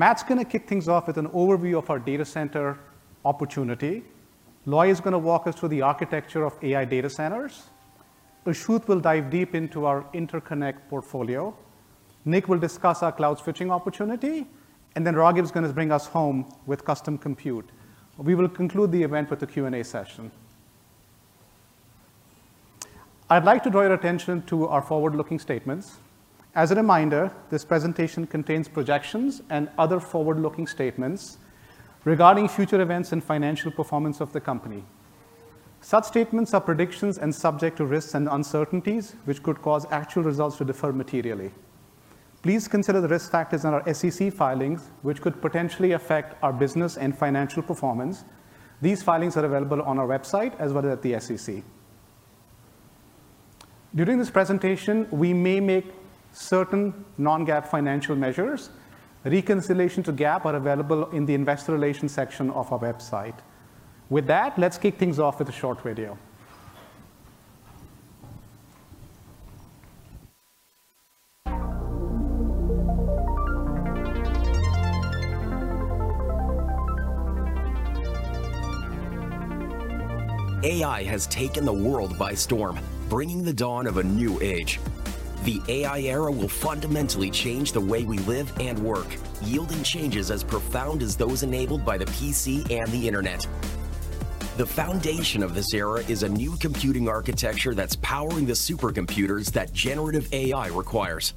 Matt's going to kick things off with an overview of our data center opportunity. Loi is going to walk us through the architecture of AI data centers. Ashish will dive deep into our Interconnect portfolio. Nick will discuss our cloud switching opportunity. And then Raghib's going to bring us home with custom compute. We will conclude the event with a Q&A session. I'd like to draw your attention to our forward-looking statements. As a reminder, this presentation contains projections and other forward-looking statements regarding future events and financial performance of the company. Such statements are predictions and subject to risks and uncertainties, which could cause actual results to differ materially. Please consider the risk factors in our SEC filings, which could potentially affect our business and financial performance. These filings are available on our website as well as at the SEC. During this presentation, we may make certain non-GAAP financial measures. Reconciliation to GAAP are available in the investor relations section of our website. With that, let's kick things off with a short video. AI has taken the world by storm, bringing the dawn of a new age. The AI era will fundamentally change the way we live and work, yielding changes as profound as those enabled by the PC and the Internet. The foundation of this era is a new computing architecture that's powering the supercomputers that generative AI requires.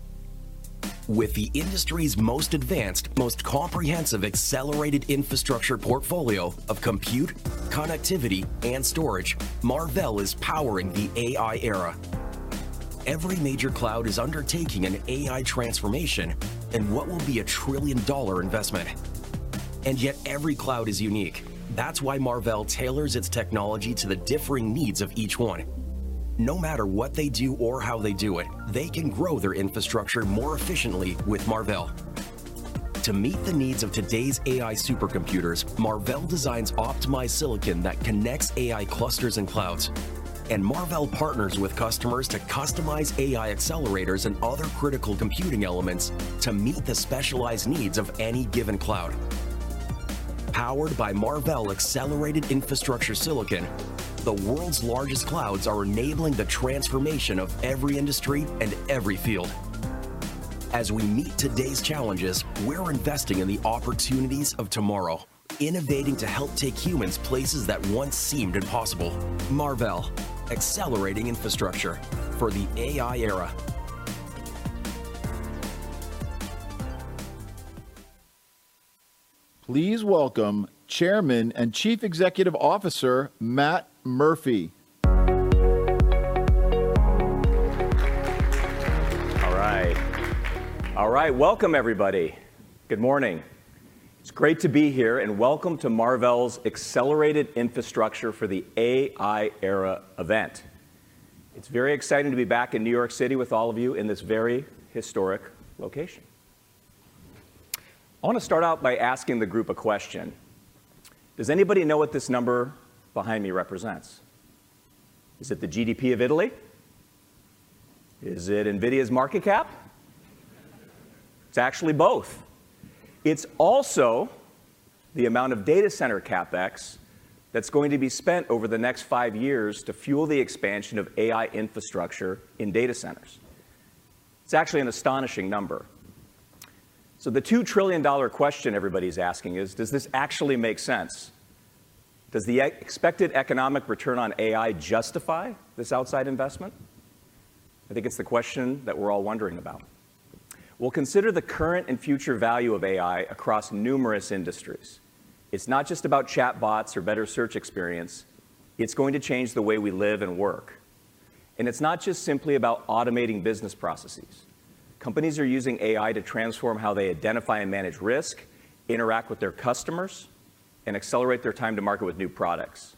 With the industry's most advanced, most comprehensive accelerated infrastructure portfolio of compute, connectivity, and storage, Marvell is powering the AI era. Every major cloud is undertaking an AI transformation and what will be a $1 trillion investment. Yet every cloud is unique. That's why Marvell tailors its technology to the differing needs of each one. No matter what they do or how they do it, they can grow their infrastructure more efficiently with Marvell. To meet the needs of today's AI supercomputers, Marvell designs optimized silicon that connects AI clusters and clouds. Marvell partners with customers to customize AI accelerators and other critical computing elements to meet the specialized needs of any given cloud. Powered by Marvell accelerated infrastructure silicon, the world's largest clouds are enabling the transformation of every industry and every field. As we meet today's challenges, we're investing in the opportunities of tomorrow, innovating to help take humans places that once seemed impossible. Marvell accelerating infrastructure for the AI era. Please welcome Chairman and Chief Executive Officer Matt Murphy. All right. All right. Welcome, everybody. Good morning. It's great to be here, and welcome to Marvell's Accelerated Infrastructure for the AI Era event. It's very exciting to be back in New York City with all of you in this very historic location. I want to start out by asking the group a question. Does anybody know what this number behind me represents? Is it the GDP of Italy? Is it NVIDIA's market cap? It's actually both. It's also the amount of data center CapEx that's going to be spent over the next five years to fuel the expansion of AI infrastructure in data centers. It's actually an astonishing number. So the $2 trillion question everybody's asking is, does this actually make sense? Does the expected economic return on AI justify this outside investment? I think it's the question that we're all wondering about. We'll consider the current and future value of AI across numerous industries. It's not just about chatbots or better search experience. It's going to change the way we live and work. And it's not just simply about automating business processes. Companies are using AI to transform how they identify and manage risk, interact with their customers, and accelerate their time to market with new products.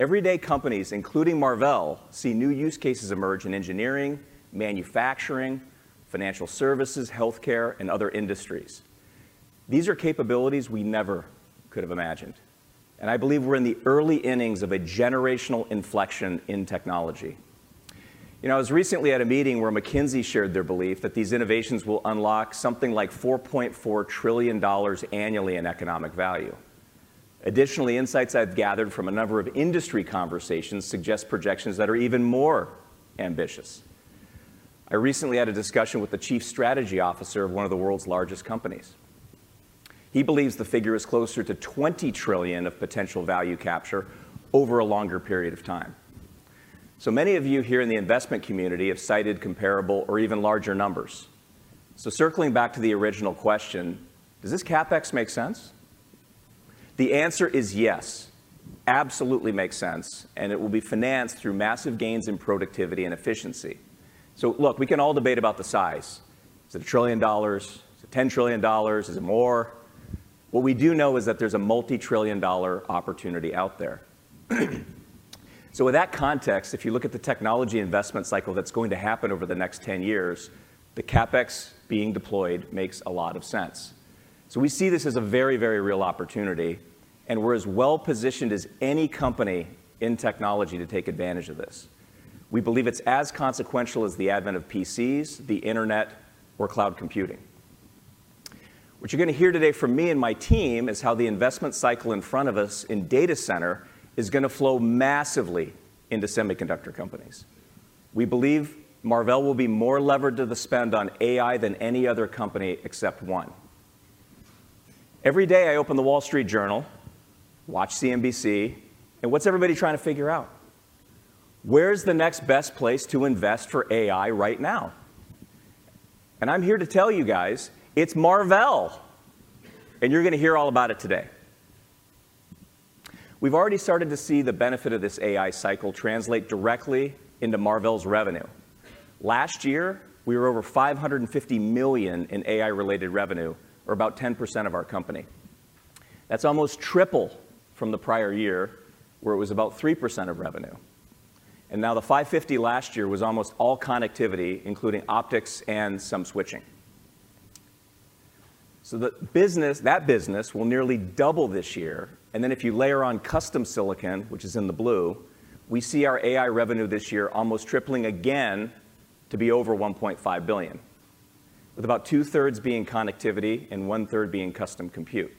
Everyday companies, including Marvell, see new use cases emerge in engineering, manufacturing, financial services, health care, and other industries. These are capabilities we never could have imagined. And I believe we're in the early innings of a generational inflection in technology. I was recently at a meeting where McKinsey shared their belief that these innovations will unlock something like $4.4 trillion annually in economic value. Additionally, insights I've gathered from a number of industry conversations suggest projections that are even more ambitious. I recently had a discussion with the Chief Strategy Officer of one of the world's largest companies. He believes the figure is closer to $20 trillion of potential value capture over a longer period of time. So many of you here in the investment community have cited comparable or even larger numbers. So circling back to the original question, does this CapEx make sense? The answer is yes, absolutely makes sense, and it will be financed through massive gains in productivity and efficiency. So, look, we can all debate about the size. Is it $1 trillion? Is it $10 trillion? Is it more? What we do know is that there's a multi-trillion dollar opportunity out there. So with that context, if you look at the technology investment cycle that's going to happen over the next 10 years, the CapEx being deployed makes a lot of sense. So we see this as a very, very real opportunity, and we're as well positioned as any company in technology to take advantage of this. We believe it's as consequential as the advent of PCs, the Internet, or cloud computing. What you're going to hear today from me and my team is how the investment cycle in front of us in data center is going to flow massively into semiconductor companies. We believe Marvell will be more levered to the spend on AI than any other company except one. Every day I open the Wall Street Journal, watch CNBC, and what's everybody trying to figure out? Where's the next best place to invest for AI right now? And I'm here to tell you guys, it's Marvell. And you're going to hear all about it today. We've already started to see the benefit of this AI cycle translate directly into Marvell's revenue. Last year, we were over $550 million in AI-related revenue, or about 10% of our company. That's almost triple from the prior year, where it was about 3% of revenue. And now the $550 million last year was almost all connectivity, including optics and some switching. So that business will nearly double this year. And then if you layer on custom silicon, which is in the blue, we see our AI revenue this year almost tripling again to be over $1.5 billion, with about two-thirds being connectivity and one-third being custom compute.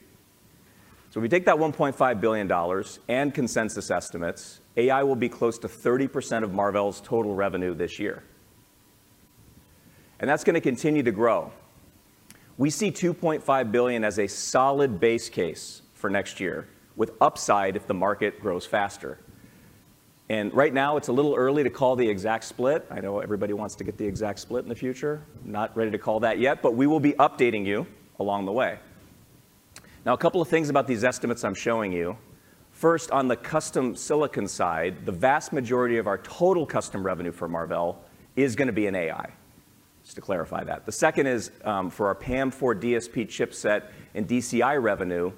So if we take that $1.5 billion and consensus estimates, AI will be close to 30% of Marvell's total revenue this year. And that's going to continue to grow. We see $2.5 billion as a solid base case for next year, with upside if the market grows faster. And right now, it's a little early to call the exact split. I know everybody wants to get the exact split in the future. I'm not ready to call that yet, but we will be updating you along the way. Now, a couple of things about these estimates I'm showing you. First, on the custom silicon side, the vast majority of our total custom revenue for Marvell is going to be in AI, just to clarify that. The second is, for our PAM4 DSP chipset and DCI revenue,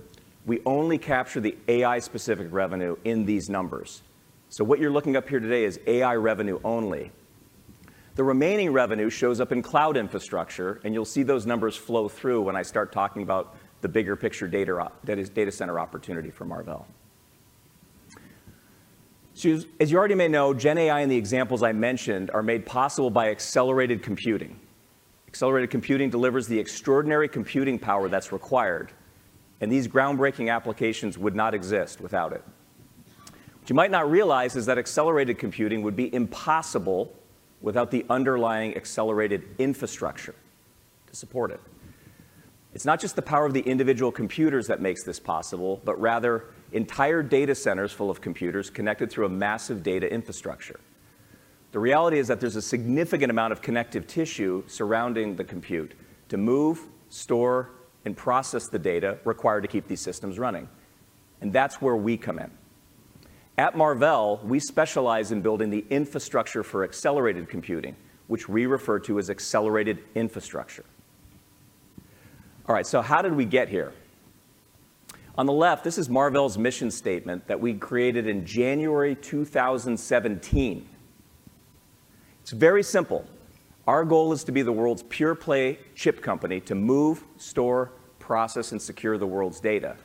we only capture the AI-specific revenue in these numbers. So what you're looking up here today is AI revenue only. The remaining revenue shows up in cloud infrastructure, and you'll see those numbers flow through when I start talking about the bigger picture data center opportunity for Marvell. As you already may know, GenAI and the examples I mentioned are made possible by accelerated computing. Accelerated computing delivers the extraordinary computing power that's required, and these groundbreaking applications would not exist without it. What you might not realize is that accelerated computing would be impossible without the underlying accelerated infrastructure to support it. It's not just the power of the individual computers that makes this possible, but rather entire data centers full of computers connected through a massive data infrastructure. The reality is that there's a significant amount of connective tissue surrounding the compute to move, store, and process the data required to keep these systems running. That's where we come in. At Marvell, we specialize in building the infrastructure for accelerated computing, which we refer to as accelerated infrastructure. All right, so how did we get here? On the left, this is Marvell's mission statement that we created in January 2017. It's very simple. Our goal is to be the world's pure-play chip company to move, store, process, and secure the world's data.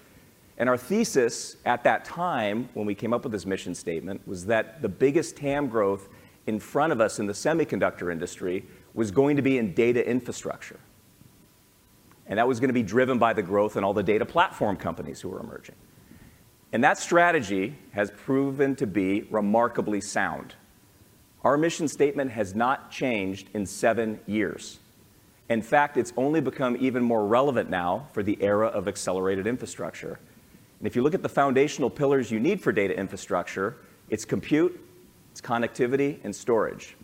And our thesis at that time, when we came up with this mission statement, was that the biggest TAM growth in front of us in the semiconductor industry was going to be in data infrastructure. And that was going to be driven by the growth in all the data platform companies who were emerging. And that strategy has proven to be remarkably sound. Our mission statement has not changed in seven years. In fact, it's only become even more relevant now for the era of accelerated infrastructure. If you look at the foundational pillars you need for data infrastructure, it's compute, it's connectivity, and storage.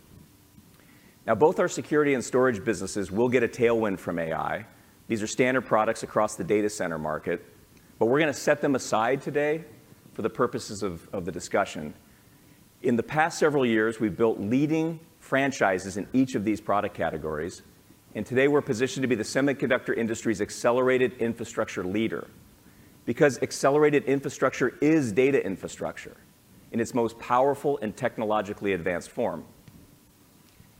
Now, both our security and storage businesses will get a tailwind from AI. These are standard products across the data center market. But we're going to set them aside today for the purposes of the discussion. In the past several years, we've built leading franchises in each of these product categories. Today, we're positioned to be the semiconductor industry's accelerated infrastructure leader. Because accelerated infrastructure is data infrastructure in its most powerful and technologically advanced form,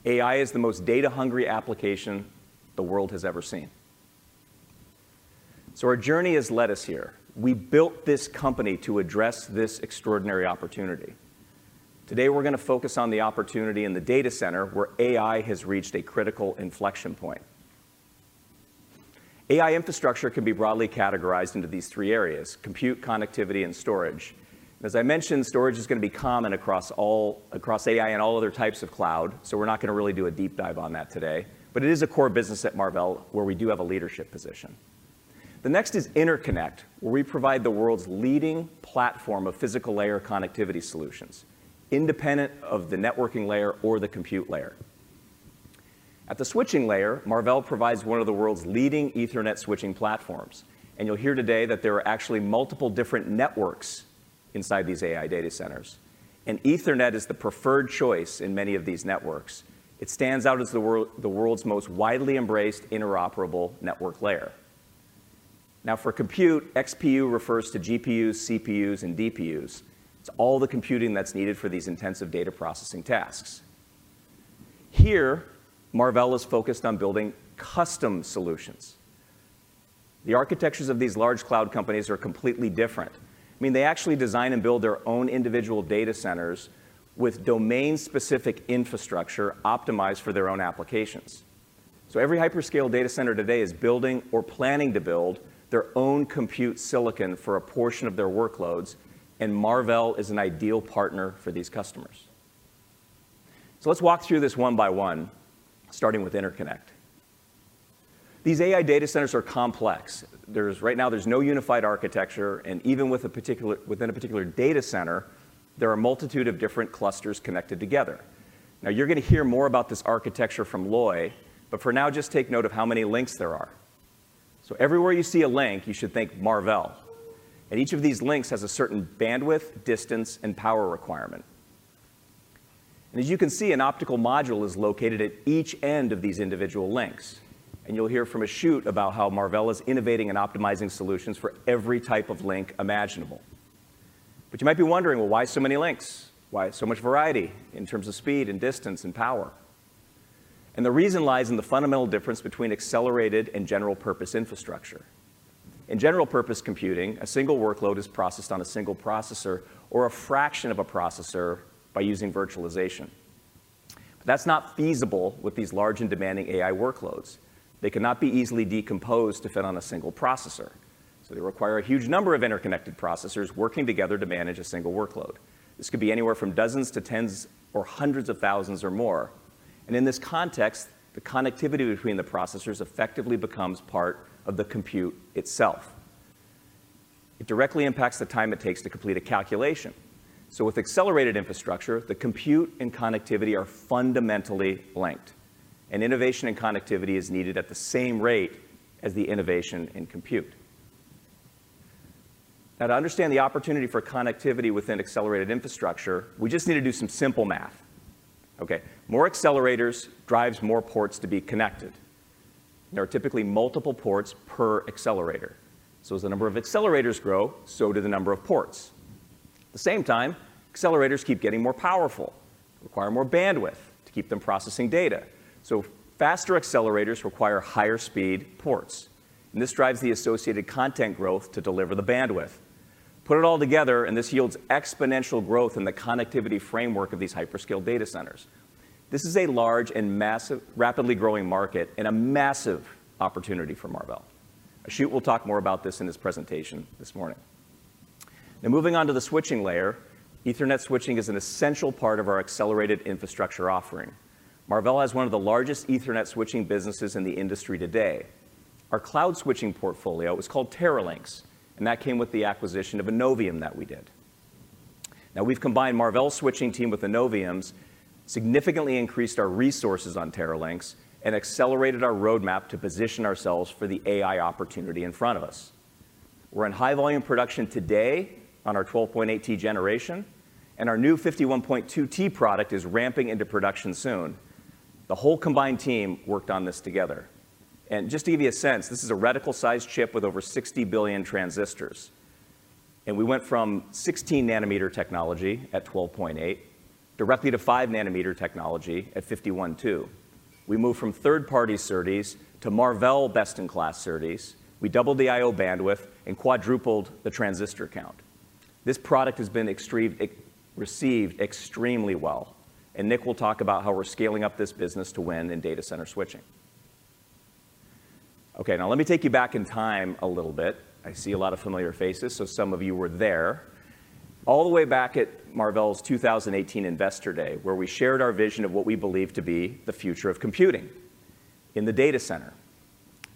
AI is the most data-hungry application the world has ever seen. Our journey has led us here. We built this company to address this extraordinary opportunity. Today, we're going to focus on the opportunity in the data center where AI has reached a critical inflection point. AI infrastructure can be broadly categorized into these three areas: compute, connectivity, and storage. As I mentioned, storage is going to be common across AI and all other types of cloud, so we're not going to really do a deep dive on that today. It is a core business at Marvell where we do have a leadership position. The next is interconnect, where we provide the world's leading platform of physical layer connectivity solutions, independent of the networking layer or the compute layer. At the switching layer, Marvell provides one of the world's leading Ethernet switching platforms. You'll hear today that there are actually multiple different networks inside these AI data centers. Ethernet is the preferred choice in many of these networks. It stands out as the world's most widely embraced interoperable network layer. Now, for compute, XPU refers to GPUs, CPUs, and DPUs. It's all the computing that's needed for these intensive data processing tasks. Here, Marvell is focused on building custom solutions. The architectures of these large cloud companies are completely different. I mean, they actually design and build their own individual data centers with domain-specific infrastructure optimized for their own applications. So every hyperscale data center today is building or planning to build their own compute silicon for a portion of their workloads, and Marvell is an ideal partner for these customers. So let's walk through this one by one, starting with Interconnect. These AI data centers are complex. Right now, there's no unified architecture. And even within a particular data center, there are a multitude of different clusters connected together. Now, you're going to hear more about this architecture from Loi, but for now, just take note of how many links there are. Everywhere you see a link, you should think Marvell. Each of these links has a certain bandwidth, distance, and power requirement. As you can see, an optical module is located at each end of these individual links. You'll hear from Achyut about how Marvell is innovating and optimizing solutions for every type of link imaginable. But you might be wondering, well, why so many links? Why so much variety in terms of speed and distance and power? The reason lies in the fundamental difference between accelerated and general-purpose infrastructure. In general-purpose computing, a single workload is processed on a single processor or a fraction of a processor by using virtualization. That's not feasible with these large and demanding AI workloads. They cannot be easily decomposed to fit on a single processor. So they require a huge number of interconnected processors working together to manage a single workload. This could be anywhere from dozens to tens or hundreds of thousands or more. And in this context, the connectivity between the processors effectively becomes part of the compute itself. It directly impacts the time it takes to complete a calculation. So with accelerated infrastructure, the compute and connectivity are fundamentally linked. And innovation in connectivity is needed at the same rate as the innovation in compute. Now, to understand the opportunity for connectivity within accelerated infrastructure, we just need to do some simple math. OK, more accelerators drive more ports to be connected. There are typically multiple ports per accelerator. So as the number of accelerators grow, so do the number of ports. At the same time, accelerators keep getting more powerful, require more bandwidth to keep them processing data. So faster accelerators require higher-speed ports. And this drives the associated content growth to deliver the bandwidth. Put it all together, and this yields exponential growth in the connectivity framework of these hyperscale data centers. This is a large and rapidly growing market and a massive opportunity for Marvell. Achyut will talk more about this in his presentation this morning. Now, moving on to the switching layer, Ethernet switching is an essential part of our accelerated infrastructure offering. Marvell has one of the largest Ethernet switching businesses in the industry today. Our cloud switching portfolio, it was called Teralynx, and that came with the acquisition of Innovium that we did. Now, we've combined Marvell's switching team with Innovium's, significantly increased our resources on Teralynx, and accelerated our roadmap to position ourselves for the AI opportunity in front of us. We're in high-volume production today on our 12.8T generation, and our new 51.2T product is ramping into production soon. The whole combined team worked on this together. Just to give you a sense, this is a reticle-sized chip with over 60 billion transistors. We went from 16-nanometer technology at 12.8 directly to five-nanometer technology at 51.2. We moved from third-party SerDes to Marvell best-in-class SerDes. We doubled the I/O bandwidth and quadrupled the transistor count. This product has been received extremely well. Nick will talk about how we're scaling up this business to win in data center switching. OK, now let me take you back in time a little bit. I see a lot of familiar faces, so some of you were there. All the way back at Marvell's 2018 Investor Day, where we shared our vision of what we believe to be the future of computing in the data center.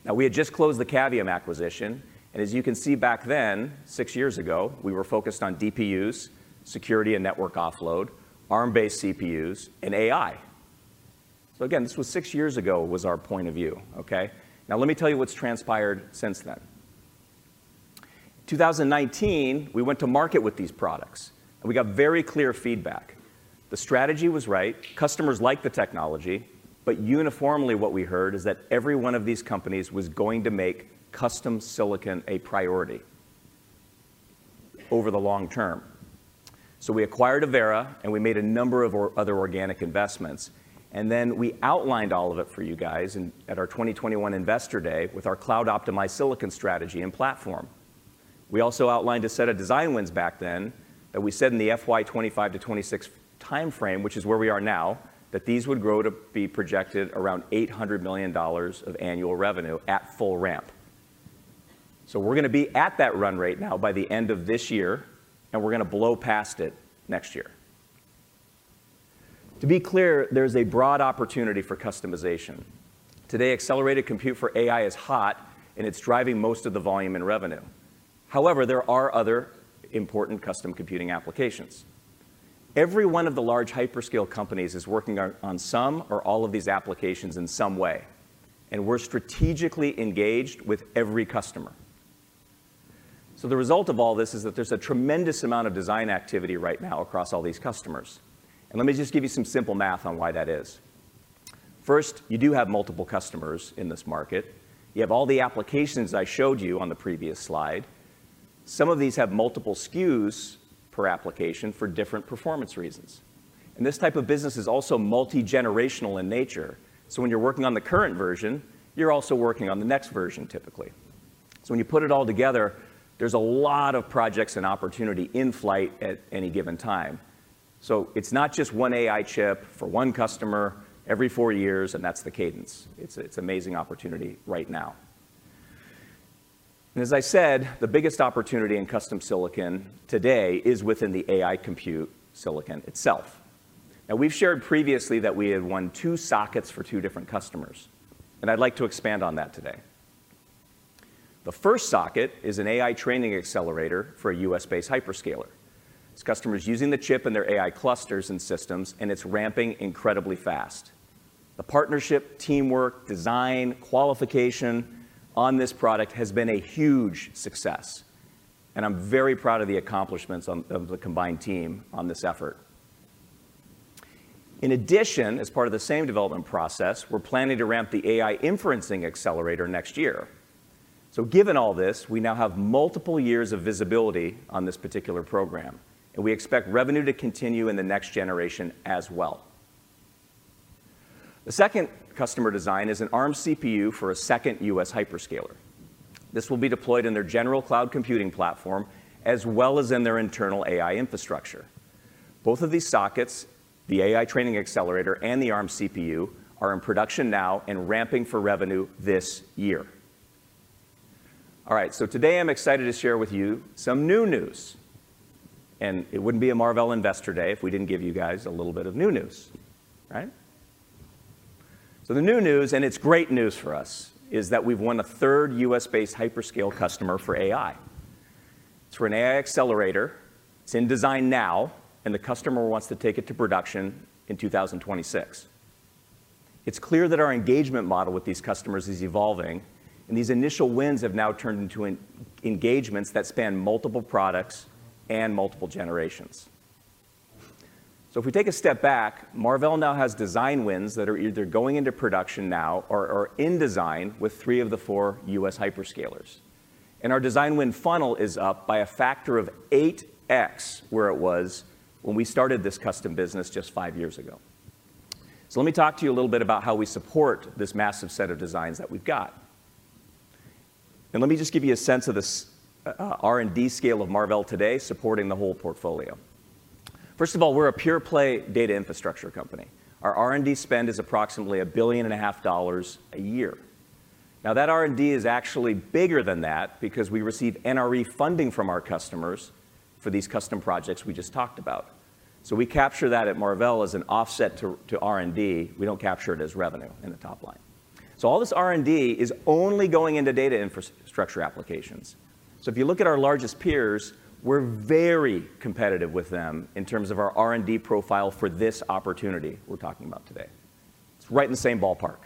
Now, we had just closed the Cavium acquisition. And as you can see back then, six years ago, we were focused on DPUs, security and network offload, Arm-based CPUs, and AI. So again, this was six years ago was our point of view. OK, now let me tell you what's transpired since then. In 2019, we went to market with these products, and we got very clear feedback. The strategy was right. Customers liked the technology. But uniformly, what we heard is that every one of these companies was going to make custom silicon a priority over the long term. So we acquired Avera, and we made a number of other organic investments. And then we outlined all of it for you guys at our 2021 Investor Day with our cloud-optimized silicon strategy and platform. We also outlined a set of design wins back then that we said in the FY2025 to 2026 time frame, which is where we are now, that these would grow to be projected around $800 million of annual revenue at full ramp. So we're going to be at that run rate now by the end of this year, and we're going to blow past it next year. To be clear, there's a broad opportunity for customization. Today, accelerated compute for AI is hot, and it's driving most of the volume and revenue. However, there are other important custom computing applications. Every one of the large hyperscale companies is working on some or all of these applications in some way. And we're strategically engaged with every customer. So the result of all this is that there's a tremendous amount of design activity right now across all these customers. And let me just give you some simple math on why that is. First, you do have multiple customers in this market. You have all the applications I showed you on the previous slide. Some of these have multiple SKUs per application for different performance reasons. And this type of business is also multi-generational in nature. So when you're working on the current version, you're also working on the next version, typically. So when you put it all together, there's a lot of projects and opportunity in flight at any given time. So it's not just one AI chip for one customer every four years, and that's the cadence. It's an amazing opportunity right now. As I said, the biggest opportunity in custom silicon today is within the AI compute silicon itself. Now, we've shared previously that we had won two sockets for two different customers. I'd like to expand on that today. The first socket is an AI training accelerator for a U.S.-based hyperscaler. Its customers using the chip in their AI clusters and systems, and it's ramping incredibly fast. The partnership, teamwork, design, qualification on this product has been a huge success. I'm very proud of the accomplishments of the combined team on this effort. In addition, as part of the same development process, we're planning to ramp the AI inference accelerator next year. Given all this, we now have multiple years of visibility on this particular program. We expect revenue to continue in the next generation as well. The second customer design is an ARM CPU for a second U.S. hyperscaler. This will be deployed in their general cloud computing platform as well as in their internal AI infrastructure. Both of these sockets, the AI training accelerator and the ARM CPU, are in production now and ramping for revenue this year. All right, so today I'm excited to share with you some new news. And it wouldn't be a Marvell Investor Day if we didn't give you guys a little bit of new news. Right? So the new news, and it's great news for us, is that we've won a third U.S.-based hyperscale customer for AI. It's for an AI accelerator. It's in design now, and the customer wants to take it to production in 2026. It's clear that our engagement model with these customers is evolving. These initial wins have now turned into engagements that span multiple products and multiple generations. If we take a step back, Marvell now has design wins that are either going into production now or in design with three of the four U.S. hyperscalers. Our design win funnel is up by a factor of 8X where it was when we started this custom business just five years ago. Let me talk to you a little bit about how we support this massive set of designs that we've got. Let me just give you a sense of the R&D scale of Marvell today supporting the whole portfolio. First of all, we're a pure-play data infrastructure company. Our R&D spend is approximately $1.5 billion a year. Now, that R&D is actually bigger than that because we receive NRE funding from our customers for these custom projects we just talked about. So we capture that at Marvell as an offset to R&D. We don't capture it as revenue in the top line. So all this R&D is only going into data infrastructure applications. So if you look at our largest peers, we're very competitive with them in terms of our R&D profile for this opportunity we're talking about today. It's right in the same ballpark.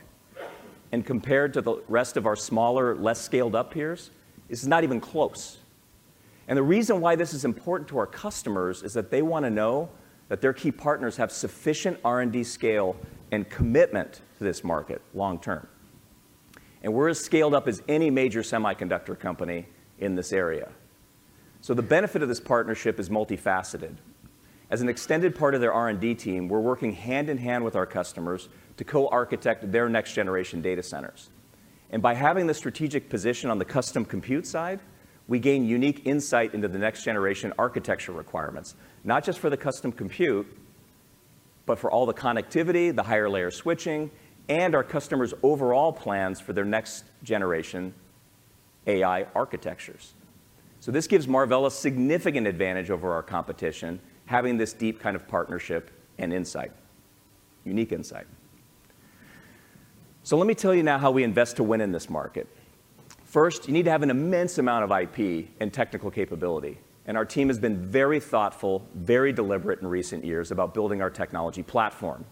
And compared to the rest of our smaller, less scaled-up peers, it's not even close. And the reason why this is important to our customers is that they want to know that their key partners have sufficient R&D scale and commitment to this market long term. And we're as scaled up as any major semiconductor company in this area. So the benefit of this partnership is multifaceted. As an extended part of their R&D team, we're working hand in hand with our customers to co-architect their next-generation data centers. And by having this strategic position on the custom compute side, we gain unique insight into the next-generation architecture requirements, not just for the custom compute, but for all the connectivity, the higher-layer switching, and our customers' overall plans for their next-generation AI architectures. So this gives Marvell a significant advantage over our competition, having this deep kind of partnership and insight, unique insight. So let me tell you now how we invest to win in this market. First, you need to have an immense amount of IP and technical capability. And our team has been very thoughtful, very deliberate in recent years about building our technology platform.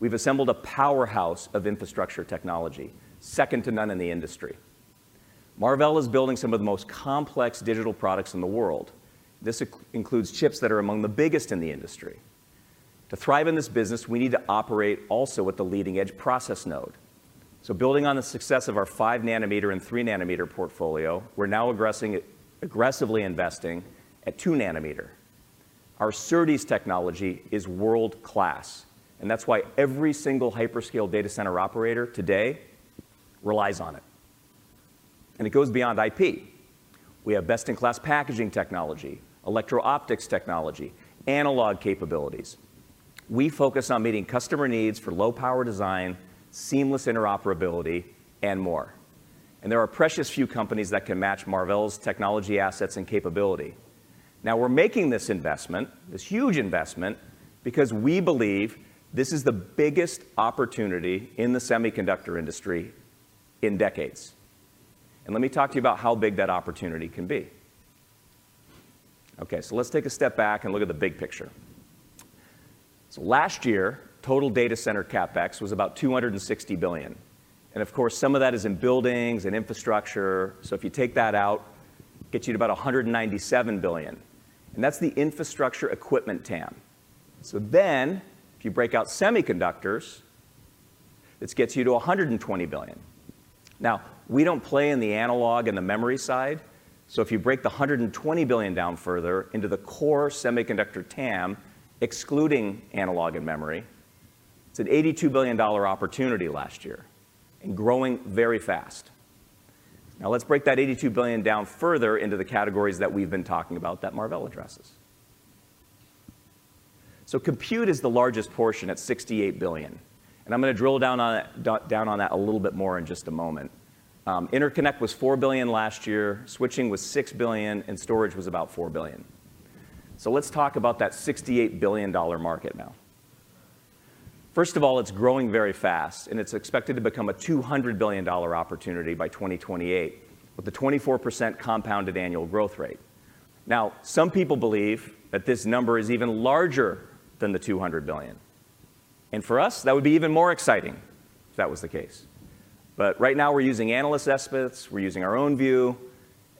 We've assembled a powerhouse of infrastructure technology, second to none in the industry. Marvell is building some of the most complex digital products in the world. This includes chips that are among the biggest in the industry. To thrive in this business, we need to operate also at the leading-edge process node. Building on the success of our 5nm and 3nm portfolio, we're now aggressively investing at 2nm. Our SerDes technology is world-class. That's why every single hyperscale data center operator today relies on it. It goes beyond IP. We have best-in-class packaging technology, electro-optics technology, analog capabilities. We focus on meeting customer needs for low-power design, seamless interoperability, and more. There are precious few companies that can match Marvell's technology assets and capability. Now, we're making this investment, this huge investment, because we believe this is the biggest opportunity in the semiconductor industry in decades. Let me talk to you about how big that opportunity can be. OK, let's take a step back and look at the big picture. Last year, total data center CapEx was about $260 billion. And of course, some of that is in buildings and infrastructure. If you take that out, it gets you to about $197 billion. And that's the infrastructure equipment TAM. Then, if you break out semiconductors, this gets you to $120 billion. Now, we don't play in the analog and the memory side. If you break the $120 billion down further into the core semiconductor TAM, excluding analog and memory, it's an $82 billion opportunity last year and growing very fast. Now, let's break that $82 billion down further into the categories that we've been talking about that Marvell addresses. So compute is the largest portion at $68 billion. I'm going to drill down on that a little bit more in just a moment. Interconnect was $4 billion last year. Switching was $6 billion. Storage was about $4 billion. So let's talk about that $68 billion market now. First of all, it's growing very fast. It's expected to become a $200 billion opportunity by 2028, with a 24% compounded annual growth rate. Now, some people believe that this number is even larger than the $200 billion. For us, that would be even more exciting if that was the case. But right now, we're using analyst estimates. We're using our own view.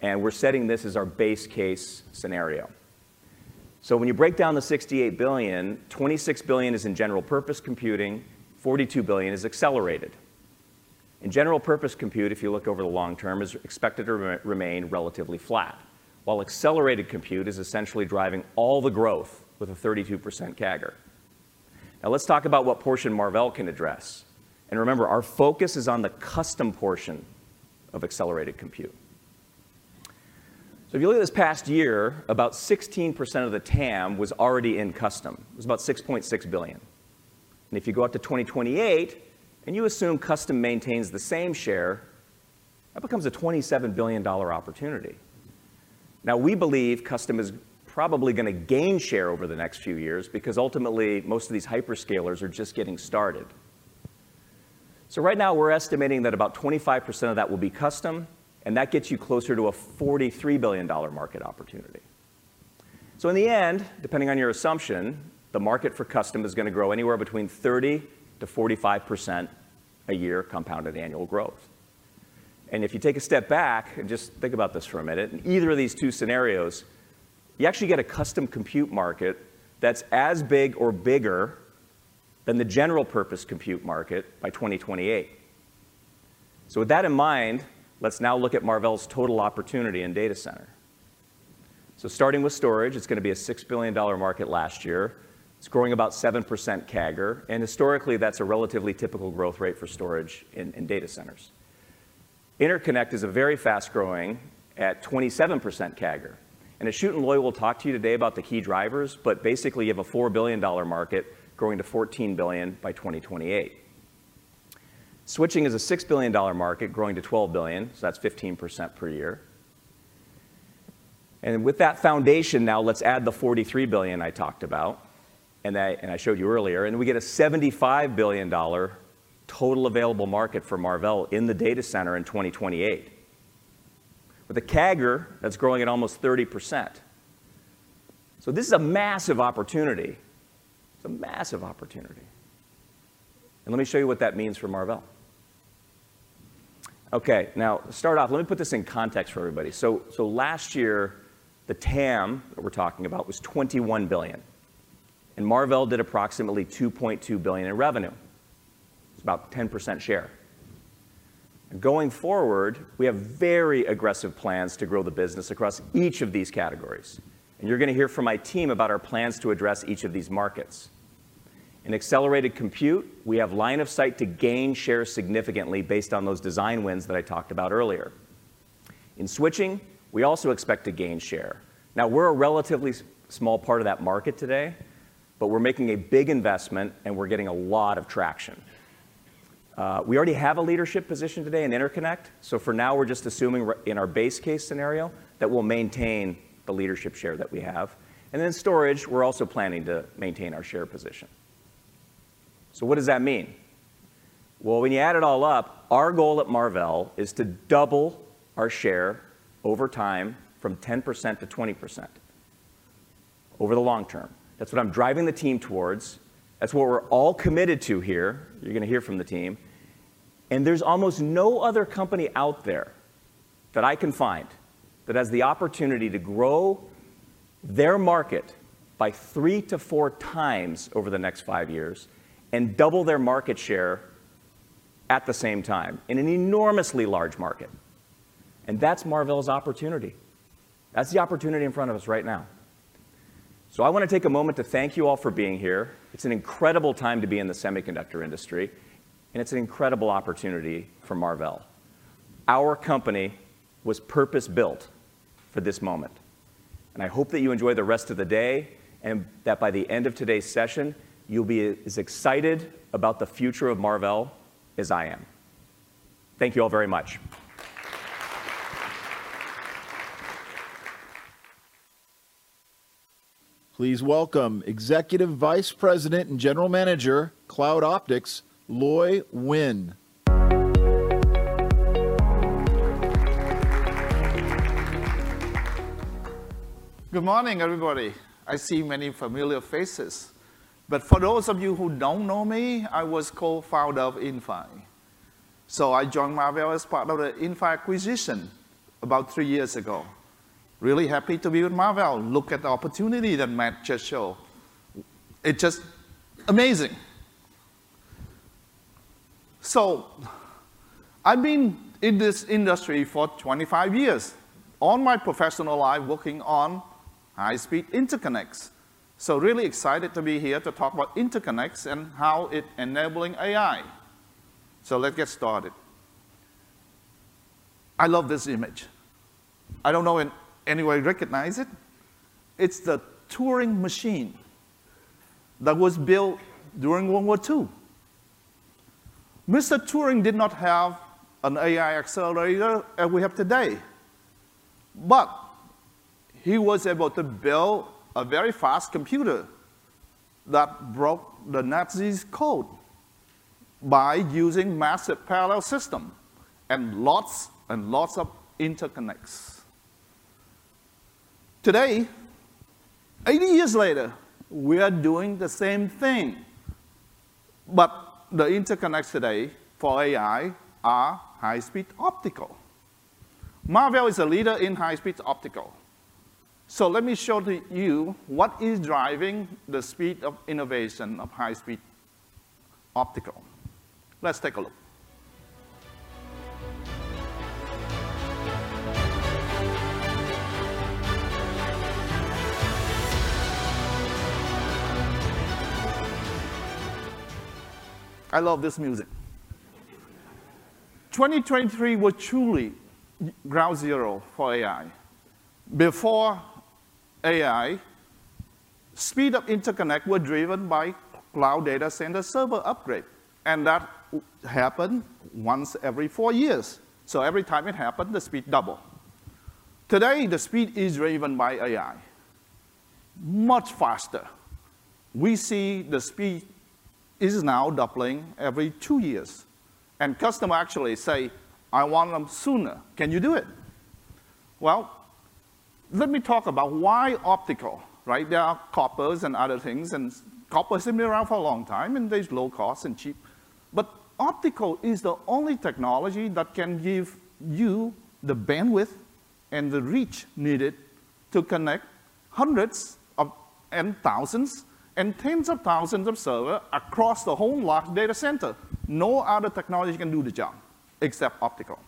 We're setting this as our base case scenario. So when you break down the $68 billion, $26 billion is in general-purpose computing. $42 billion is accelerated. General-purpose compute, if you look over the long term, is expected to remain relatively flat, while accelerated compute is essentially driving all the growth with a 32% CAGR. Now, let's talk about what portion Marvell can address. Remember, our focus is on the custom portion of accelerated compute. If you look at this past year, about 16% of the TAM was already in custom. It was about $6.6 billion. If you go out to 2028 and you assume custom maintains the same share, that becomes a $27 billion opportunity. Now, we believe custom is probably going to gain share over the next few years because, ultimately, most of these hyperscalers are just getting started. Right now, we're estimating that about 25% of that will be custom. That gets you closer to a $43 billion market opportunity. So in the end, depending on your assumption, the market for custom is going to grow anywhere between 30%-45% a year compounded annual growth. And if you take a step back and just think about this for a minute, in either of these two scenarios, you actually get a custom compute market that's as big or bigger than the general-purpose compute market by 2028. So with that in mind, let's now look at Marvell's total opportunity in data center. So starting with storage, it's going to be a $6 billion market last year. It's growing about 7% CAGR. And historically, that's a relatively typical growth rate for storage in data centers. Interconnect is a very fast-growing at 27% CAGR. And Achyut and Loi will talk to you today about the key drivers. But basically, you have a $4 billion market growing to $14 billion by 2028. Switching is a $6 billion market growing to $12 billion. So that's 15% per year. And with that foundation now, let's add the $43 billion I talked about and I showed you earlier. And we get a $75 billion total available market for Marvell in the data center in 2028, with a CAGR that's growing at almost 30%. So this is a massive opportunity. It's a massive opportunity. And let me show you what that means for Marvell. OK, now, to start off, let me put this in context for everybody. So last year, the TAM that we're talking about was $21 billion. And Marvell did approximately $2.2 billion in revenue. It's about 10% share. And going forward, we have very aggressive plans to grow the business across each of these categories. And you're going to hear from my team about our plans to address each of these markets. In accelerated compute, we have line of sight to gain share significantly based on those design wins that I talked about earlier. In switching, we also expect to gain share. Now, we're a relatively small part of that market today. But we're making a big investment. And we're getting a lot of traction. We already have a leadership position today in interconnect. So for now, we're just assuming in our base case scenario that we'll maintain the leadership share that we have. And then in storage, we're also planning to maintain our share position. So what does that mean? Well, when you add it all up, our goal at Marvell is to double our share over time from 10%-20% over the long term. That's what I'm driving the team towards. That's what we're all committed to here. You're going to hear from the team. There's almost no other company out there that I can find that has the opportunity to grow their market by 3-4 times over the next 5 years and double their market share at the same time in an enormously large market. That's Marvell's opportunity. That's the opportunity in front of us right now. I want to take a moment to thank you all for being here. It's an incredible time to be in the semiconductor industry. It's an incredible opportunity for Marvell. Our company was purpose-built for this moment. I hope that you enjoy the rest of the day and that by the end of today's session, you'll be as excited about the future of Marvell as I am. Thank you all very much. Please welcome Executive Vice President and General Manager, Cloud Optics, Loi Nguyen. Good morning, everybody. I see many familiar faces. But for those of you who don't know me, I was co-founder of Inphi. So I joined Marvell as part of the Inphi acquisition about 3 years ago. Really happy to be with Marvell. Look at the opportunity that Matt just showed. It's just amazing. So I've been in this industry for 25 years all my professional life working on high-speed interconnects. So really excited to be here to talk about interconnects and how it's enabling AI. So let's get started. I love this image. I don't know if anybody recognizes it. It's the Turing machine that was built during World War II. Mr. Turing did not have an AI accelerator as we have today. But he was able to build a very fast computer that broke the Nazis' code by using massive parallel systems and lots and lots of interconnects. Today, 80 years later, we are doing the same thing. But the interconnects today for AI are high-speed optical. Marvell is a leader in high-speed optical. So let me show you what is driving the speed of innovation of high-speed optical. Let's take a look. I love this music. 2023 was truly ground zero for AI. Before AI, speed of interconnect was driven by cloud data center server upgrades. And that happened once every four years. So every time it happened, the speed doubled. Today, the speed is driven by AI, much faster. We see the speed is now doubling every two years. And customers actually say, "I want them sooner. Can you do it?" Well, let me talk about why optical. There are coppers and other things. And copper has been around for a long time. And there's low cost and cheap. But optical is the only technology that can give you the bandwidth and the reach needed to connect hundreds and thousands and tens of thousands of servers across the whole large data center. No other technology can do the job except optical.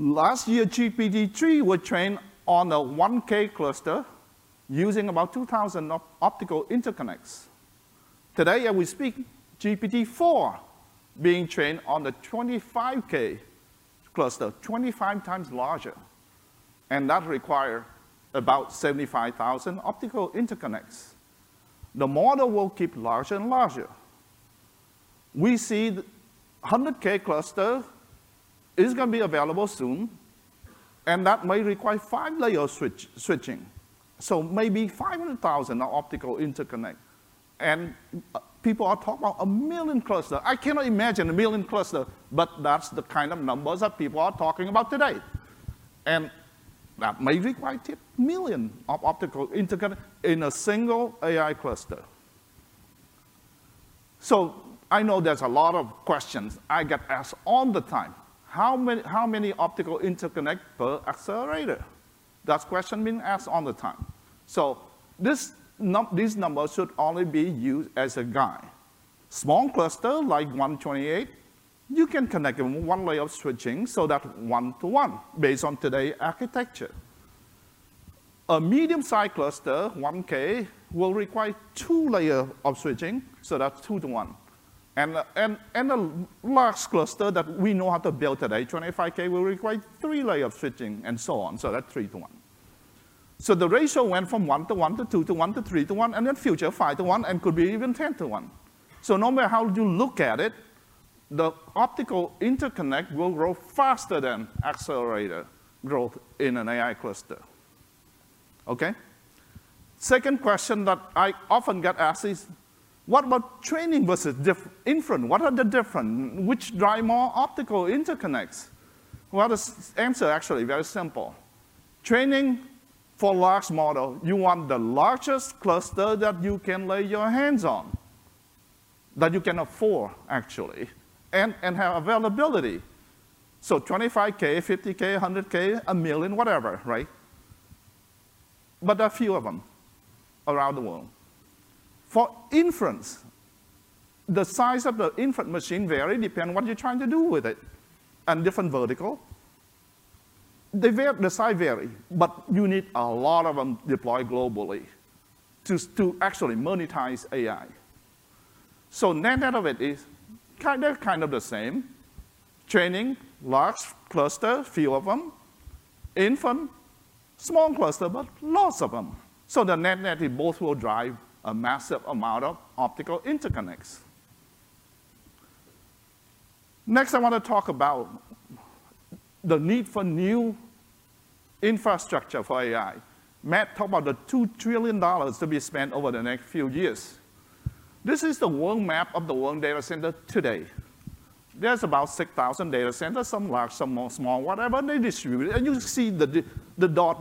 Last year, GPT-3 was trained on a 1K cluster using about 2,000 optical interconnects. Today, as we speak, GPT-4 is being trained on the 25K cluster, 25 times larger. And that requires about 75,000 optical interconnects. The model will keep larger and larger. We see the 100K cluster is going to be available soon. And that may require 5-layer switching. So maybe 500,000 optical interconnects. And people are talking about a one million cluster. I cannot imagine a one million cluster. But that's the kind of numbers that people are talking about today. And that may require 10 million optical interconnects in a single AI cluster. So I know there's a lot of questions I get asked all the time. How many optical interconnects per accelerator? That question is being asked all the time. So these numbers should only be used as a guide. Small clusters like 128, you can connect them with one layer of switching so that's 1-to-1 based on today's architecture. A medium-sized cluster, 1K, will require two layers of switching. So that's 2-to-1. And a large cluster that we know how to build today, 25K, will require three layers of switching and so on. So that's 3-to-1. So the ratio went from 1-to-1 to 2-to-1 to 3-to-1. And in the future, 5-to-1 and could be even 10-to-1. So no matter how you look at it, the optical interconnect will grow faster than accelerator growth in an AI cluster. OK? Second question that I often get asked is, what about training versus inference? What are the differences? Which drives more optical interconnects? Well, the answer is actually very simple. Training for large models, you want the largest cluster that you can lay your hands on, that you can afford, actually, and have availability. So 25K, 50K, 100K, 1 million, whatever. But there are a few of them around the world. For inference, the size of the inference machine varies depending on what you're trying to do with it and different verticals. The size varies. But you need a lot of them deployed globally to actually monetize AI. So the net of it is kind of the same: training, large cluster, a few of them; inference, small cluster, but lots of them. So the net is both will drive a massive amount of optical interconnects. Next, I want to talk about the need for new infrastructure for AI. Matt talked about the $2 trillion to be spent over the next few years. This is the world map of the world data center today. There's about 6,000 data centers, some large, some small, whatever. They distribute. And you see the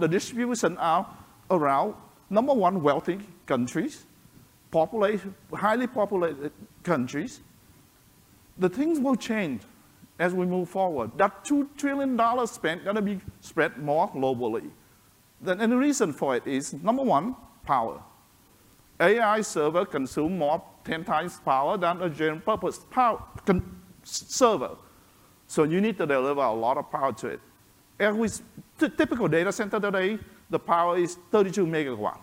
distribution out around, number one, wealthy countries, highly populated countries. The things will change as we move forward. That $2 trillion spent is going to be spread more globally. And the reason for it is, number one, power. AI servers consume more than 10 times power than a general-purpose server. So you need to deliver a lot of power to it. At a typical data center today, the power is 32 MW.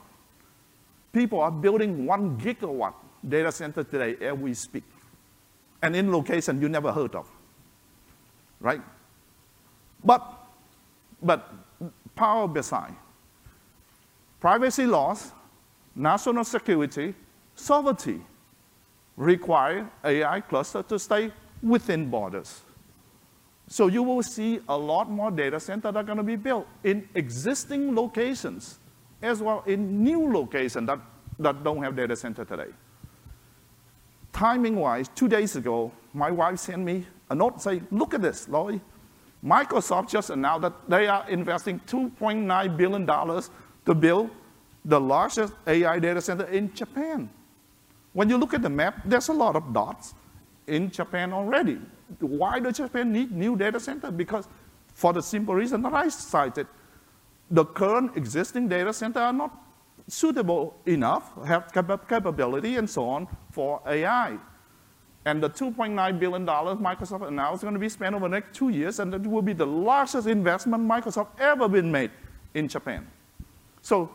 People are building 1 GW data center today as we speak and in locations you never heard of. But power is beside. Privacy laws, national security, sovereignty require AI clusters to stay within borders. So you will see a lot more data centers that are going to be built in existing locations as well as in new locations that don't have data centers today. Timing-wise, two days ago, my wife sent me a note saying, "Look at this, Loi. Microsoft just announced that they are investing $2.9 billion to build the largest AI data center in Japan." When you look at the map, there's a lot of dots in Japan already. Why does Japan need new data centers? Because for the simple reason that I cited, the current existing data centers are not suitable enough, have capability, and so on, for AI. And the $2.9 billion Microsoft announced is going to be spent over the next two years. And it will be the largest investment Microsoft has ever made in Japan. So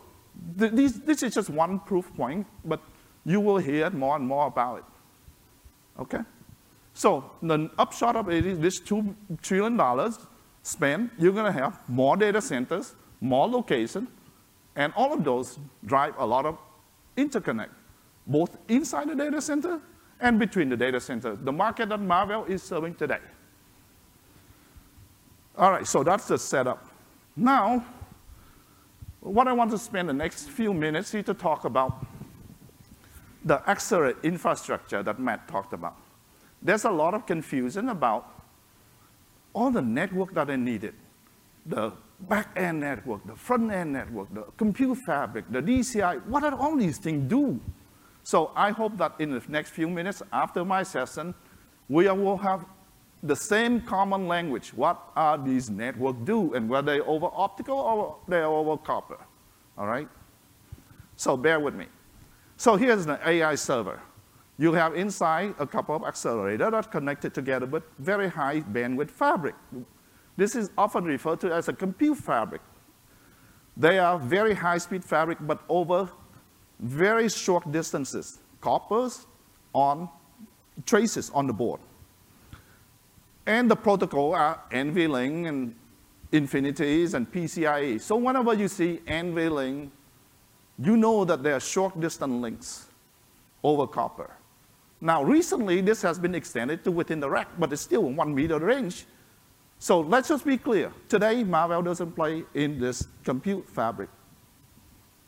this is just one proof point. But you will hear more and more about it. OK? So the upshot of this $2 trillion spent, you're going to have more data centers, more locations. And all of those drive a lot of interconnects, both inside the data center and between the data centers, the market that Marvell is serving today. All right, so that's the setup. Now, what I want to spend the next few minutes here to talk about is the accelerator infrastructure that Matt talked about. There's a lot of confusion about all the networks that are needed: the back-end network, the front-end network, the compute fabric, the DCI. What do all these things do? So I hope that in the next few minutes after my session, we will have the same common language: what do these networks do? And whether they are over optical or they are over copper. All right? So bear with me. So here's the AI server. You have inside a couple of accelerators that are connected together but very high-bandwidth fabrics. This is often referred to as a compute fabric. They are very high-speed fabrics but over very short distances, copper on traces on the board. And the protocols are NVLink and InfiniBand and PCIe. So whenever you see NVLink, you know that they are short-distance links over copper. Now, recently, this has been extended to within the rack. But it's still 1-meter range. So let's just be clear. Today, Marvell doesn't play in this compute fabric.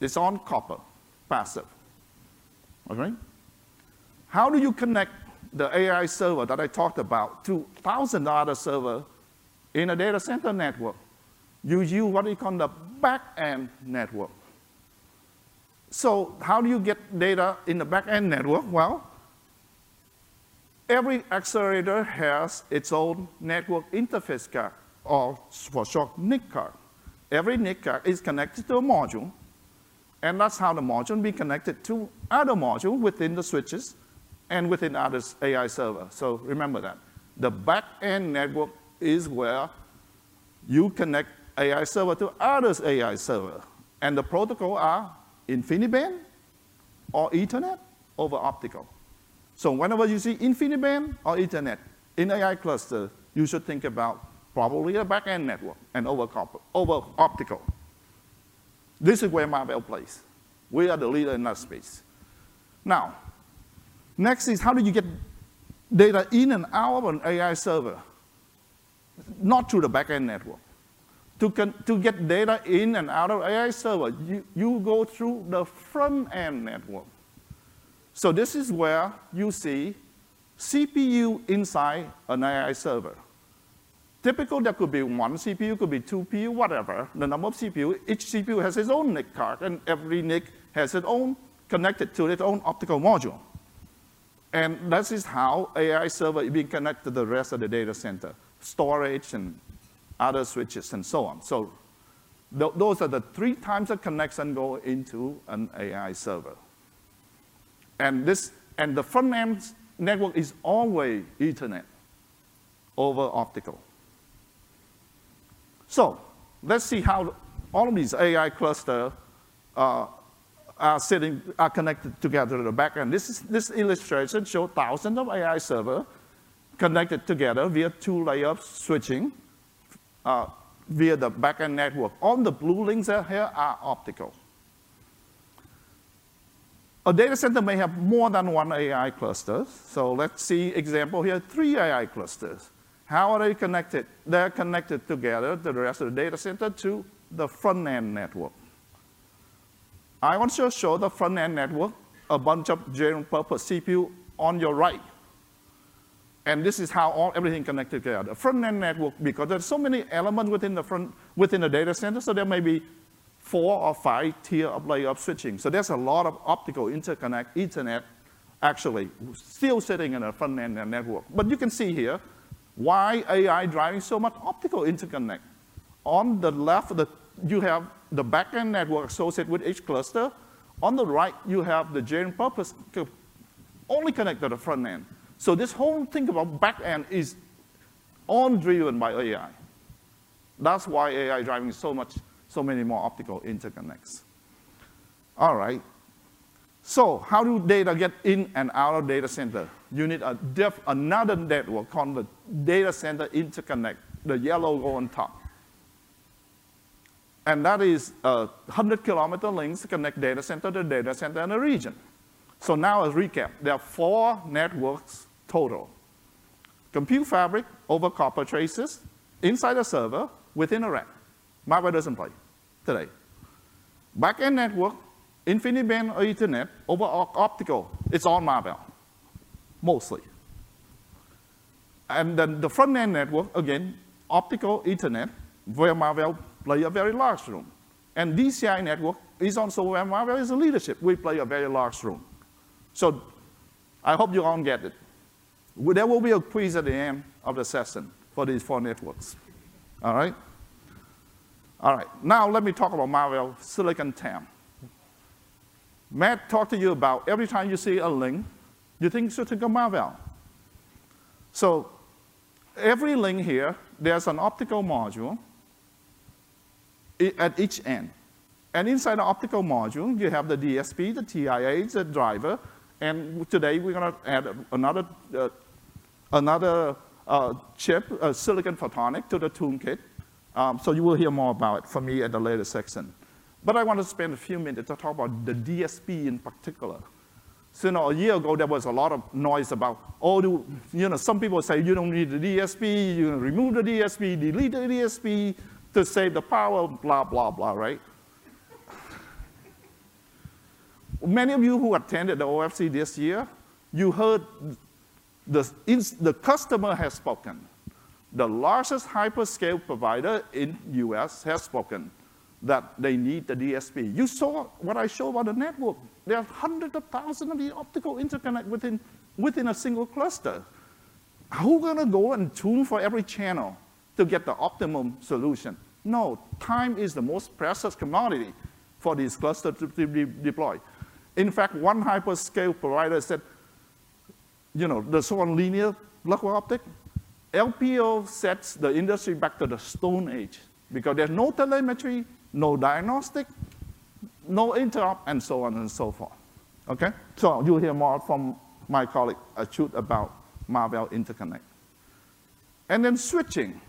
It's on copper, passive. All right? How do you connect the AI server that I talked about to 1,000 other servers in a data center network? You use what we call the back-end network. So how do you get data in the back-end network? Well, every accelerator has its own network interface card, or for short, NIC card. Every NIC card is connected to a module. That's how the module is connected to other modules within the switches and within other AI servers. Remember that. The back-end network is where you connect AI servers to other AI servers. The protocols are InfiniBand or Ethernet over optical. Whenever you see InfiniBand or Ethernet in an AI cluster, you should think about probably a back-end network and over optical. This is where Marvell plays. We are the leader in that space. Now, next is how do you get data in and out of an AI server? Not through the back-end network. To get data in and out of an AI server, you go through the front-end network. This is where you see CPUs inside an AI server. Typically, there could be 1 CPU, could be 2 CPUs, whatever, the number of CPUs. Each CPU has its own NIC card. And every NIC has its own connected to its own optical module. And this is how an AI server is being connected to the rest of the data center: storage and other switches and so on. So those are the three types of connections that go into an AI server. And the front-end network is always Ethernet over optical. So let's see how all of these AI clusters are connected together to the back-end. This illustration shows thousands of AI servers connected together via two-layer switching via the back-end network. All the blue links here are optical. A data center may have more than 1 AI cluster. So let's see an example here: 3 AI clusters. How are they connected? They are connected together, to the rest of the data center, to the front-end network. I want to show the front-end network, a bunch of general-purpose CPUs on your right. This is how everything is connected together: the front-end network, because there are so many elements within the data center. There may be four or five tiers of leaf switching. There's a lot of optical interconnects, Ethernet, actually, still sitting in the front-end network. But you can see here why AI is driving so much optical interconnects. On the left, you have the back-end network associated with each cluster. On the right, you have the general-purpose only connected to the front-end. This whole thing about the back-end is all driven by AI. That's why AI is driving so many more optical interconnects. All right. How do data get in and out of a data center? You need another network called the data center interconnect, the yellow one on top. That is a 100-kilometer link to connect the data center to the data center in a region. So now, as a recap, there are four networks total: compute fabric over copper traces inside a server within a rack. Marvell doesn't play today. Back-end network, InfiniBand or Ethernet over optical, it's all Marvell, mostly. Then the front-end network, again, optical Ethernet, where Marvell plays a very large role. And DCI network is also where Marvell is in leadership. We play a very large role. So I hope you all get it. There will be a quiz at the end of the session for these four networks. All right? All right. Now, let me talk about Marvell Silicon TAM. Matt talked to you about every time you see a link, you think you should think of Marvell. So every link here, there's an optical module at each end. And inside the optical module, you have the DSP, the TIA, the driver. And today, we're going to add another chip, a silicon photonics, to the toolkit. So you will hear more about it from me in the later section. But I want to spend a few minutes to talk about the DSP in particular. So a year ago, there was a lot of noise about all the some people say, "You don't need the DSP. You remove the DSP, delete the DSP to save the power," blah, blah, blah. Right? Many of you who attended the OFC this year, you heard the customer has spoken. The largest hyperscale provider in the U.S. has spoken that they need the DSP. You saw what I showed about the network. There are hundreds of thousands of these optical interconnects within a single cluster. Who's going to go and tune for every channel to get the optimum solution? No. Time is the most precious commodity for these clusters to be deployed. In fact, one hyperscale provider said, "They're so nonlinear, LPO." LPO set the industry back to the Stone Age because there's no telemetry, no diagnostics, no interop, and so on and so forth. OK? So you'll hear more from my colleague, Achyut, about Marvell interconnects. And then switching.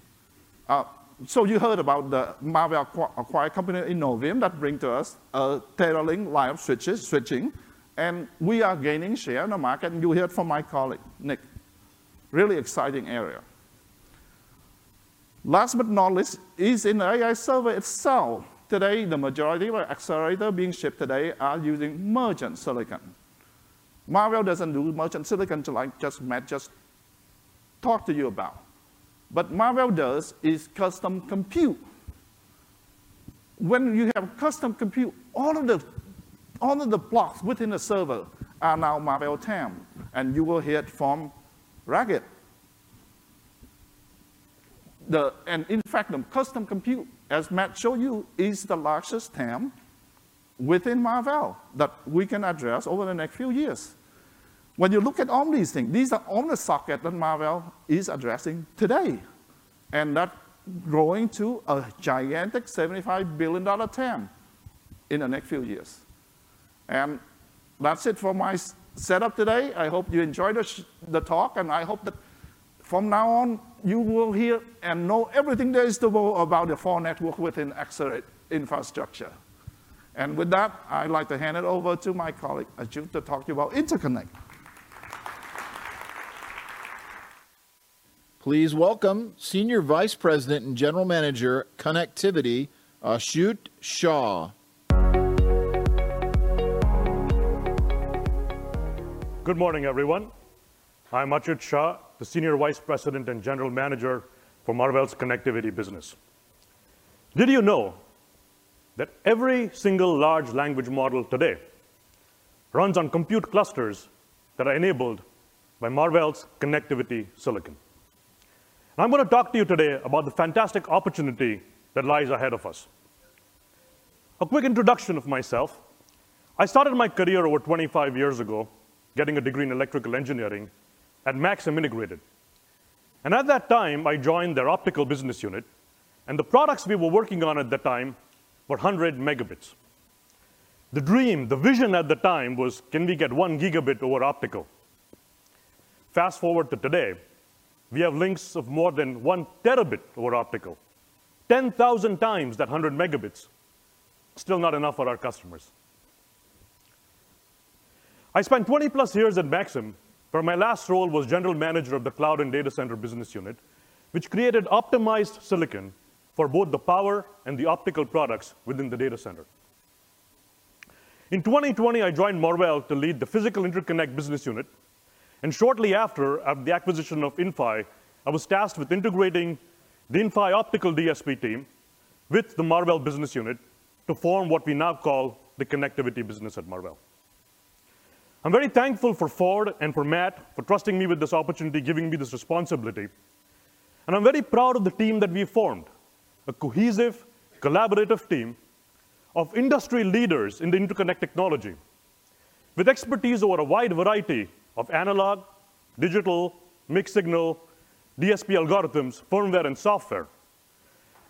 So you heard about the Marvell acquired company Innovium that brings to us a Teralynx line of switches, switching. And we are gaining share in the market. And you heard from my colleague, Nick. Really exciting area. Last but not least, it's in the AI server itself. Today, the majority of accelerators being shipped today are using merchant silicon. Marvell doesn't do merchant silicon like Matt just talked to you about. But Marvell does custom compute. When you have custom compute, all of the blocks within the server are now Marvell TAM. And you will hear it from Raghib. And in fact, the custom compute, as Matt showed you, is the largest TAM within Marvell that we can address over the next few years. When you look at all these things, these are on the socket that Marvell is addressing today. And that's growing to a gigantic $75 billion TAM in the next few years. And that's it for my setup today. I hope you enjoyed the talk. And I hope that from now on, you will hear and know everything there is to know about the four networks within accelerator infrastructure. With that, I'd like to hand it over to my colleague, Achyut, to talk to you about interconnects. Please welcome Senior Vice President and General Manager of Connectivity, Achyut Shah. Good morning, everyone. I'm Achyut Shah, the Senior Vice President and General Manager for Marvell's Connectivity Business. Did you know that every single large language model today runs on compute clusters that are enabled by Marvell's Connectivity Silicon? And I'm going to talk to you today about the fantastic opportunity that lies ahead of us. A quick introduction of myself. I started my career over 25 years ago, getting a degree in electrical engineering at Maxim Integrated. And at that time, I joined their optical business unit. And the products we were working on at the time were 100 Mb. The dream, the vision at the time was, can we get 1 Gigabit over optical? Fast forward to today, we have links of more than 1 Tb over optical, 10,000 times that 100 megabits. Still not enough for our customers. I spent 20+ years at Maxim, where my last role was General Manager of the Cloud and Data Center Business Unit, which created optimized silicon for both the power and the optical products within the data center. In 2020, I joined Marvell to lead the Physical Interconnect Business Unit. Shortly after the acquisition of Inphi, I was tasked with integrating the Inphi optical DSP team with the Marvell Business Unit to form what we now call the Connectivity Business at Marvell. I'm very thankful for Ford and for Matt for trusting me with this opportunity, giving me this responsibility. And I'm very proud of the team that we formed, a cohesive, collaborative team of industry leaders in the interconnect technology, with expertise over a wide variety of analog, digital, mixed signal, DSP algorithms, firmware, and software.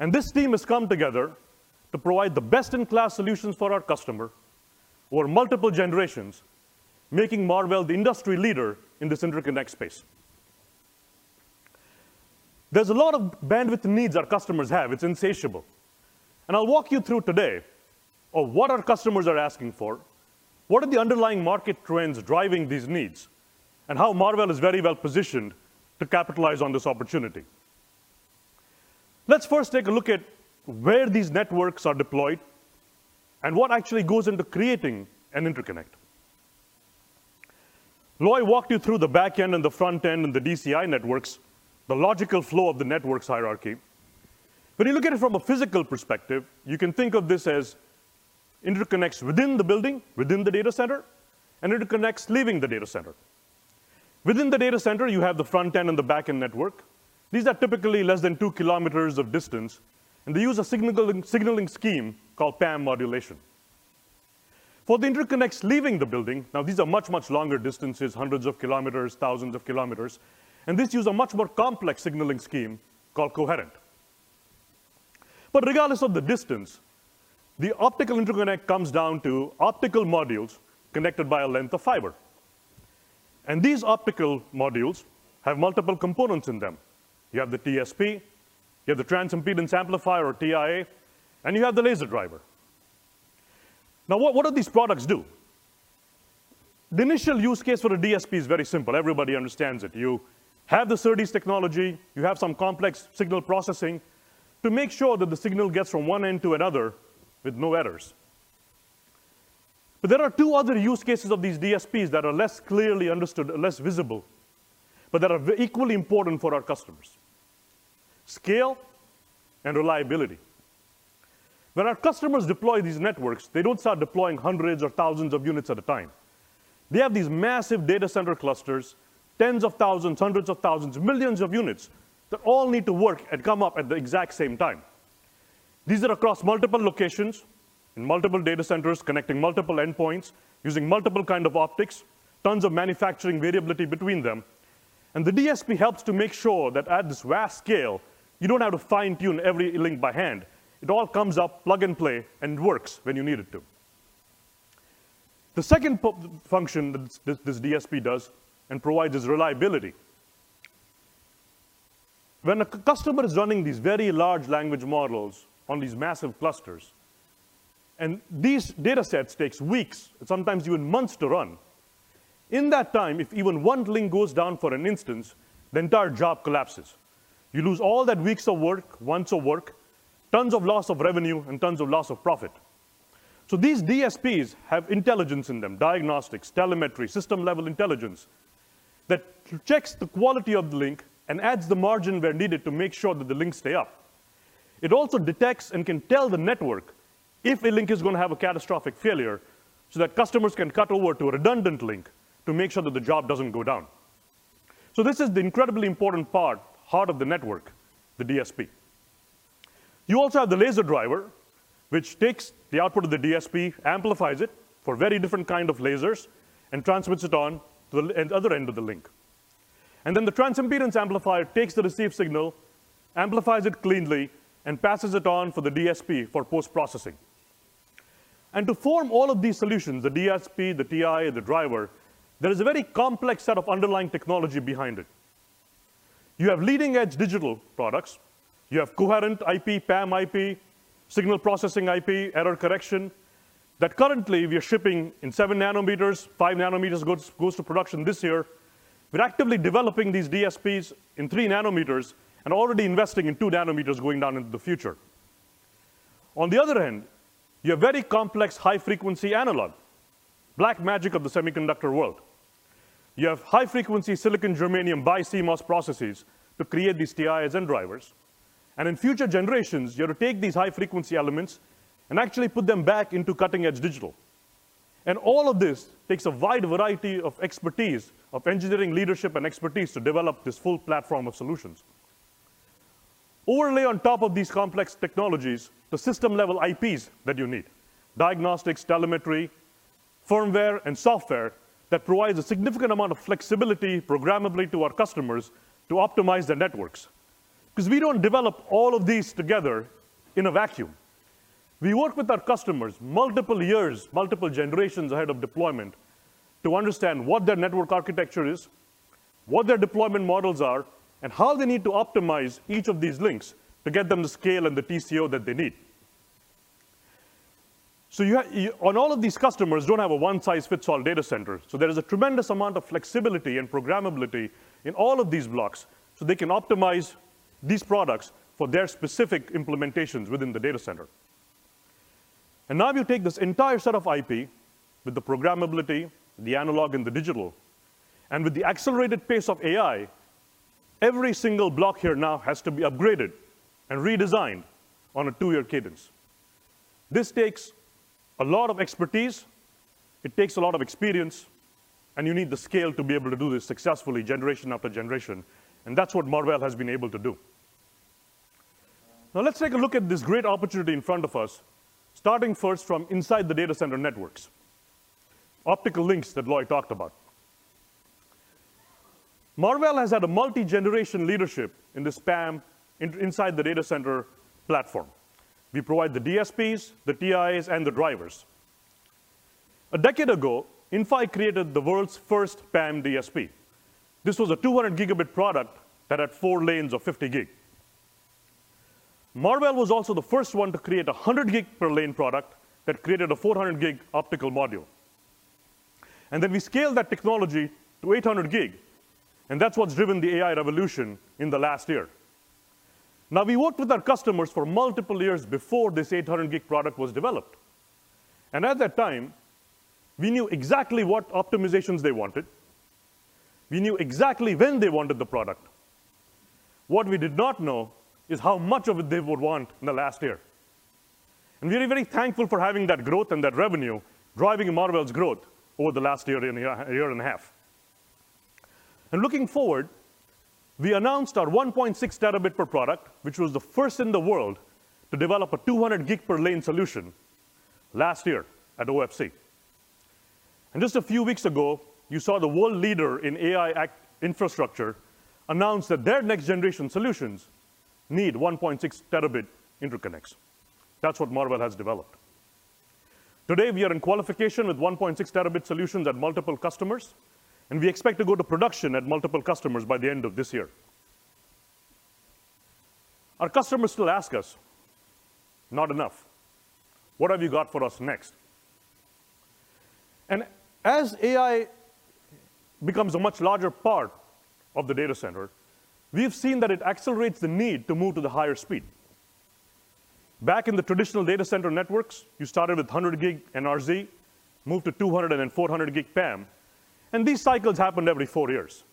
And this team has come together to provide the best-in-class solutions for our customers over multiple generations, making Marvell the industry leader in this interconnect space. There's a lot of bandwidth needs our customers have. It's insatiable. And I'll walk you through today what our customers are asking for, what are the underlying market trends driving these needs, and how Marvell is very well positioned to capitalize on this opportunity. Let's first take a look at where these networks are deployed and what actually goes into creating an interconnect. Loi walked you through the back-end and the front-end and the DCI networks, the logical flow of the network hierarchy. When you look at it from a physical perspective, you can think of this as interconnects within the building, within the data center, and interconnects leaving the data center. Within the data center, you have the front-end and the back-end network. These are typically less than two kilometers of distance. They use a signaling scheme called PAM modulation. For the interconnects leaving the building, now, these are much, much longer distances, hundreds of kilometers, thousands of kilometers. These use a much more complex signaling scheme called coherent. But regardless of the distance, the optical interconnect comes down to optical modules connected by a length of fiber. These optical modules have multiple components in them. You have the DSP. You have the transimpedance amplifier, or TIA. And you have the laser driver. Now, what do these products do? The initial use case for a DSP is very simple. Everybody understands it. You have the SerDes technology. You have some complex signal processing to make sure that the signal gets from one end to another with no errors. But there are two other use cases of these DSPs that are less clearly understood, less visible, but that are equally important for our customers: scale and reliability. When our customers deploy these networks, they don't start deploying hundreds or thousands of units at a time. They have these massive data center clusters, tens of thousands, hundreds of thousands, millions of units that all need to work and come up at the exact same time. These are across multiple locations in multiple data centers, connecting multiple endpoints, using multiple kinds of optics, tons of manufacturing variability between them. The DSP helps to make sure that, at this vast scale, you don't have to fine-tune every link by hand. It all comes up, plug and play, and works when you need it to. The second function that this DSP does and provides is reliability. When a customer is running these very large language models on these massive clusters, and these data sets take weeks, sometimes even months, to run, in that time, if even one link goes down for an instance, the entire job collapses. You lose all that weeks of work, months of work, tons of loss of revenue, and tons of loss of profit. So these DSPs have intelligence in them: diagnostics, telemetry, system-level intelligence that checks the quality of the link and adds the margin where needed to make sure that the links stay up. It also detects and can tell the network if a link is going to have a catastrophic failure so that customers can cut over to a redundant link to make sure that the job doesn't go down. So this is the incredibly important part, heart of the network, the DSP. You also have the laser driver, which takes the output of the DSP, amplifies it for very different kinds of lasers, and transmits it on to the other end of the link. And then the transimpedance amplifier takes the received signal, amplifies it cleanly, and passes it on for the DSP for post-processing. And to form all of these solutions, the DSP, the TIA, the driver, there is a very complex set of underlying technology behind it. You have leading-edge digital products. You have coherent IP, PAM IP, signal processing IP, error correction that currently we are shipping in 7 nanometers. 5 nanometers goes to production this year. We're actively developing these DSPs in 3 nanometers and already investing in 2 nanometers going down into the future. On the other hand, you have very complex, high-frequency analog black magic of the semiconductor world. You have high-frequency silicon-germanium bi-CMOS processes to create these TIAs and drivers. In future generations, you have to take these high-frequency elements and actually put them back into cutting-edge digital. All of this takes a wide variety of expertise, of engineering leadership and expertise, to develop this full platform of solutions. Overlay on top of these complex technologies the system-level IPs that you need: diagnostics, telemetry, firmware, and software that provides a significant amount of flexibility programmably to our customers to optimize their networks. Because we don't develop all of these together in a vacuum. We work with our customers multiple years, multiple generations ahead of deployment to understand what their network architecture is, what their deployment models are, and how they need to optimize each of these links to get them the scale and the TCO that they need. So all of these customers don't have a one-size-fits-all data center. So there is a tremendous amount of flexibility and programmability in all of these blocks so they can optimize these products for their specific implementations within the data center. And now, you take this entire set of IP, with the programmability, the analog, and the digital, and with the accelerated pace of AI, every single block here now has to be upgraded and redesigned on a two-year cadence. This takes a lot of expertise. It takes a lot of experience. You need the scale to be able to do this successfully, generation after generation. That's what Marvell has been able to do. Now, let's take a look at this great opportunity in front of us, starting first from inside the data center networks, optical links that Loi talked about. Marvell has had a multi-generation leadership in this PAM inside the data center platform. We provide the DSPs, the TIAs, and the drivers. A decade ago, Inphi created the world's first PAM DSP. This was a 200-Gigabit product that had four lanes of 50 Gb. Marvell was also the first one to create a 100-Gb per lane product that created a 400-Gb optical module. And then we scaled that technology to 800 Gb. And that's what's driven the AI revolution in the last year. Now, we worked with our customers for multiple years before this 800-Gb product was developed. At that time, we knew exactly what optimizations they wanted. We knew exactly when they wanted the product. What we did not know is how much of it they would want in the last year. We are very thankful for having that growth and that revenue driving Marvell's growth over the last year, a year and a half. Looking forward, we announced our 1.6 Tb per product, which was the first in the world to develop a 200-Gb per lane solution last year at OFC. Just a few weeks ago, you saw the world leader in AI infrastructure announce that their next-generation solutions need 1.6 Tb interconnects. That's what Marvell has developed. Today, we are in qualification with 1.6 Tb solutions at multiple customers. We expect to go to production at multiple customers by the end of this year. Our customers still ask us, "Not enough. What have you got for us next?" As AI becomes a much larger part of the data center, we've seen that it accelerates the need to move to the higher speed. Back in the traditional data center networks, you started with 100 Gb NRZ, moved to 200 and 400 Gb PAM. These cycles happened every four years.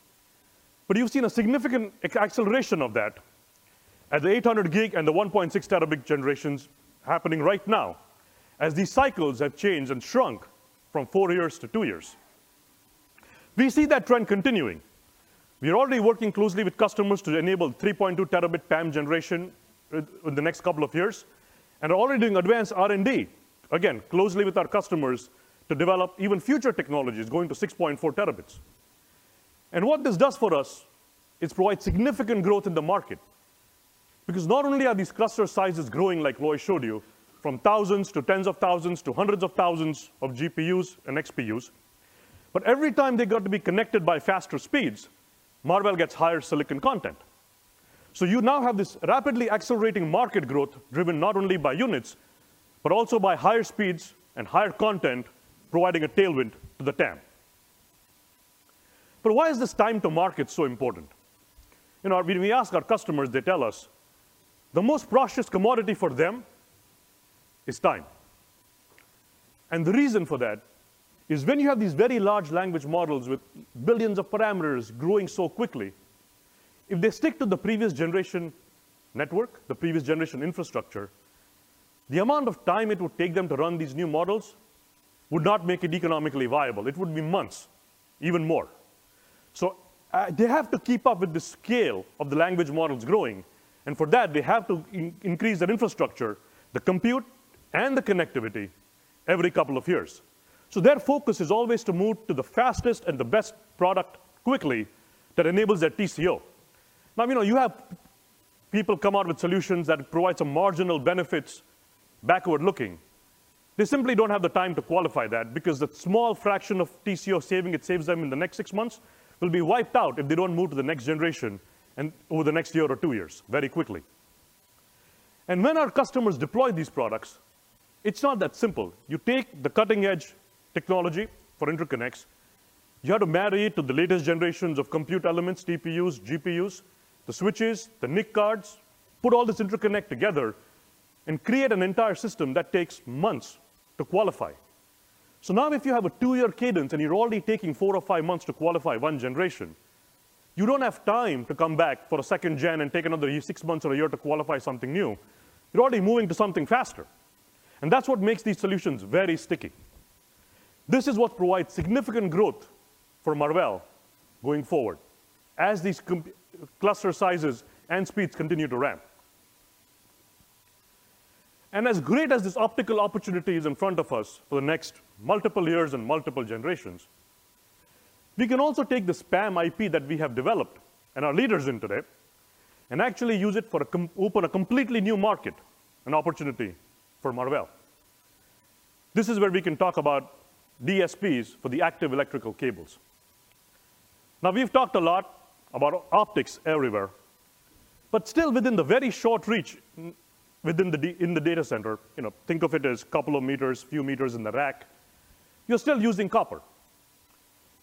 But you've seen a significant acceleration of that at the 800 Gb and the 1.6 Tb generations happening right now, as these cycles have changed and shrunk from four years to two years. We see that trend continuing. We are already working closely with customers to enable 3.2 Tb PAM generation in the next couple of years and are already doing advanced R&D, again, closely with our customers, to develop even future technologies going to 6.4 Tb. What this does for us is provide significant growth in the market. Because not only are these cluster sizes growing, like Loi showed you, from thousands to tens of thousands to hundreds of thousands of GPUs and XPUs, but every time they've got to be connected by faster speeds, Marvell gets higher silicon content. So you now have this rapidly accelerating market growth driven not only by units but also by higher speeds and higher content, providing a tailwind to the PAM. But why is this time to market so important? When we ask our customers, they tell us, "The most precious commodity for them is time." The reason for that is, when you have these very large language models with billions of parameters growing so quickly, if they stick to the previous generation network, the previous generation infrastructure, the amount of time it would take them to run these new models would not make it economically viable. It would be months, even more. They have to keep up with the scale of the language models growing. For that, they have to increase their infrastructure, the compute, and the connectivity every couple of years. Their focus is always to move to the fastest and the best product quickly that enables their TCO. Now, you have people come out with solutions that provide some marginal benefits backward-looking. They simply don't have the time to qualify that. Because the small fraction of TCO saving it saves them in the next 6 months will be wiped out if they don't move to the next generation over the next year or 2 years very quickly. And when our customers deploy these products, it's not that simple. You take the cutting-edge technology for interconnects. You have to marry it to the latest generations of compute elements, TPUs, GPUs, the switches, the NIC cards, put all this interconnect together, and create an entire system that takes months to qualify. So now, if you have a 2-year cadence, and you're already taking 4 or 5 months to qualify one generation, you don't have time to come back for a second gen and take another 6 months or a year to qualify something new. You're already moving to something faster. And that's what makes these solutions very sticky. This is what provides significant growth for Marvell going forward as these cluster sizes and speeds continue to ramp. As great as this optical opportunity is in front of us for the next multiple years and multiple generations, we can also take this PAM IP that we have developed and our leaders in today and actually use it to open a completely new market, an opportunity for Marvell. This is where we can talk about DSPs for the active electrical cables. Now, we've talked a lot about optics everywhere. But still, within the very short reach in the data center think of it as a couple of meters, few meters in the rack. You're still using copper.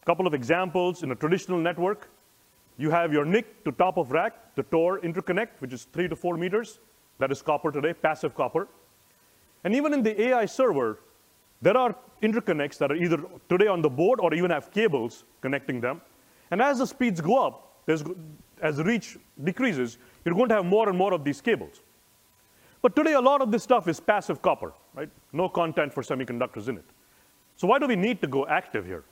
A couple of examples in a traditional network, you have your NIC to top of rack, the TOR interconnect, which is 3-4 meters. That is copper today, passive copper. Even in the AI server, there are interconnects that are either today on the board or even have cables connecting them. As the speeds go up, as the reach decreases, you're going to have more and more of these cables. But today, a lot of this stuff is passive copper, no content for semiconductors in it. So why do we need to go active here?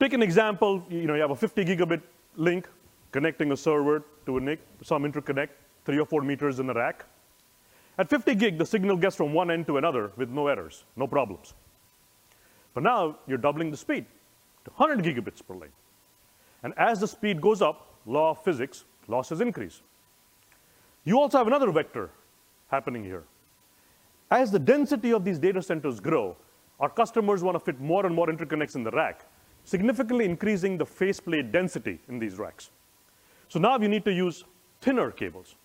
Take an example. You have a 50-Gigabit link connecting a server to a NIC, some interconnect, 3 or 4 meters in the rack. At 50 Gb, the signal gets from one end to another with no errors, no problems. But now, you're doubling the speed to 100 Gigabits per lane. And as the speed goes up, law of physics, losses increase. You also have another vector happening here. As the density of these data centers grow, our customers want to fit more and more interconnects in the rack, significantly increasing the faceplate density in these racks. Now, you need to use thinner cables.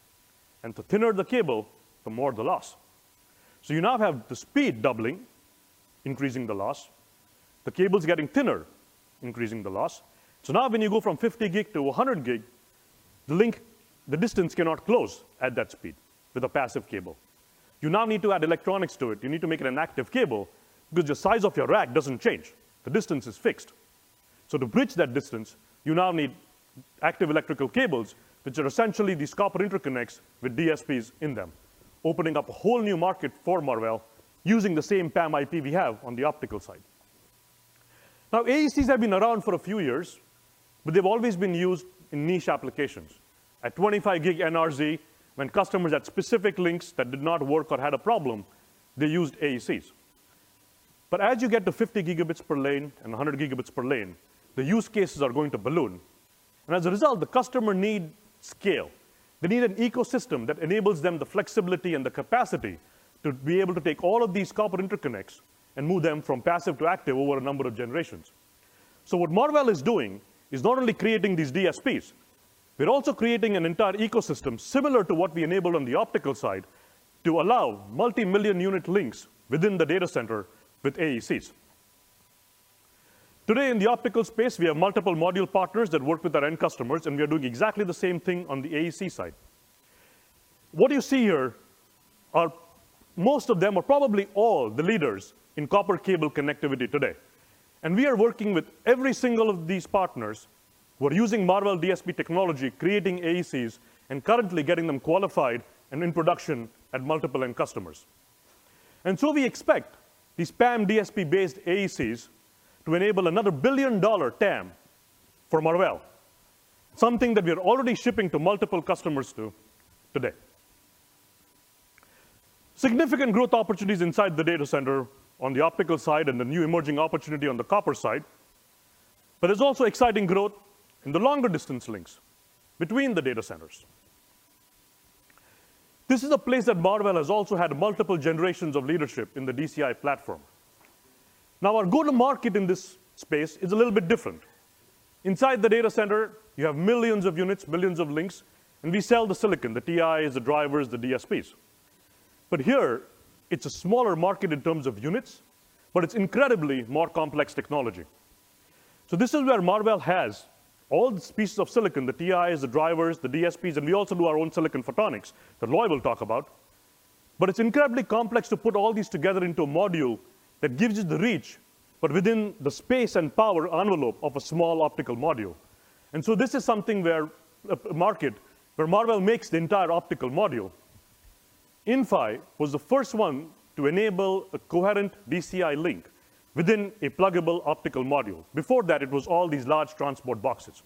The thinner the cable, the more the loss. You now have the speed doubling, increasing the loss. The cable's getting thinner, increasing the loss. Now, when you go from 50 Gb to 100 Gb, the link, the distance cannot close at that speed with a passive cable. You now need to add electronics to it. You need to make it an active cable. Because the size of your rack doesn't change. The distance is fixed. So to bridge that distance, you now need active electrical cables, which are essentially these copper interconnects with DSPs in them, opening up a whole new market for Marvell using the same PAM IP we have on the optical side. Now, AECs have been around for a few years. But they've always been used in niche applications. At 25 Gb NRZ, when customers had specific links that did not work or had a problem, they used AECs. But as you get to 50 Gigabits per lane and 100 Gigabits per lane, the use cases are going to balloon. And as a result, the customer needs scale. They need an ecosystem that enables them the flexibility and the capacity to be able to take all of these copper interconnects and move them from passive to active over a number of generations. What Marvell is doing is not only creating these DSPs. We're also creating an entire ecosystem similar to what we enabled on the optical side to allow multi-million unit links within the data center with AECs. Today, in the optical space, we have multiple module partners that work with our end customers. We are doing exactly the same thing on the AEC side. What you see here are most of them, or probably all, the leaders in copper cable connectivity today. We are working with every single one of these partners. We're using Marvell DSP technology, creating AECs, and currently getting them qualified and in production at multiple end customers. We expect these PAM DSP-based AECs to enable another billion-dollar TAM for Marvell, something that we are already shipping to multiple customers today. Significant growth opportunities inside the data center on the optical side and the new emerging opportunity on the copper side. But there's also exciting growth in the longer-distance links between the data centers. This is a place that Marvell has also had multiple generations of leadership in the DCI platform. Now, our go-to-market in this space is a little bit different. Inside the data center, you have millions of units, millions of links. And we sell the silicon, the TIAs, the drivers, the DSPs. But here, it's a smaller market in terms of units. But it's incredibly more complex technology. So this is where Marvell has all the species of silicon, the TIAs, the drivers, the DSPs. And we also do our own silicon photonics that Loi will talk about. But it's incredibly complex to put all these together into a module that gives you the reach, but within the space and power envelope of a small optical module. And so this is something in a market where Marvell makes the entire optical module. Inphi was the first one to enable a coherent DCI link within a pluggable optical module. Before that, it was all these large transport boxes.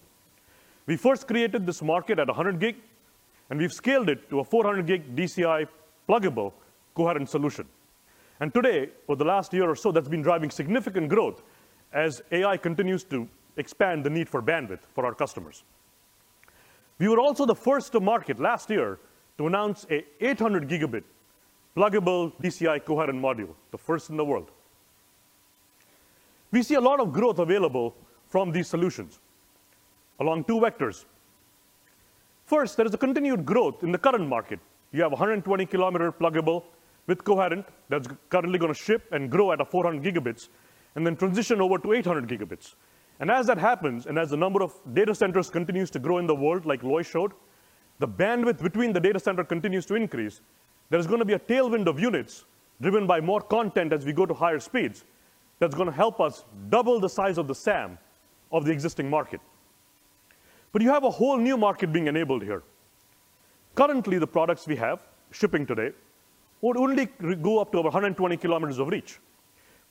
We first created this market at 100 GB. And we've scaled it to a 400 Gb DCI pluggable coherent solution. And today, for the last year or so, that's been driving significant growth as AI continues to expand the need for bandwidth for our customers. We were also the first to market last year to announce an 800 GB pluggable DCI coherent module, the first in the world. We see a lot of growth available from these solutions along two vectors. First, there is a continued growth in the current market. You have a 120 km pluggable with coherent that's currently going to ship and grow at 400and then transition over to 800 GB. And as that happens, and as the number of data centers continues to grow in the world, like Loi showed, the bandwidth between the data center continues to increase. There is going to be a tailwind of units driven by more content as we go to higher speeds that's going to help us double the size of the SAM of the existing market. But you have a whole new market being enabled here. Currently, the products we have shipping today would only go up to over 120 km of reach.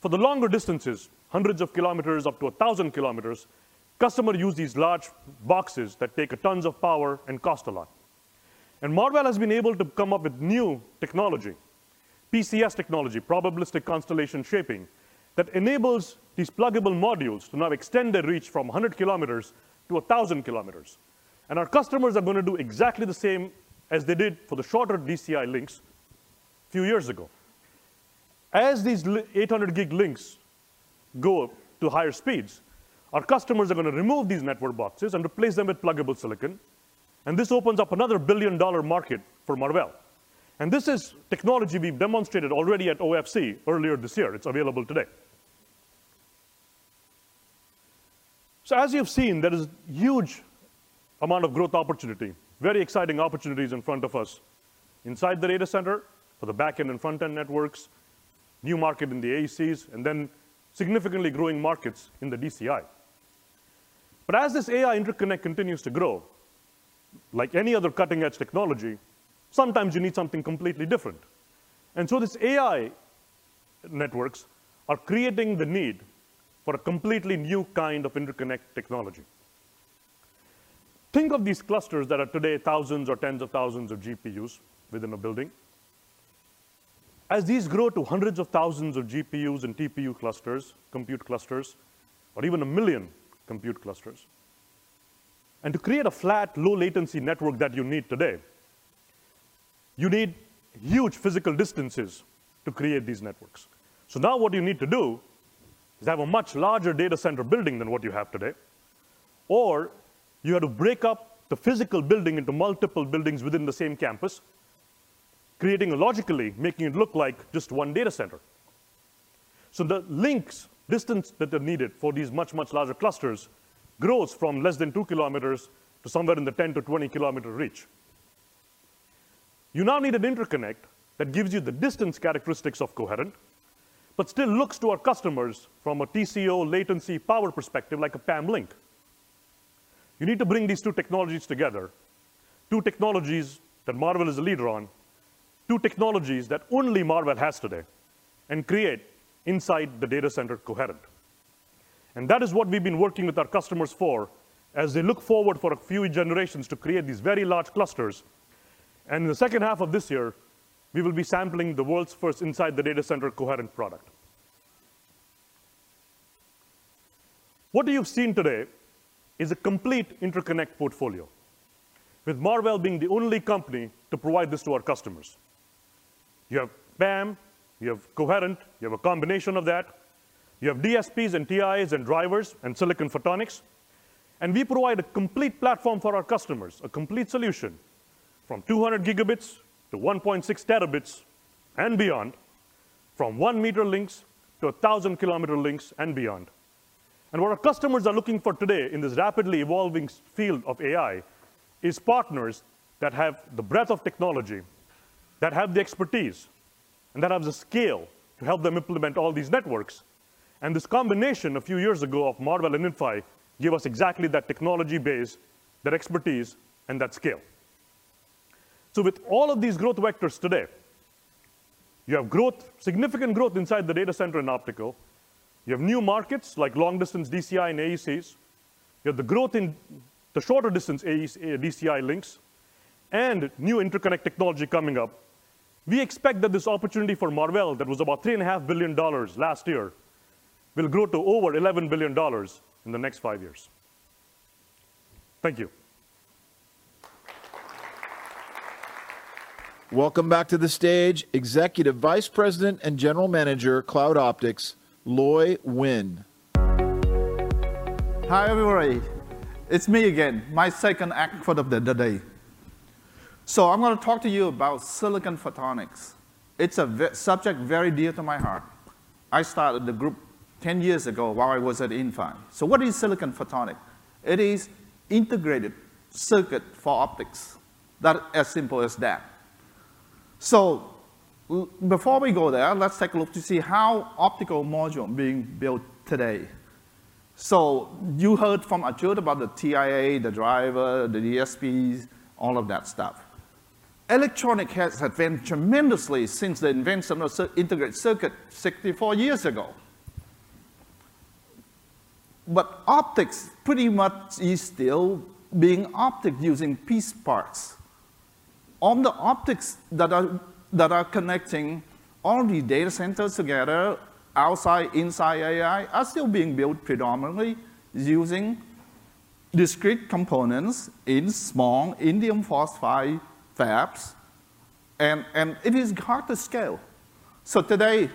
For the longer distances, hundreds of km, up to 1,000 km, customers use these large boxes that take tons of power and cost a lot. Marvell has been able to come up with new technology, PCS technology, probabilistic constellation shaping, that enables these pluggable modules to now extend their reach from 100 kilometers to 1,000 kilometers. Our customers are going to do exactly the same as they did for the shorter DCI links a few years ago. As these 800-GB links go to higher speeds, our customers are going to remove these network boxes and replace them with pluggable silicon. This opens up another billion-dollar market for Marvell. This is technology we've demonstrated already at OFC earlier this year. It's available today. As you've seen, there is a huge amount of growth opportunity, very exciting opportunities in front of us inside the data center for the back-end and front-end networks, new market in the AECs, and then significantly growing markets in the DCI. But as this AI interconnect continues to grow, like any other cutting-edge technology, sometimes you need something completely different. And so these AI networks are creating the need for a completely new kind of interconnect technology. Think of these clusters that are today thousands or tens of thousands of GPUs within a building. As these grow to hundreds of thousands of GPUs and TPU clusters, compute clusters, or even 1 million compute clusters, and to create a flat, low-latency network that you need today, you need huge physical distances to create these networks. So now, what you need to do is have a much larger data center building than what you have today. Or you have to break up the physical building into multiple buildings within the same campus, creating a logically making it look like just one data center. So the links, distance that are needed for these much, much larger clusters grows from less than 2 kilometers to somewhere in the 10-20 kilometer reach. You now need an interconnect that gives you the distance characteristics of coherent but still looks to our customers from a TCO, latency, power perspective, like a PAM link. You need to bring these two technologies together, two technologies that Marvell is a leader on, two technologies that only Marvell has today, and create inside the data center coherent. And that is what we've been working with our customers for as they look forward for a few generations to create these very large clusters. And in the second half of this year, we will be sampling the world's first inside-the-data-center coherent product. What you've seen today is a complete interconnect portfolio, with Marvell being the only company to provide this to our customers. You have PAM. You have coherent. You have a combination of that. You have DSPs and TIAs and drivers and silicon photonics. We provide a complete platform for our customers, a complete solution from 200 GB to 1.6 TB and beyond, from 1 meter links to 1,000km links and beyond. What our customers are looking for today in this rapidly evolving field of AI is partners that have the breadth of technology, that have the expertise, and that have the scale to help them implement all these networks. This combination a few years ago of Marvell and Inphi gave us exactly that technology base, that expertise, and that scale. With all of these growth vectors today, you have growth, significant growth, inside the data center and optical. You have new markets, like long-distance DCI and AECs. You have the growth in the shorter-distance DCI links and new interconnect technology coming up. We expect that this opportunity for Marvell that was about $3.5 billion last year will grow to over $11 billion in the next five years. Thank you. Welcome back to the stage, Executive Vice President and General Manager, Cloud Optics, Loi Nguyen. Hi, everybody. It's me again, my second act for the day. So I'm going to talk to you about silicon photonics. It's a subject very dear to my heart. I started the group 10 years ago while I was at Inphi. So what is silicon photonics? It is integrated circuit for optics. That's as simple as that. So before we go there, let's take a look to see how optical modules are being built today. So you heard from Achyut about the TIA, the driver, the DSPs, all of that stuff. Electronics has advanced tremendously since the invention of the integrated circuit 64 years ago. But optics pretty much is still being optics using piece parts. All the optics that are connecting all the data centers together, outside, inside AI, are still being built predominantly using discrete components in small indium phosphide fabs. And it is hard to scale. Today,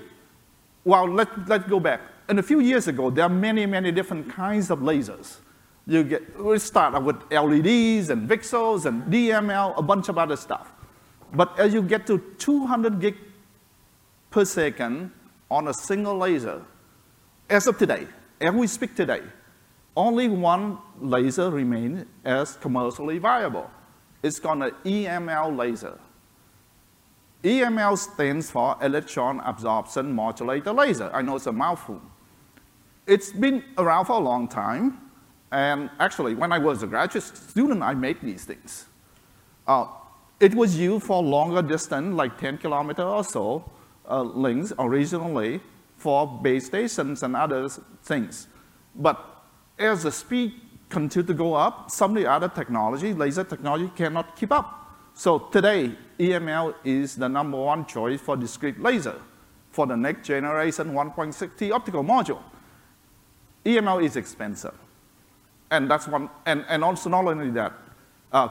well, let's go back. A few years ago, there were many, many different kinds of lasers. We started with LEDs and pixels and DML, a bunch of other stuff. But as you get to 200 Gbps on a single laser, as of today, as we speak today, only one laser remains as commercially viable. It's called an EML laser. EML stands for Electro-absorption Modulated Laser. I know it's a mouthful. It's been around for a long time. And actually, when I was a graduate student, I made these things. It was used for longer distance, like 10 km or so links originally for base stations and other things. But as the speed continued to go up, some of the other technology, laser technology, cannot keep up. Today, EML is the number one choice for discrete laser for the next generation 1.6T optical module. EML is expensive. Not only that,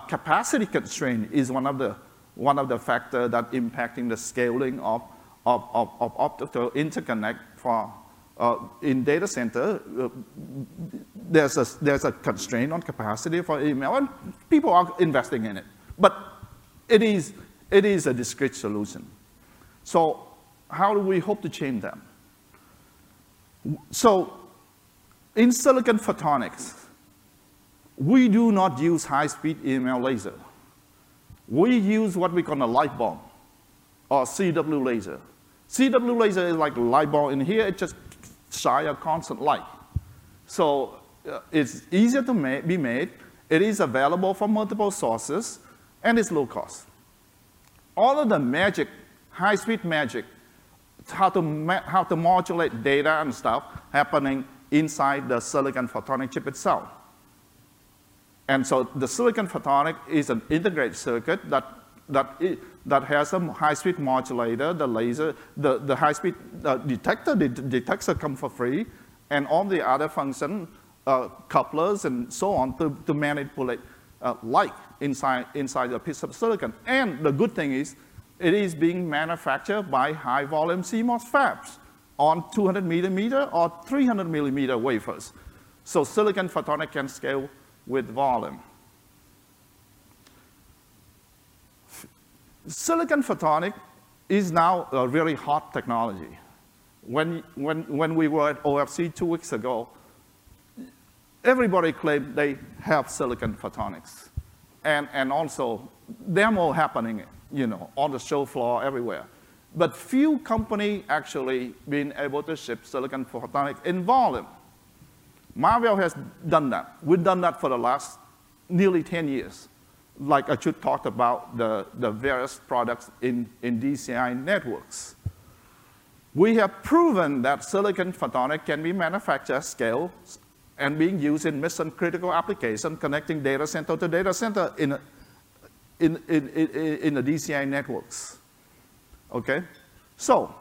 capacity constraint is one of the factors that is impacting the scaling of optical interconnect in data centers. There's a constraint on capacity for EML. People are investing in it. But it is a discrete solution. So how do we hope to change that? In silicon photonics, we do not use high-speed EML laser. We use what we call a light bulb or a CW laser. CW laser is like a light bulb. Here, it just shines a constant light. It's easier to be made. It is available from multiple sources. It's low cost. All of the magic, high-speed magic, how to modulate data and stuff happening inside the silicon photonic chip itself. The silicon photonics is an integrated circuit that has a high-speed modulator, the laser, the high-speed detector that detects the light, and all the other functional couplers and so on to manipulate light inside a piece of silicon. The good thing is, it is being manufactured by high-volume CMOS fabs on 200-mm or 300-mm wafers. Silicon photonics can scale with volume. Silicon photonics is now a really hot technology. When we were at OFC two weeks ago, everybody claimed they have silicon photonics. Also, there's more happening on the show floor everywhere. But few companies actually have been able to ship silicon photonics in volume. Marvell has done that. We've done that for the last nearly 10 years. Like Achyut talked about the various products in DCI networks, we have proven that silicon photonics can be manufactured at scale and being used in mission-critical applications, connecting data center to data center in the DCI networks. OK? So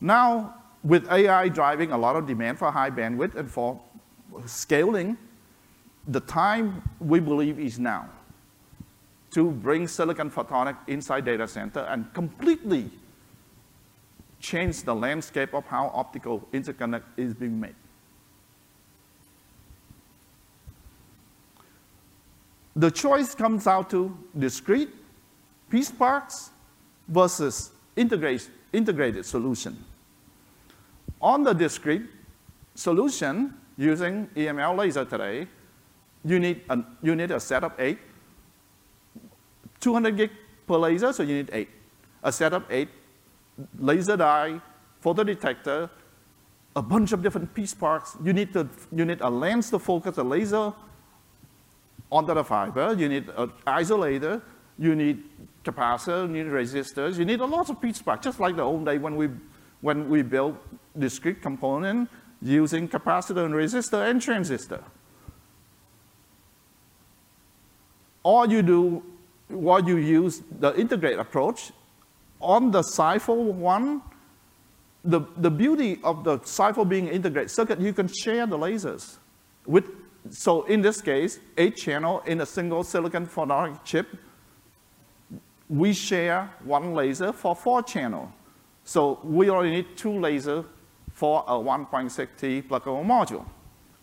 now, with AI driving a lot of demand for high bandwidth and for scaling, the time we believe is now to bring silicon photonics inside data centers and completely change the landscape of how optical interconnect is being made. The choice comes down to discrete piece parts versus integrated solution. On the discrete solution using EML laser today, you need a set of eight 200G per laser. So you need eight, a set of eight laser die, photodetector, a bunch of different piece parts. You need a lens to focus the laser onto the fiber. You need an isolator. You need capacitors. You need resistors. You need a lot of piece parts, just like the old day when we built discrete components using capacitor and resistor and transistor. Or you use the integrated approach on the SiPho one. The beauty of the SiPho being an integrated circuit, you can share the lasers. So in this case, 8 channels in a single silicon photonic chip, we share one laser for 4 channels. So we only need 2 lasers for a 1.6T flexible module.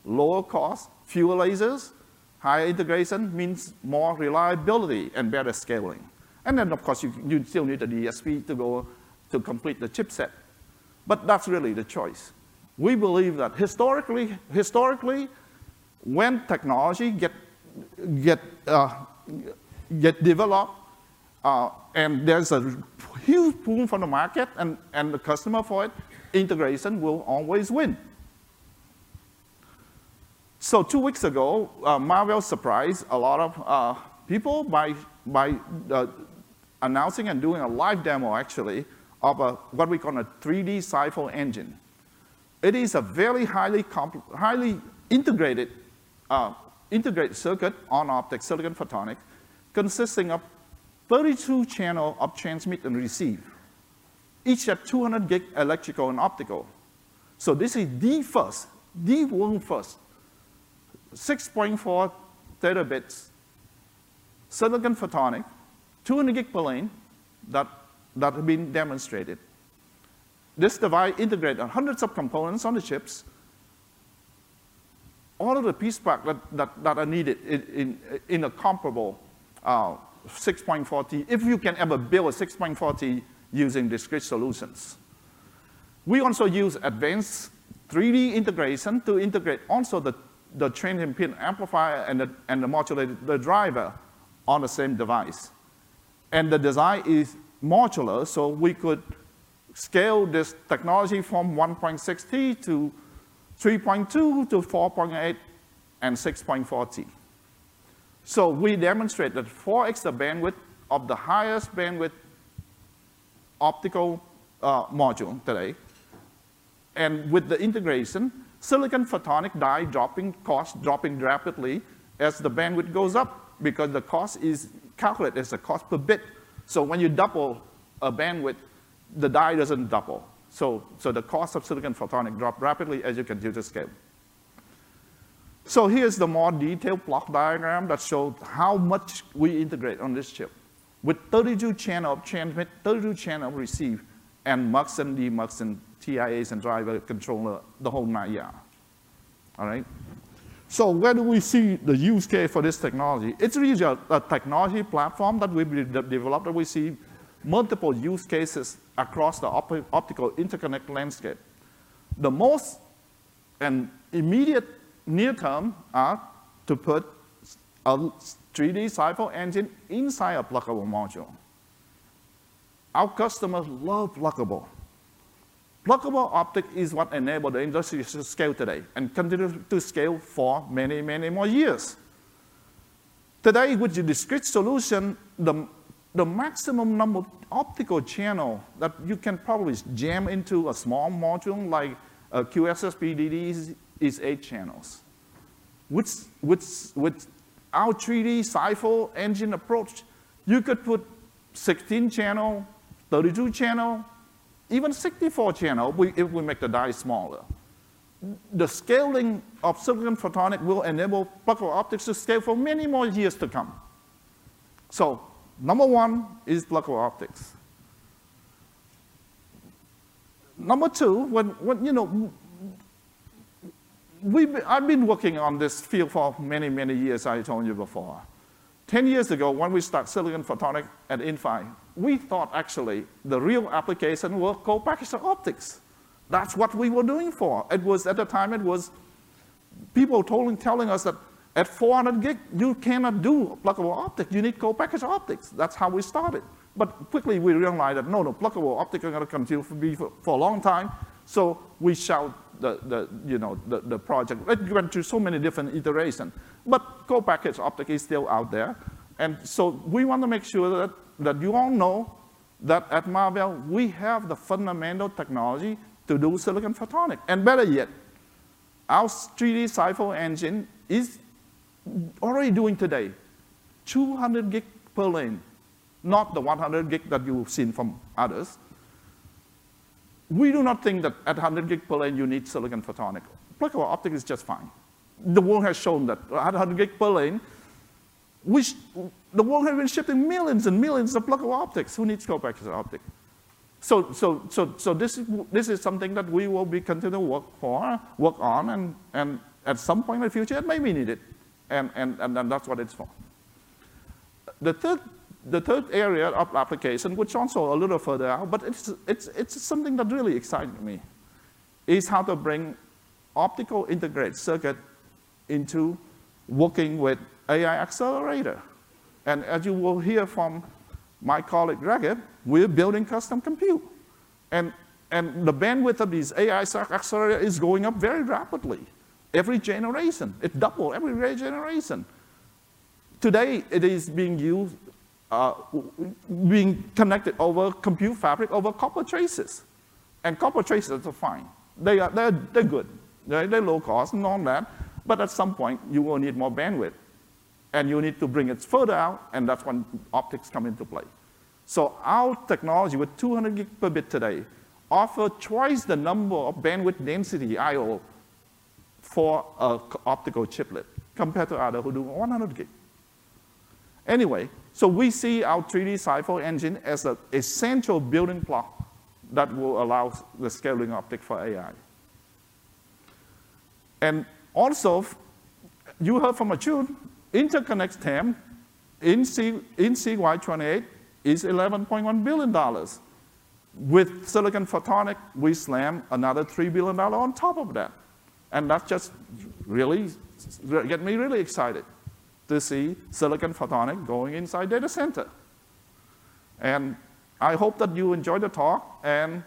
Lower cost, fewer lasers, higher integration means more reliability and better scaling. And then, of course, you still need the DSP to go to complete the chipset. But that's really the choice. We believe that historically, when technology gets developed and there's a huge boom for the market and the customer for it, integration will always win. So two weeks ago, Marvell surprised a lot of people by announcing and doing a live demo, actually, of what we call a 3D SiPho Engine. It is a very highly integrated circuit on optics, silicon photonics, consisting of 32 channels of transmit and receive, each at 200 G electrical and optical. So this is the first, the world's first, 6.4 Tbps silicon photonic, 200 G per lane, that has been demonstrated. This device integrates 100 subcomponents on the chips, all of the piece parts that are needed in a comparable 6.4T. If you can ever build a 6.4T using discrete solutions, we also use advanced 3D integration to integrate also the transimpedance amplifier and the driver on the same device. And the design is modular. So we could scale this technology from 1.6T to 3.2 to 4.8 and 6.4T. So we demonstrated 4x bandwidth of the highest bandwidth optical module today. And with the integration, silicon photonic die dropping costs dropping rapidly as the bandwidth goes up because the cost is calculated as a cost per bit. So when you double a bandwidth, the die doesn't double. So the cost of silicon photonics drops rapidly as you continue to scale. So here's the more detailed block diagram that shows how much we integrate on this chip with 32 channels of transmit, 32 channels of receive, and Mux and DMux and TIAs and driver controller, the whole nine yards. All right? So where do we see the use case for this technology? It's really a technology platform that we've developed that we see multiple use cases across the optical interconnect landscape. The most immediate near-term is to put a 3D SiPho engine inside a pluggable module. Our customers love pluggable. Pluggable optics is what enabled the industry to scale today and continue to scale for many, many more years. Today, with the discrete solution, the maximum number of optical channels that you can probably jam into a small module like a QSFP-DD is eight channels. With our 3D SiPho Engine approach, you could put 16 channels, 32 channels, even 64 channels if we make the die smaller. The scaling of silicon photonics will enable pluggable optics to scale for many more years to come. So number one is pluggable optics. Number two, I've been working on this field for many, many years, as I told you before. 10 years ago, when we started silicon photonics at Inphi, we thought, actually, the real application was co-packaged optics. That's what we were doing for. At the time, people were telling us that at 400 GB, you cannot do pluggable optics. You need co-packaged optics. That's how we started. But quickly, we realized that, no, no, pluggable optics are going to continue to be for a long time. So we shut the project. It went through so many different iterations. But co-packaged optics is still out there. And so we want to make sure that you all know that at Marvell, we have the fundamental technology to do silicon photonics. And better yet, our 3D SiPho engine is already doing today 200 Gb per lane, not the 100 Gb that you've seen from others. We do not think that at 100 Gb per lane, you need silicon photonics. Pluggable optics is just fine. The world has shown that at 100 Gb per lane, the world has been shipping millions and millions of pluggable optics. Who needs Co-Packaged Optics? So this is something that we will continue to work on. And at some point in the future, it may be needed. And that's what it's for. The third area of application, which I'll show a little further out, but it's something that really excites me, is how to bring optical integrated circuits into working with AI accelerators. And as you will hear from my colleague Raghib, we're building custom compute. And the bandwidth of these AI accelerators is going up very rapidly. Every generation, it doubled every generation. Today, it is being connected over Compute Fabric over copper traces. And copper traces, they're fine. They're good. They're low cost, uncertain. But at some point, you will need more bandwidth. And you need to bring it further out. And that's when optics come into play. So our technology with 200 Gb per bit today offers twice the number of bandwidth density, I/O, for an optical chiplet compared to others who do 100 Gb. Anyway, so we see our 3D SiPho Engine as an essential building block that will allow the scaling optics for AI. And also, you heard from Achyut, interconnect TAM in CY28 is $11.1 billion. With silicon photonics, we slam another $3 billion on top of that. And that just really gets me really excited to see silicon photonics going inside data centers. And I hope that you enjoyed the talk. And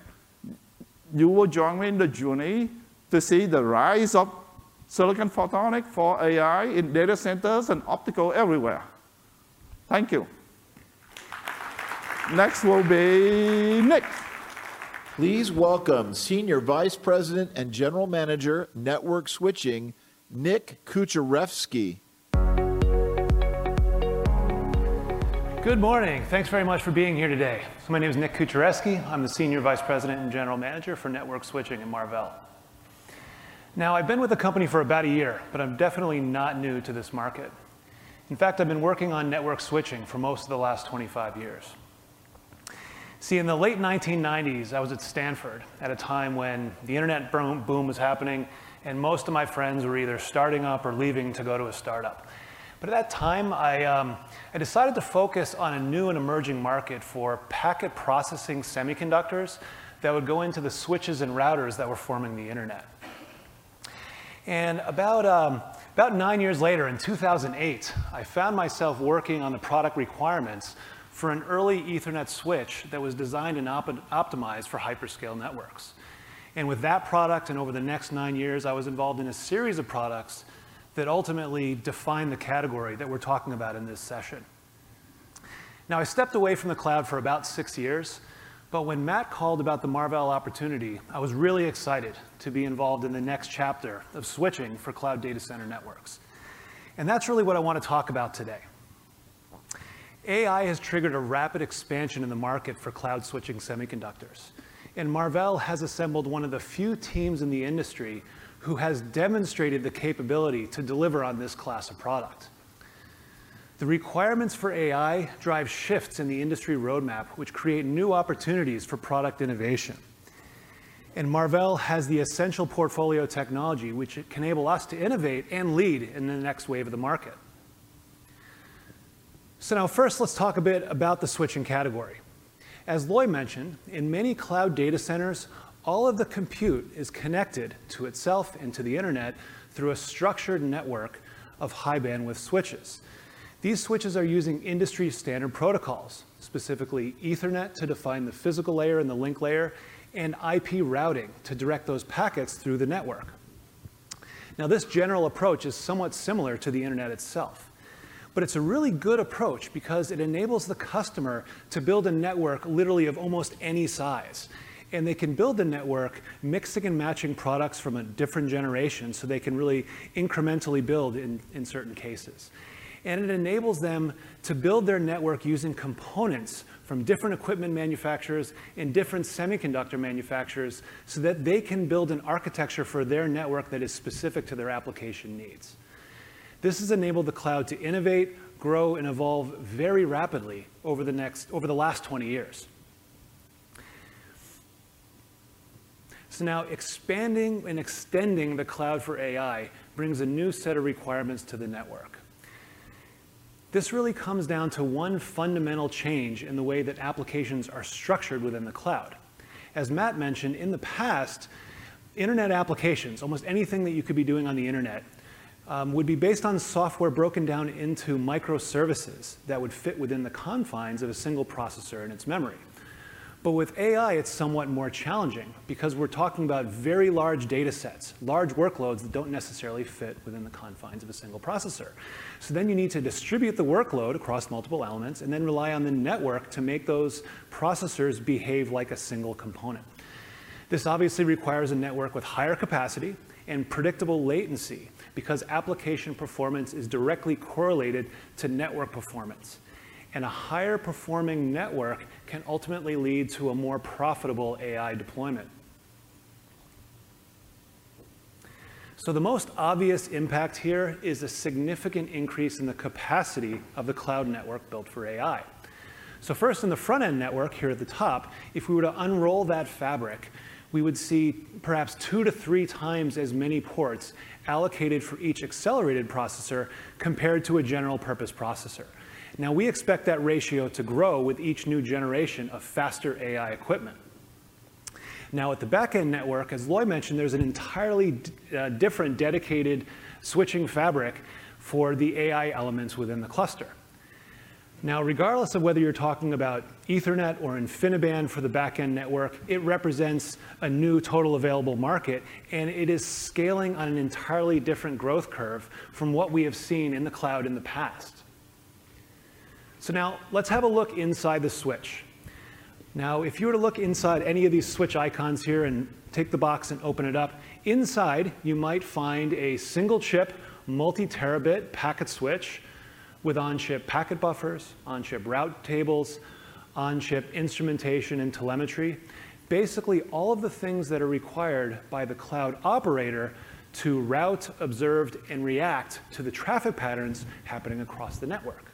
you will join me in the journey to see the rise of silicon photonics for AI in data centers and optical everywhere. Thank you. Next will be Nick. Please welcome Senior Vice President and General Manager, Network Switching, Nick Kucharewski. Good morning. Thanks very much for being here today. So my name is Nick Kucharewski. I'm the Senior Vice President and General Manager for Network Switching at Marvell. Now, I've been with the company for about a year. But I'm definitely not new to this market. In fact, I've been working on network switching for most of the last 25 years. See, in the late 1990s, I was at Stanford at a time when the internet boom was happening. And most of my friends were either starting up or leaving to go to a startup. But at that time, I decided to focus on a new and emerging market for packet processing semiconductors that would go into the switches and routers that were forming the internet. And about 9 years later, in 2008, I found myself working on the product requirements for an early Ethernet switch that was designed and optimized for hyperscale networks. And with that product and over the next nine years, I was involved in a series of products that ultimately defined the category that we're talking about in this session. Now, I stepped away from the cloud for about six years. But when Matt called about the Marvell opportunity, I was really excited to be involved in the next chapter of switching for cloud data center networks. And that's really what I want to talk about today. AI has triggered a rapid expansion in the market for cloud switching semiconductors. And Marvell has assembled one of the few teams in the industry who has demonstrated the capability to deliver on this class of product. The requirements for AI drive shifts in the industry roadmap, which create new opportunities for product innovation. Marvell has the essential portfolio technology, which can enable us to innovate and lead in the next wave of the market. So now, first, let's talk a bit about the switching category. As Loi mentioned, in many cloud data centers, all of the compute is connected to itself and to the internet through a structured network of high bandwidth switches. These switches are using industry standard protocols, specifically Ethernet to define the physical layer and the link layer, and IP routing to direct those packets through the network. Now, this general approach is somewhat similar to the internet itself. It's a really good approach because it enables the customer to build a network literally of almost any size. They can build the network mixing and matching products from a different generation. They can really incrementally build in certain cases. And it enables them to build their network using components from different equipment manufacturers and different semiconductor manufacturers so that they can build an architecture for their network that is specific to their application needs. This has enabled the cloud to innovate, grow, and evolve very rapidly over the last 20 years. So now, expanding and extending the cloud for AI brings a new set of requirements to the network. This really comes down to one fundamental change in the way that applications are structured within the cloud. As Matt mentioned, in the past, internet applications, almost anything that you could be doing on the internet, would be based on software broken down into microservices that would fit within the confines of a single processor and its memory. But with AI, it's somewhat more challenging because we're talking about very large data sets, large workloads that don't necessarily fit within the confines of a single processor. So then you need to distribute the workload across multiple elements and then rely on the network to make those processors behave like a single component. This obviously requires a network with higher capacity and predictable latency because application performance is directly correlated to network performance. And a higher performing network can ultimately lead to a more profitable AI deployment. So the most obvious impact here is a significant increase in the capacity of the cloud network built for AI. So first, in the front-end network here at the top, if we were to unroll that fabric, we would see perhaps 2-3 times as many ports allocated for each accelerated processor compared to a general-purpose processor. Now, we expect that ratio to grow with each new generation of faster AI equipment. Now, at the back-end network, as Loi mentioned, there's an entirely different dedicated switching fabric for the AI elements within the cluster. Now, regardless of whether you're talking about Ethernet or InfiniBand for the back-end network, it represents a new total available market. And it is scaling on an entirely different growth curve from what we have seen in the cloud in the past. So now, let's have a look inside the switch. Now, if you were to look inside any of these switch icons here and take the box and open it up, inside, you might find a single chip multi-Tb packet switch with on-chip packet buffers, on-chip route tables, on-chip instrumentation and telemetry, basically all of the things that are required by the cloud operator to route, observe, and react to the traffic patterns happening across the network.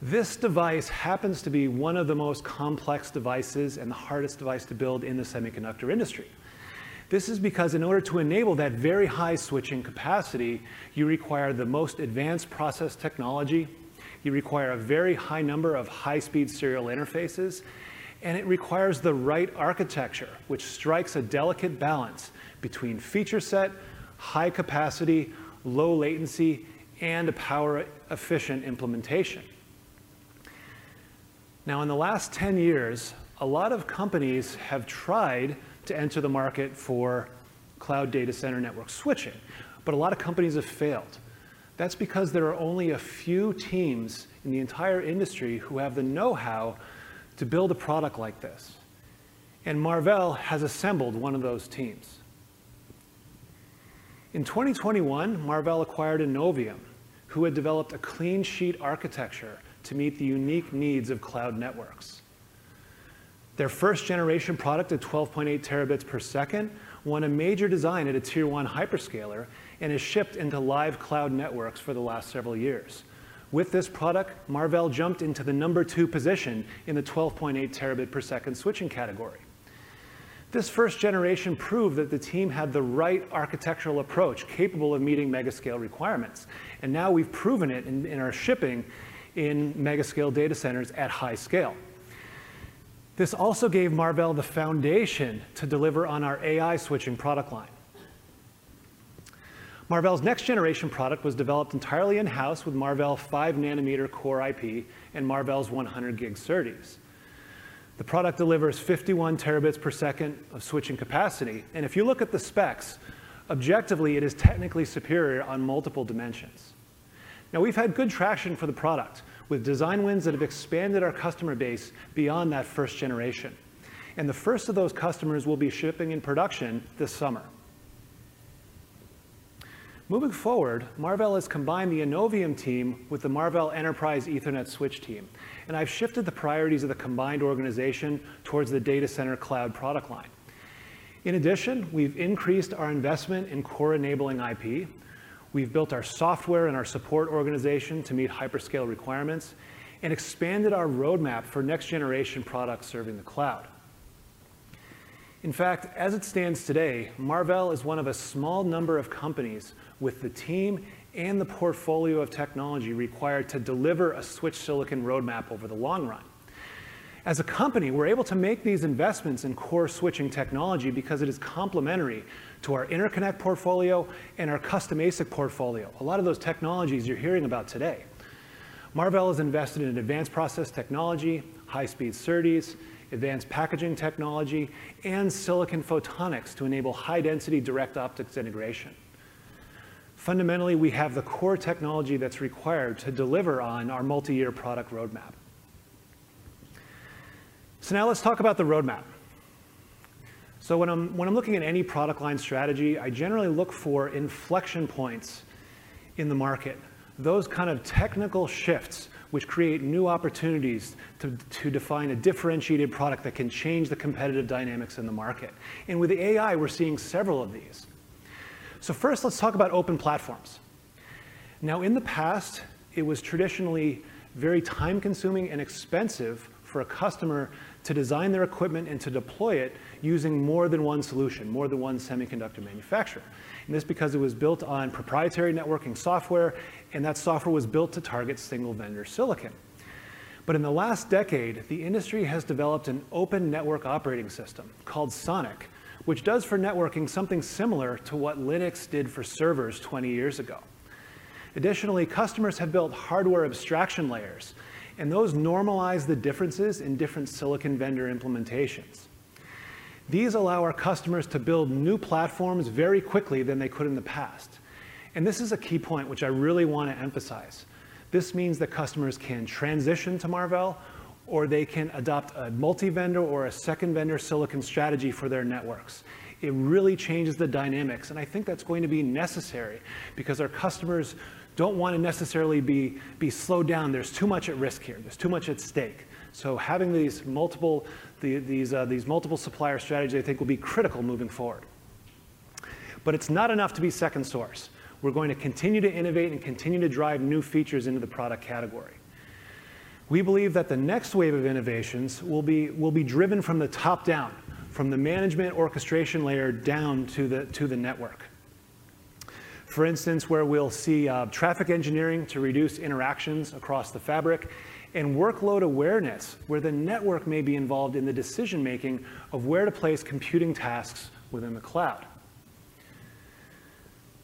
This device happens to be one of the most complex devices and the hardest device to build in the semiconductor industry. This is because, in order to enable that very high switching capacity, you require the most advanced process technology. You require a very high number of high-speed serial interfaces. It requires the right architecture, which strikes a delicate balance between feature set, high capacity, low latency, and a power-efficient implementation. Now, in the last 10 years, a lot of companies have tried to enter the market for cloud data center network switching. But a lot of companies have failed. That's because there are only a few teams in the entire industry who have the know-how to build a product like this. And Marvell has assembled one of those teams. In 2021, Marvell acquired Innovium, who had developed a clean sheet architecture to meet the unique needs of cloud networks. Their first generation product at 12.8 Tb per second won a major design at a tier one hyperscaler and has shipped into live cloud networks for the last several years. With this product, Marvell jumped into the number 2 position in the 12.8 Tb per second switching category. This first generation proved that the team had the right architectural approach capable of meeting mega-scale requirements. Now, we've proven it in our shipping in mega-scale data centers at high scale. This also gave Marvell the foundation to deliver on our AI switching product line. Marvell's next generation product was developed entirely in-house with Marvell 5 nm core IP and Marvell's 100G SerDes. The product delivers 51 Tbps of switching capacity. If you look at the specs, objectively, it is technically superior on multiple dimensions. Now, we've had good traction for the product with design wins that have expanded our customer base beyond that first generation. The first of those customers will be shipping in production this summer. Moving forward, Marvell has combined the Innovium team with the Marvell Enterprise Ethernet Switch team. I've shifted the priorities of the combined organization towards the data center cloud product line. In addition, we've increased our investment in core-enabling IP. We've built our software and our support organization to meet hyperscale requirements and expanded our roadmap for next generation products serving the cloud. In fact, as it stands today, Marvell is one of a small number of companies with the team and the portfolio of technology required to deliver a switch silicon roadmap over the long run. As a company, we're able to make these investments in core switching technology because it is complementary to our interconnect portfolio and our custom ASIC portfolio, a lot of those technologies you're hearing about today. Marvell has invested in advanced process technology, high-speed SERDES, advanced packaging technology, and silicon photonics to enable high-density direct optics integration. Fundamentally, we have the core technology that's required to deliver on our multi-year product roadmap. So now, let's talk about the roadmap. So when I'm looking at any product line strategy, I generally look for inflection points in the market, those kind of technical shifts which create new opportunities to define a differentiated product that can change the competitive dynamics in the market. And with the AI, we're seeing several of these. So first, let's talk about open platforms. Now, in the past, it was traditionally very time-consuming and expensive for a customer to design their equipment and to deploy it using more than one solution, more than one semiconductor manufacturer. And this is because it was built on proprietary networking software. And that software was built to target single vendor silicon. But in the last decade, the industry has developed an open network operating system called SONiC, which does for networking something similar to what Linux did for servers 20 years ago. Additionally, customers have built hardware abstraction layers. Those normalize the differences in different silicon vendor implementations. These allow our customers to build new platforms very quickly than they could in the past. This is a key point, which I really want to emphasize. This means that customers can transition to Marvell. Or they can adopt a multi-vendor or a second-vendor silicon strategy for their networks. It really changes the dynamics. I think that's going to be necessary because our customers don't want to necessarily be slowed down. There's too much at risk here. There's too much at stake. Having these multiple supplier strategies, I think, will be critical moving forward. But it's not enough to be second source. We're going to continue to innovate and continue to drive new features into the product category. We believe that the next wave of innovations will be driven from the top down, from the management orchestration layer down to the network, for instance, where we'll see traffic engineering to reduce interactions across the fabric and workload awareness, where the network may be involved in the decision making of where to place computing tasks within the cloud.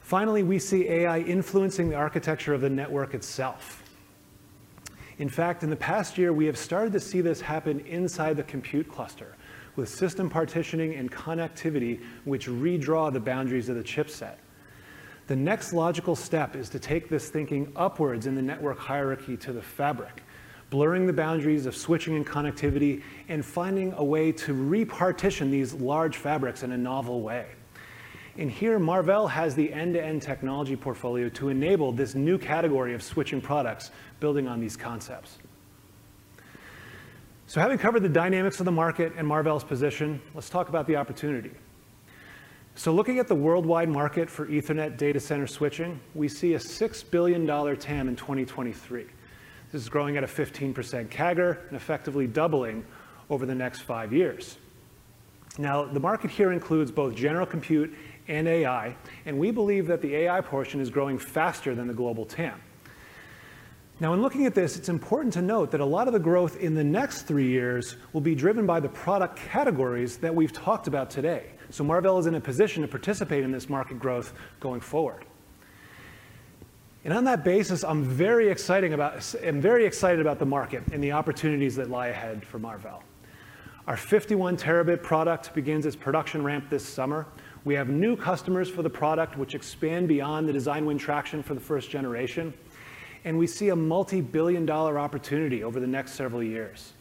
Finally, we see AI influencing the architecture of the network itself. In fact, in the past year, we have started to see this happen inside the compute cluster with system partitioning and connectivity, which redraw the boundaries of the chipset. The next logical step is to take this thinking upwards in the network hierarchy to the fabric, blurring the boundaries of switching and connectivity and finding a way to repartition these large fabrics in a novel way. Here, Marvell has the end-to-end technology portfolio to enable this new category of switching products building on these concepts. Having covered the dynamics of the market and Marvell's position, let's talk about the opportunity. Looking at the worldwide market for Ethernet data center switching, we see a $6 billion TAM in 2023. This is growing at a 15% CAGR and effectively doubling over the next five years. Now, the market here includes both general compute and AI. We believe that the AI portion is growing faster than the global TAM. Now, in looking at this, it's important to note that a lot of the growth in the next three years will be driven by the product categories that we've talked about today. Marvell is in a position to participate in this market growth going forward. And on that basis, I'm very excited about the market and the opportunities that lie ahead for Marvell. Our 51-Tb product begins its production ramp this summer. We have new customers for the product, which expand beyond the design win traction for the first generation. We see a multi-billion-dollar opportunity over the next several years.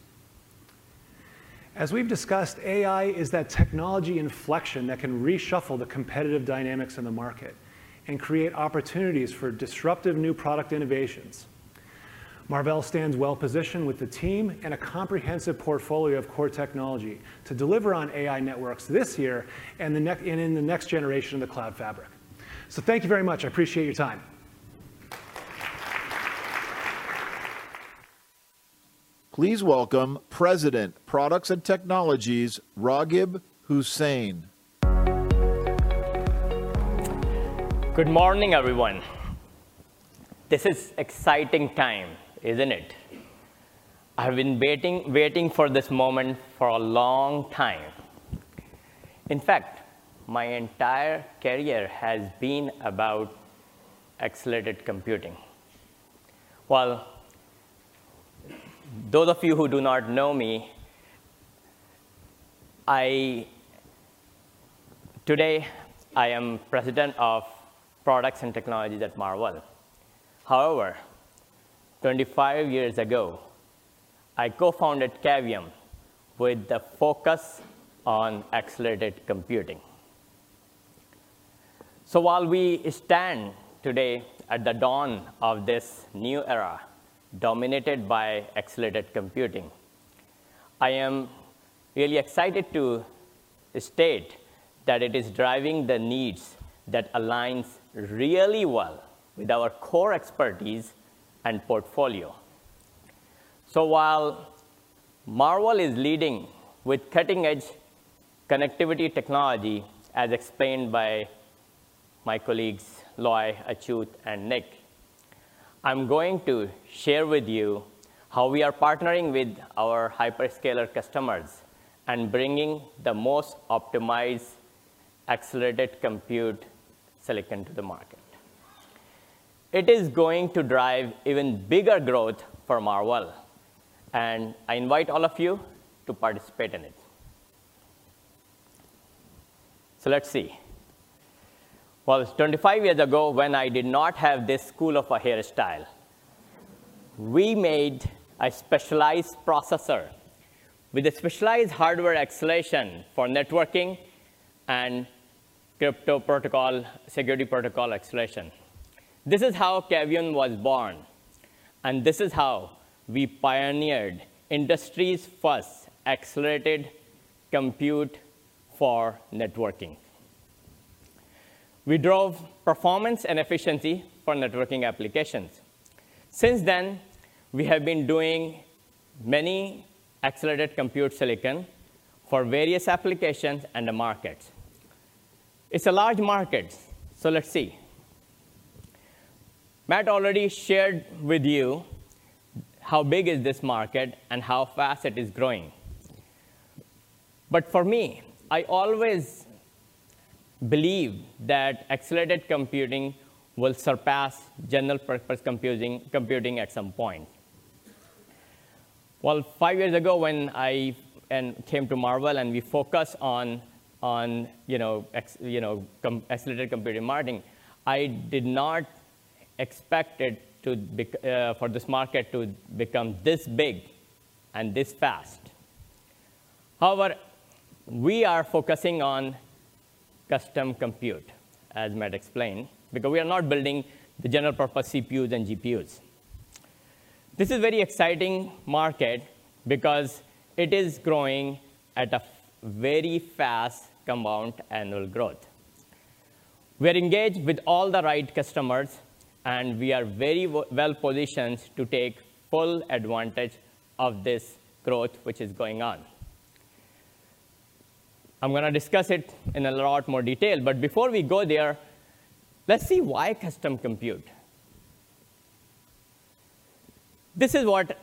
As we've discussed, AI is that technology inflection that can reshuffle the competitive dynamics in the market and create opportunities for disruptive new product innovations. Marvell stands well positioned with the team and a comprehensive portfolio of core technology to deliver on AI networks this year and in the next generation of the cloud fabric. Thank you very much. I appreciate your time. Please welcome President, Products and Technologies, Raghib Hussain. Good morning, everyone. This is an exciting time, isn't it? I have been waiting for this moment for a long time. In fact, my entire career has been about accelerated computing. Well, those of you who do not know me, today, I am President of Products and Technologies at Marvell. However, 25 years ago, I co-founded Cavium with a focus on accelerated computing. So while we stand today at the dawn of this new era dominated by accelerated computing, I am really excited to state that it is driving the needs that align really well with our core expertise and portfolio. So while Marvell is leading with cutting-edge connectivity technology, as explained by my colleagues Loi, Achyut, and Nick, I'm going to share with you how we are partnering with our hyperscaler customers and bringing the most optimized accelerated compute silicon to the market. It is going to drive even bigger growth for Marvell. I invite all of you to participate in it. So let's see. Well, 25 years ago, when I did not have this school of a hairstyle, we made a specialized processor with a specialized hardware acceleration for networking and crypto security protocol acceleration. This is how Cavium was born. And this is how we pioneered industry's first accelerated compute for networking. We drove performance and efficiency for networking applications. Since then, we have been doing many accelerated compute silicon for various applications and the markets. It's a large market. So let's see. Matt already shared with you how big this market is and how fast it is growing. But for me, I always believe that accelerated computing will surpass general purpose computing at some point. Well, five years ago, when I came to Marvell and we focused on accelerated computing marketing, I did not expect for this market to become this big and this fast. However, we are focusing on custom compute, as Matt explained, because we are not building the general purpose CPUs and GPUs. This is a very exciting market because it is growing at a very fast compound annual growth. We are engaged with all the right customers. And we are very well positioned to take full advantage of this growth, which is going on. I'm going to discuss it in a lot more detail. But before we go there, let's see why custom compute. This is what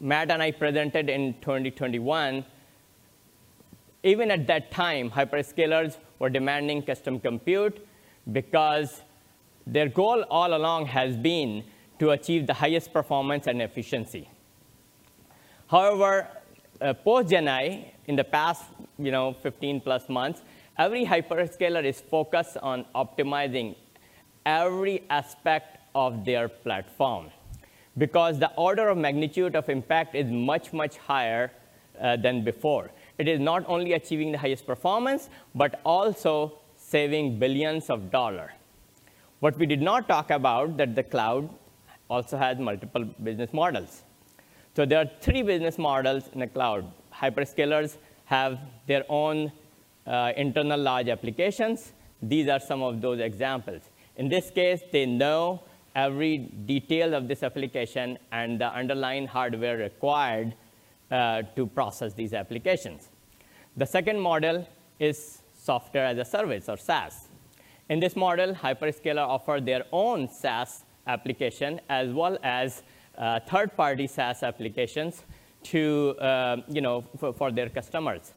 Matt and I presented in 2021. Even at that time, hyperscalers were demanding custom compute because their goal all along has been to achieve the highest performance and efficiency. However, post-Gen AI, in the past 15+ months, every hyperscaler is focused on optimizing every aspect of their platform because the order of magnitude of impact is much, much higher than before. It is not only achieving the highest performance but also saving billions of dollars. What we did not talk about is that the cloud also has multiple business models. So there are three business models in the cloud. Hyperscalers have their own internal large applications. These are some of those examples. In this case, they know every detail of this application and the underlying hardware required to process these applications. The second model is Software as a Service or SaaS. In this model, hyperscalers offer their own SaaS application as well as third-party SaaS applications for their customers.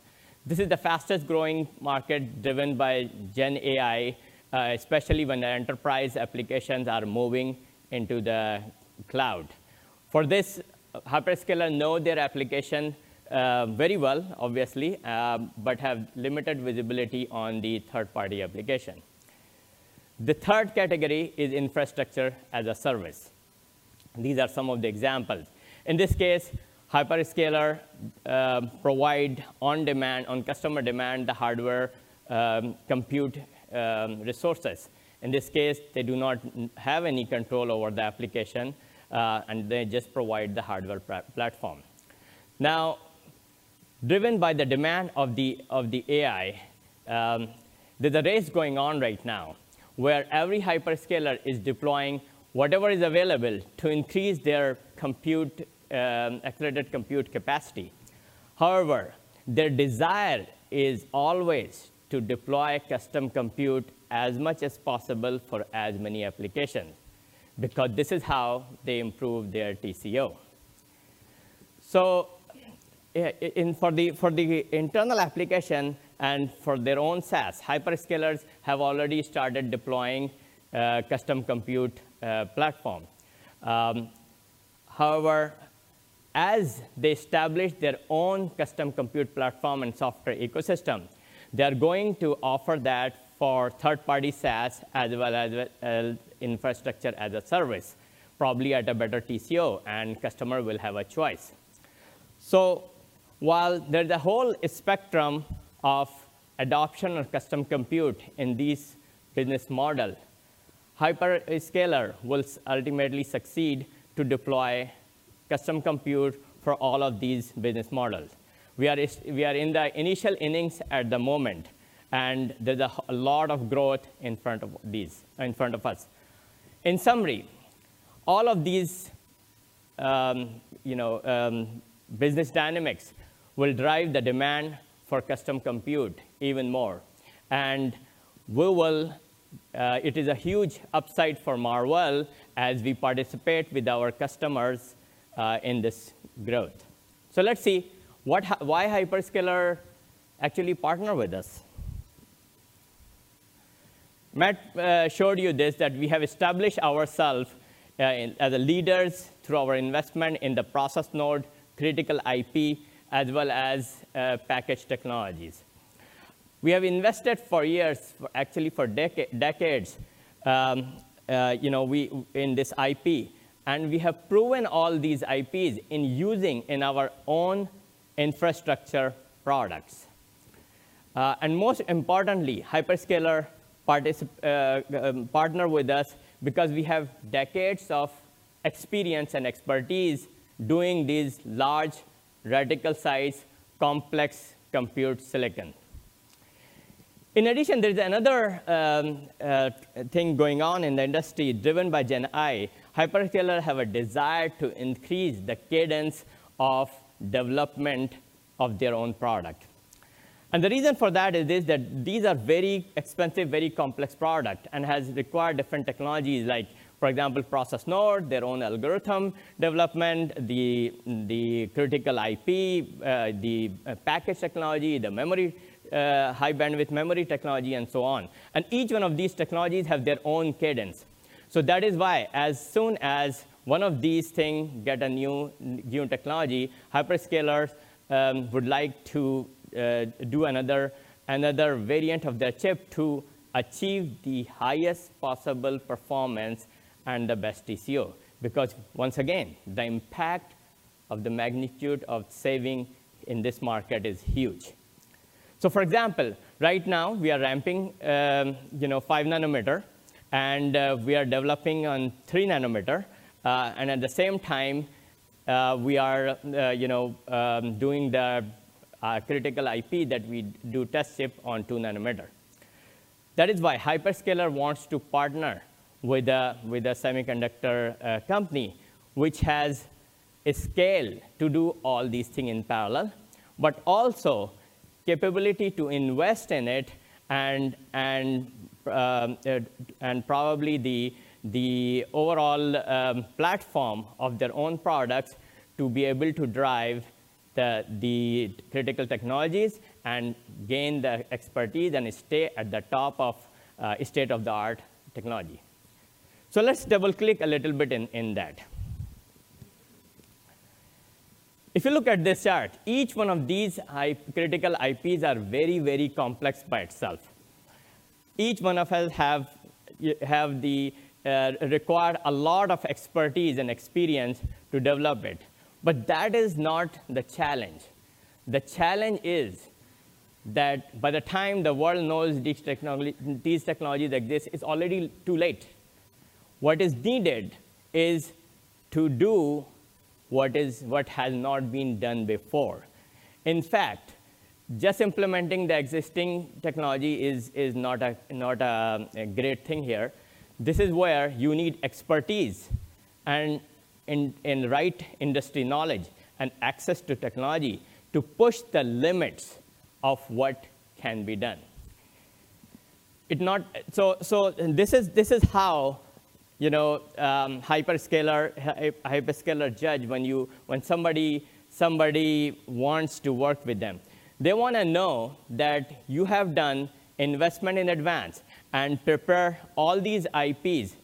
This is the fastest growing market driven by Gen AI, especially when enterprise applications are moving into the cloud. For this, hyperscalers know their application very well, obviously, but have limited visibility on the third-party application. The third category is Infrastructure as a Service. These are some of the examples. In this case, hyperscalers provide on demand, on customer demand, the hardware compute resources. In this case, they do not have any control over the application. They just provide the hardware platform. Now, driven by the demand of the AI, there's a race going on right now where every hyperscaler is deploying whatever is available to increase their accelerated compute capacity. However, their desire is always to deploy custom compute as much as possible for as many applications because this is how they improve their TCO. For the internal application and for their own SaaS, hyperscalers have already started deploying a custom compute platform. However, as they establish their own custom compute platform and software ecosystem, they are going to offer that for third-party SaaS as well as Infrastructure as a Service, probably at a better TCO. Customers will have a choice. While there's a whole spectrum of adoption of custom compute in these business models, hyperscalers will ultimately succeed to deploy custom compute for all of these business models. We are in the initial innings at the moment. There's a lot of growth in front of us. In summary, all of these business dynamics will drive the demand for custom compute even more. It is a huge upside for Marvell as we participate with our customers in this growth. Let's see why hyperscalers actually partner with us. Matt showed you this, that we have established ourselves as leaders through our investment in the process node, critical IP, as well as package technologies. We have invested for years, actually for decades, in this IP. We have proven all these IPs in using in our own infrastructure products. Most importantly, hyperscalers partner with us because we have decades of experience and expertise doing these large, reticle-sized, complex compute silicon. In addition, there's another thing going on in the industry driven by Gen AI. Hyperscalers have a desire to increase the cadence of development of their own product. The reason for that is that these are very expensive, very complex products and have required different technologies, like, for example, process node, their own algorithm development, the critical IP, the package technology, the high bandwidth memory technology, and so on. Each one of these technologies has their own cadence. So that is why, as soon as one of these things gets a new technology, hyperscalers would like to do another variant of their chip to achieve the highest possible performance and the best TCO because, once again, the impact of the magnitude of saving in this market is huge. So, for example, right now, we are ramping 5 nm. We are developing on 3 nm. At the same time, we are doing the critical IP that we do test chip on 2 nm. That is why hyperscalers want to partner with a semiconductor company which has a scale to do all these things in parallel, but also capability to invest in it and probably the overall platform of their own products to be able to drive the critical technologies and gain the expertise and stay at the top of state-of-the-art technology. So let's double-click a little bit in that. If you look at this chart, each one of these critical IPs is very, very complex by itself. Each one of them requires a lot of expertise and experience to develop it. But that is not the challenge. The challenge is that by the time the world knows these technologies exist, it's already too late. What is needed is to do what has not been done before. In fact, just implementing the existing technology is not a great thing here. This is where you need expertise and the right industry knowledge and access to technology to push the limits of what can be done. So this is how hyperscalers judge when somebody wants to work with them. They want to know that you have done investment in advance and prepared all these IPs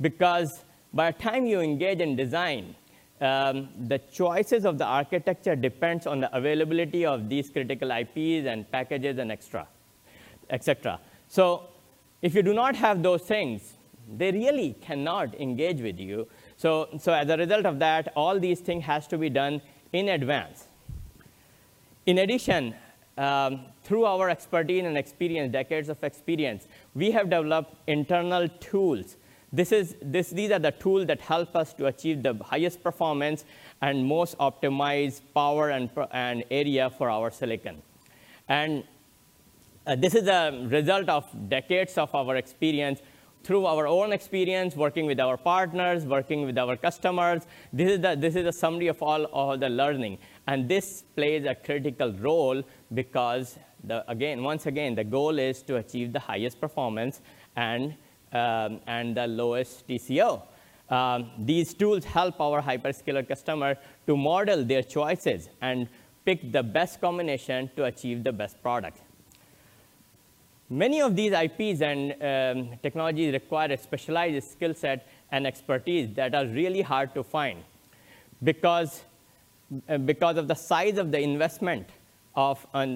because, by the time you engage in design, the choices of the architecture depend on the availability of these critical IPs and packages and et cetera. So if you do not have those things, they really cannot engage with you. So as a result of that, all these things have to be done in advance. In addition, through our expertise and decades of experience, we have developed internal tools. These are the tools that help us to achieve the highest performance and most optimized power and area for our silicon. This is a result of decades of our experience, through our own experience working with our partners, working with our customers. This is a summary of all the learning. This plays a critical role because, again, once again, the goal is to achieve the highest performance and the lowest TCO. These tools help our hyperscaler customers to model their choices and pick the best combination to achieve the best product. Many of these IPs and technologies require a specialized skill set and expertise that are really hard to find because of the size of the investment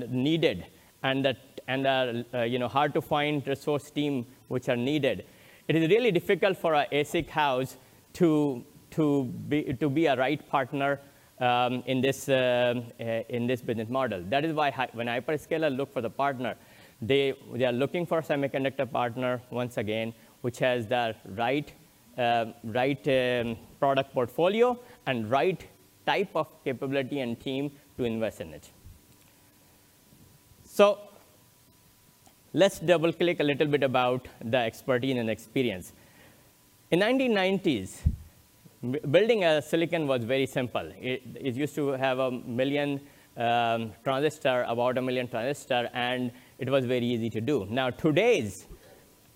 needed and the hard-to-find resource teams which are needed. It is really difficult for an ASIC house to be the right partner in this business model. That is why, when hyperscalers look for the partner, they are looking for a semiconductor partner, once again, which has the right product portfolio and right type of capability and team to invest in it. So let's double-click a little bit about the expertise and experience. In the 1990s, building silicon was very simple. It used to have 1 million transistors, about 1 million transistors. It was very easy to do. Now, today's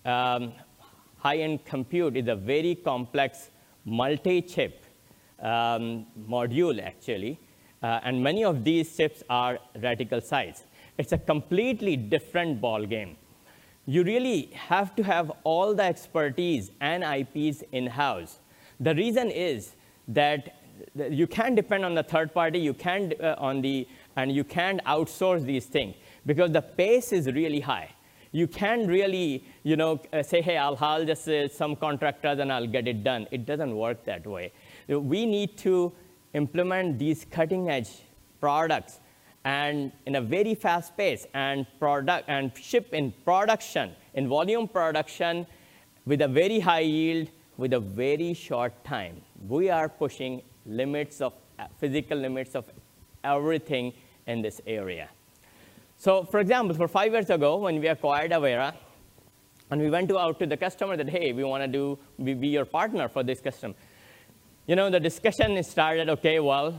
high-end compute is a very complex multi-chip module, actually. Many of these chips are radical-sized. It's a completely different ballgame. You really have to have all the expertise and IPs in-house. The reason is that you can't depend on the third party. You can't outsource these things because the pace is really high. You can't really say, "Hey, I'll hire some contractors, and I'll get it done." It doesn't work that way. We need to implement these cutting-edge products in a very fast pace and ship in production, in volume production, with a very high yield, with a very short time. We are pushing physical limits of everything in this area. So, for example, five years ago, when we acquired Avera, and we went out to the customer and said, "Hey, we want to be your partner for this customer," the discussion started, "OK, well,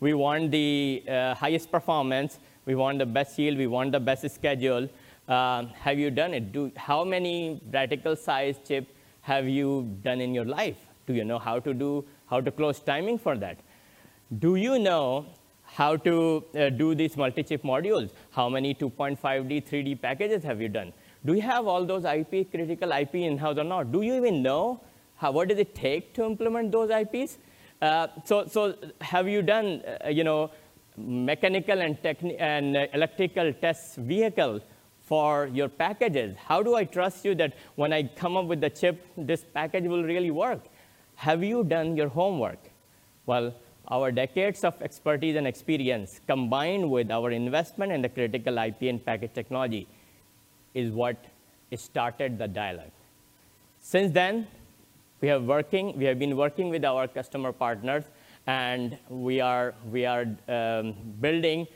we want the highest performance. We want the best yield. We want the best schedule. Have you done it? How many radical-sized chips have you done in your life? Do you know how to close timing for that? Do you know how to do these multi-chip modules? How many 2.5D, 3D packages have you done? Do you have all those critical IPs in-house or not? Do you even know what does it take to implement those IPs? So have you done mechanical and electrical test vehicles for your packages? How do I trust you that when I come up with the chip, this package will really work? Have you done your homework?" Well, our decades of expertise and experience, combined with our investment in the critical IP and package technology, is what started the dialogue. Since then, we have been working with our customer partners. We are building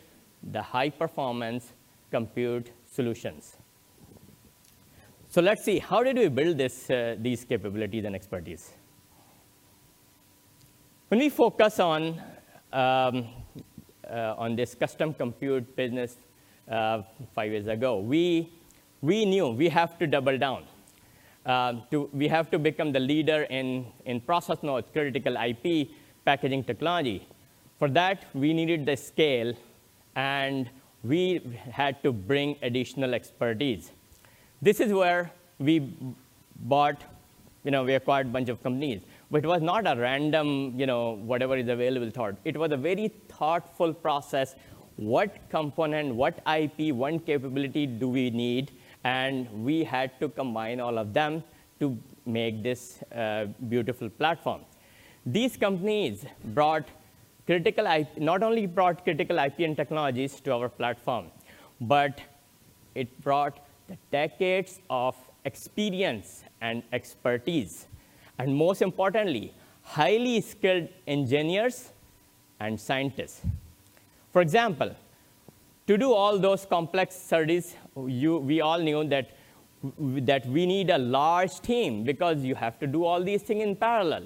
the high-performance compute solutions. So let's see, how did we build these capabilities and expertise? When we focused on this custom compute business 5 years ago, we knew we have to double down. We have to become the leader in process nodes, critical IP, packaging technology. For that, we needed the scale. We had to bring additional expertise. This is where we acquired a bunch of companies. But it was not a random whatever is available thought. It was a very thoughtful process, what component, what IP, what capability do we need? And we had to combine all of them to make this beautiful platform. These companies not only brought critical IP and technologies to our platform, but it brought decades of experience and expertise, and most importantly, highly skilled engineers and scientists. For example, to do all those complex SerDes, we all knew that we need a large team because you have to do all these things in parallel.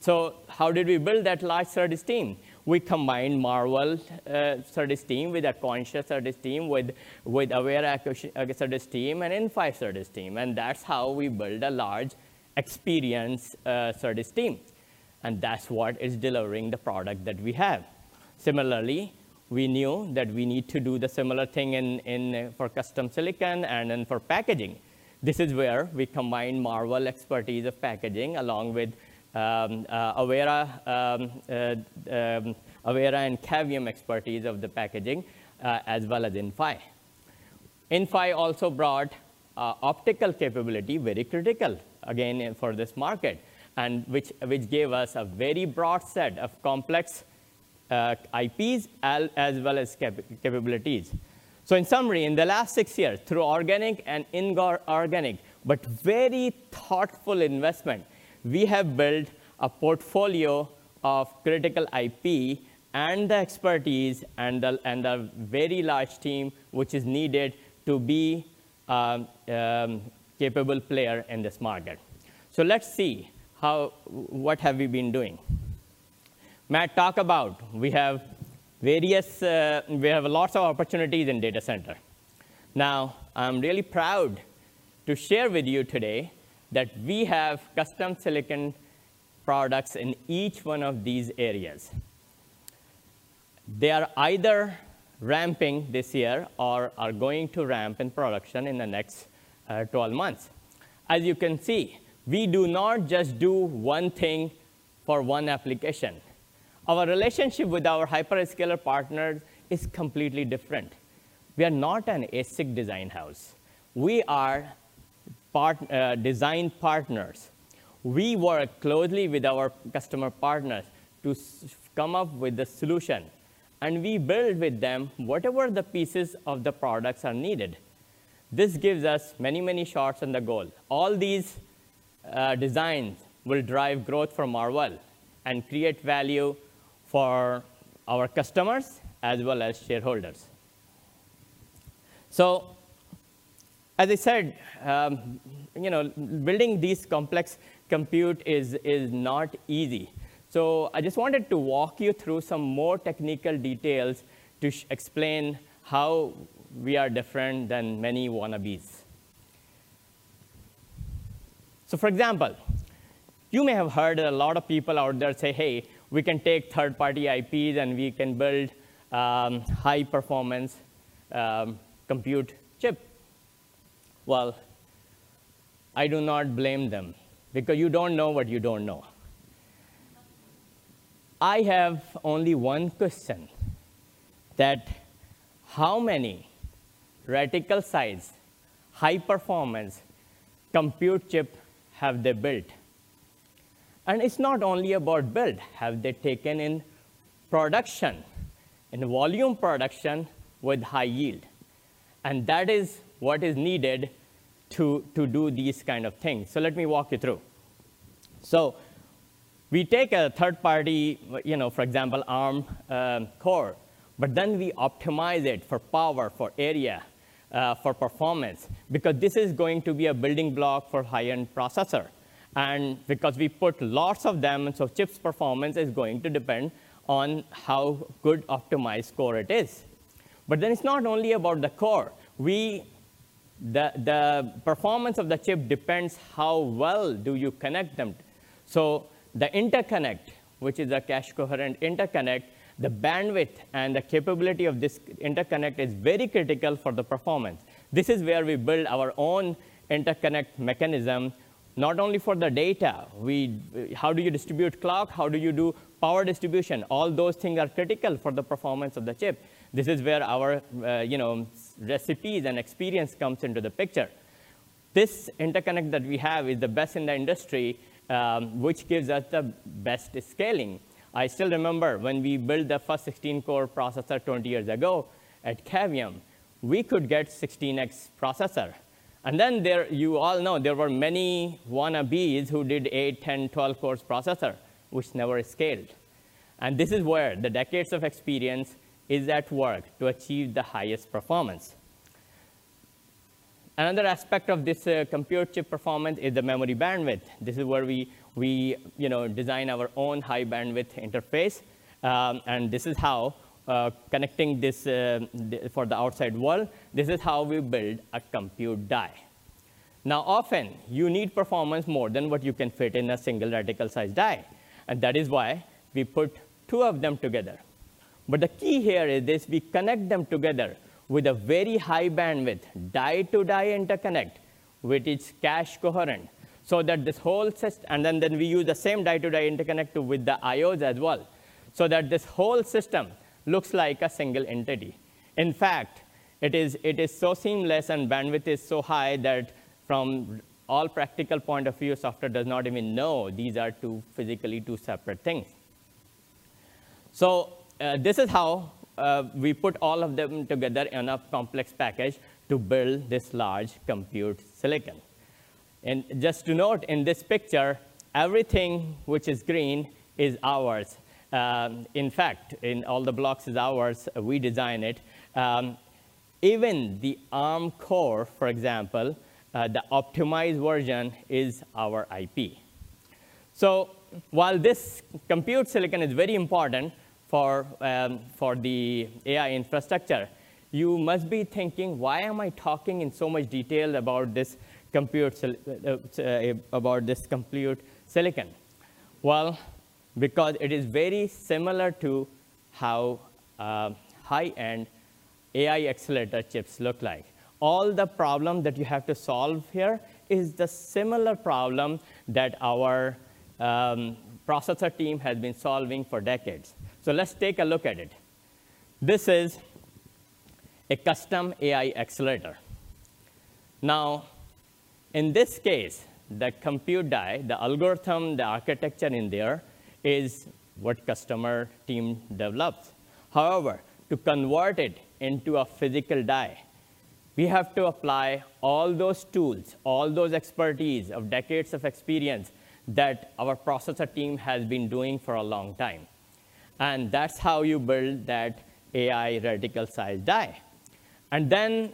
So how did we build that large studies team? We combined Marvell's studies team with Cavium's studies team, with Avera's studies team, and Inphi's studies team. And that's how we built a large experienced studies team. And that's what is delivering the product that we have. Similarly, we knew that we need to do the similar thing for custom silicon and then for packaging. This is where we combined Marvell's expertise of packaging along with Avera and Cavium's expertise of the packaging, as well as Inphi. Inphi also brought optical capability, very critical, again, for this market, which gave us a very broad set of complex IPs as well as capabilities. So, in summary, in the last six years, through organic and inorganic, but very thoughtful investment, we have built a portfolio of critical IP and the expertise and a very large team which is needed to be a capable player in this market. So let's see, what have we been doing? Matt, talk about we have lots of opportunities in data center. Now, I'm really proud to share with you today that we have custom silicon products in each one of these areas. They are either ramping this year or are going to ramp in production in the next 12 months. As you can see, we do not just do one thing for one application. Our relationship with our hyperscaler partners is completely different. We are not an ASIC design house. We are design partners. We work closely with our customer partners to come up with the solution. And we build with them whatever the pieces of the products are needed. This gives us many, many shots on the goal. All these designs will drive growth for Marvell and create value for our customers as well as shareholders. So, as I said, building this complex compute is not easy. So I just wanted to walk you through some more technical details to explain how we are different than many wannabes. So, for example, you may have heard a lot of people out there say, "Hey, we can take third-party IPs, and we can build a high-performance compute chip." Well, I do not blame them because you don't know what you don't know. I have only one question: how many radical-sized, high-performance compute chips have they built? And it's not only about build. Have they taken in production, in volume production with high yield? And that is what is needed to do these kinds of things. So let me walk you through. So we take a third-party, for example, ARM core. But then we optimize it for power, for area, for performance because this is going to be a building block for high-end processor. And because we put lots of them, so chips' performance is going to depend on how good an optimized core it is. But then it's not only about the core. The performance of the chip depends on how well you connect them. So the interconnect, which is a cache-coherent interconnect, the bandwidth and the capability of this interconnect is very critical for the performance. This is where we build our own interconnect mechanism, not only for the data. How do you distribute clock? How do you do power distribution? All those things are critical for the performance of the chip. This is where our recipes and experience come into the picture. This interconnect that we have is the best in the industry, which gives us the best scaling. I still remember when we built the first 16-core processor 20 years ago at Cavium, we could get a 16x processor. And then you all know there were many wannabes who did an 8, 10, 12-core processor, which never scaled. This is where the decades of experience is at work to achieve the highest performance. Another aspect of this compute chip performance is the memory bandwidth. This is where we design our own high-bandwidth interface. This is how, connecting this for the outside world, this is how we build a compute die. Now, often, you need performance more than what you can fit in a single radical-sized die. That is why we put two of them together. The key here is this. We connect them together with a very high-bandwidth die-to-die interconnect with its cache-coherent so that this whole system and then we use the same die-to-die interconnect with the I/Os as well so that this whole system looks like a single entity. In fact, it is so seamless, and bandwidth is so high that, from an all-practical point of view, software does not even know these are physically two separate things. So this is how we put all of them together in a complex package to build this large compute silicon. And just to note, in this picture, everything which is green is ours. In fact, all the blocks are ours. We design it. Even the Arm core, for example, the optimized version is our IP. So while this compute silicon is very important for the AI infrastructure, you must be thinking, why am I talking in so much detail about this compute silicon? Well, because it is very similar to how high-end AI accelerator chips look like. All the problem that you have to solve here is the similar problem that our processor team has been solving for decades. So let's take a look at it. This is a custom AI accelerator. Now, in this case, the compute die, the algorithm, the architecture in there is what the customer team developed. However, to convert it into a physical die, we have to apply all those tools, all those expertise of decades of experience that our processor team has been doing for a long time. And that's how you build that AI radical-sized die. And then,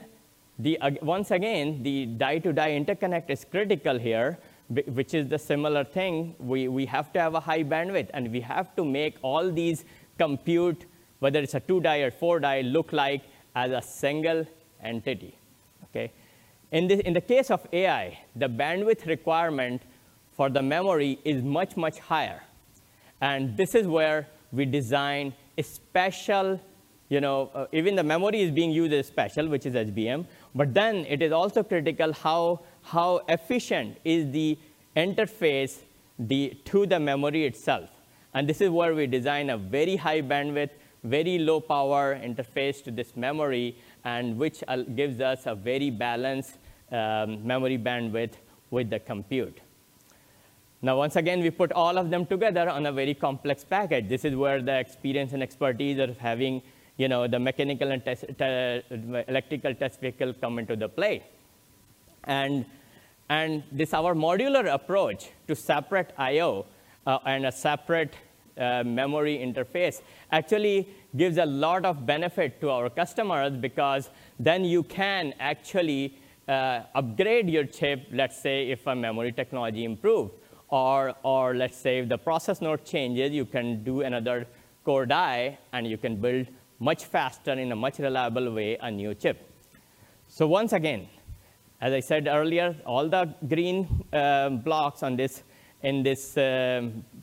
once again, the die-to-die interconnect is critical here, which is the similar thing. We have to have a high bandwidth. And we have to make all these compute, whether it's a 2-die or 4-die, look like a single entity. OK? In the case of AI, the bandwidth requirement for the memory is much, much higher. And this is where we design a special, even the memory is being used as special, which is HBM. But then it is also critical how efficient is the interface to the memory itself. This is where we design a very high-bandwidth, very low-power interface to this memory, which gives us a very balanced memory bandwidth with the compute. Now, once again, we put all of them together on a very complex package. This is where the experience and expertise of having the mechanical and electrical test vehicles come into the play. This is our modular approach to separate I/O and a separate memory interface actually gives a lot of benefit to our customers because then you can actually upgrade your chip, let's say, if a memory technology improves. Or let's say, if the process node changes, you can do another core die. And you can build much faster, in a much reliable way, a new chip. So once again, as I said earlier, all the green blocks in this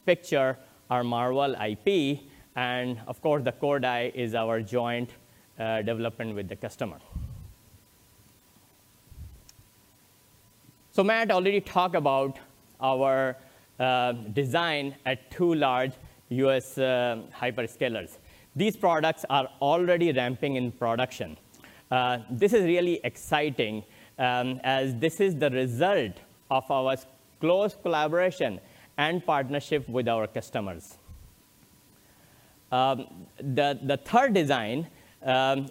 picture are Marvell IP. And, of course, the core die is our joint development with the customer. So Matt already talked about our design at two large U.S. hyperscalers. These products are already ramping in production. This is really exciting, as this is the result of our close collaboration and partnership with our customers. The third design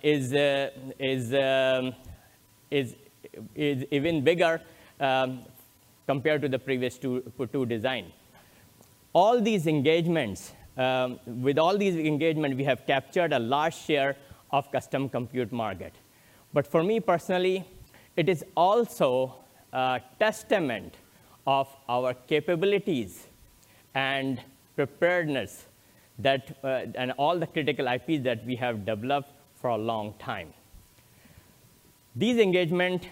is even bigger compared to the previous two designs. With all these engagements, we have captured a large share of the custom compute market. But for me personally, it is also a testament of our capabilities and preparedness and all the critical IPs that we have developed for a long time. This engagement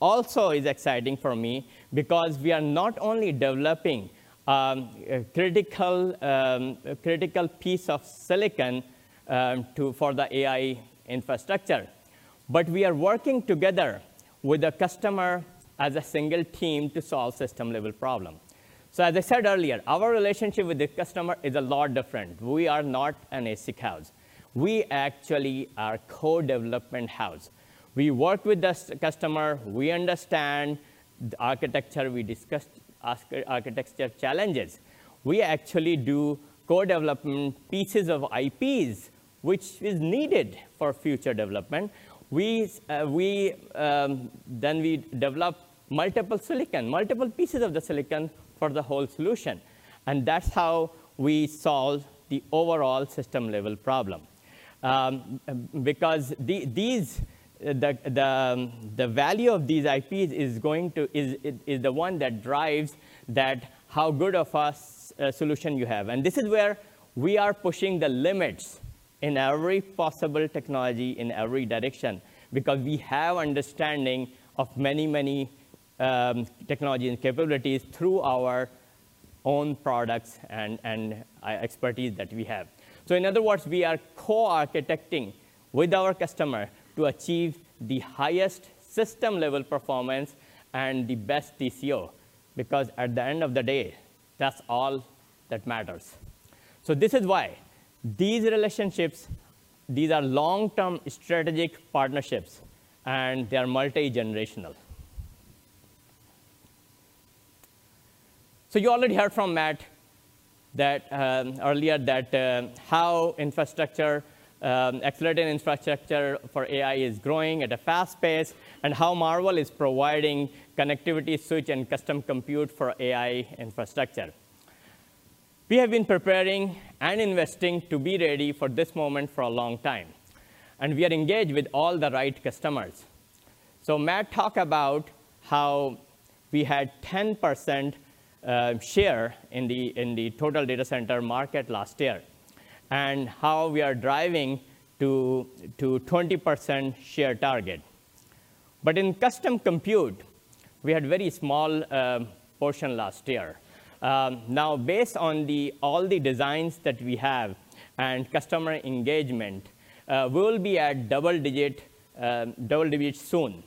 also is exciting for me because we are not only developing a critical piece of silicon for the AI infrastructure, but we are working together with the customer as a single team to solve system-level problems. So, as I said earlier, our relationship with the customer is a lot different. We are not an ASIC house. We actually are a co-development house. We work with the customer. We understand the architecture. We discuss architecture challenges. We actually do co-development pieces of IPs, which are needed for future development. Then we develop multiple silicon, multiple pieces of the silicon for the whole solution. And that's how we solve the overall system-level problem. Because the value of these IPs is the one that drives how good of a solution you have. This is where we are pushing the limits in every possible technology, in every direction, because we have an understanding of many, many technologies and capabilities through our own products and expertise that we have. So, in other words, we are co-architecting with our customer to achieve the highest system-level performance and the best TCO because, at the end of the day, that's all that matters. So this is why these relationships, these are long-term strategic partnerships. And they are multi-generational. So you already heard from Matt earlier how accelerating infrastructure for AI is growing at a fast pace and how Marvell is providing connectivity, switch, and custom compute for AI infrastructure. We have been preparing and investing to be ready for this moment for a long time. And we are engaged with all the right customers. So Matt talked about how we had 10% share in the total data center market last year and how we are driving to a 20% share target. But in custom compute, we had a very small portion last year. Now, based on all the designs that we have and customer engagement, we will be at double digits soon.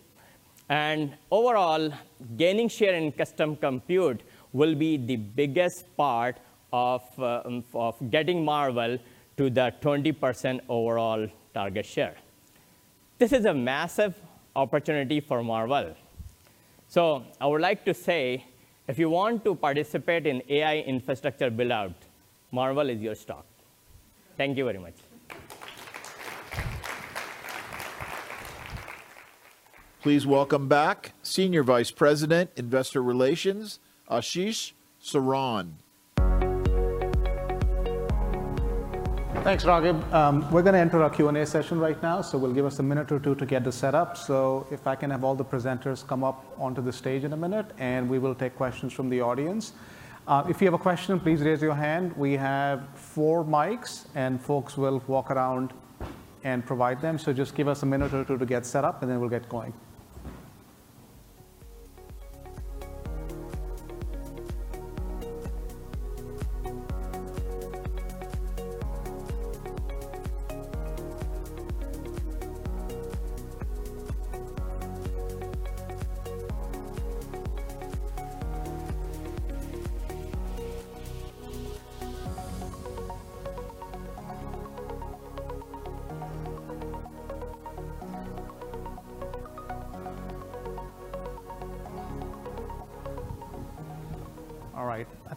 And overall, gaining share in custom compute will be the biggest part of getting Marvell to the 20% overall target share. This is a massive opportunity for Marvell. So I would like to say, if you want to participate in AI infrastructure build-out, Marvell is your stock. Thank you very much. Please welcome back Senior Vice President, Investor Relations, Ashish Saran. Thanks, Raghib. We're going to enter a Q&A session right now. So we'll give us a minute or two to get this set up. So if I can have all the presenters come up onto the stage in a minute, and we will take questions from the audience. If you have a question, please raise your hand. We have four mics. And folks will walk around and provide them. So just give us a minute or two to get set up, and then we'll get going.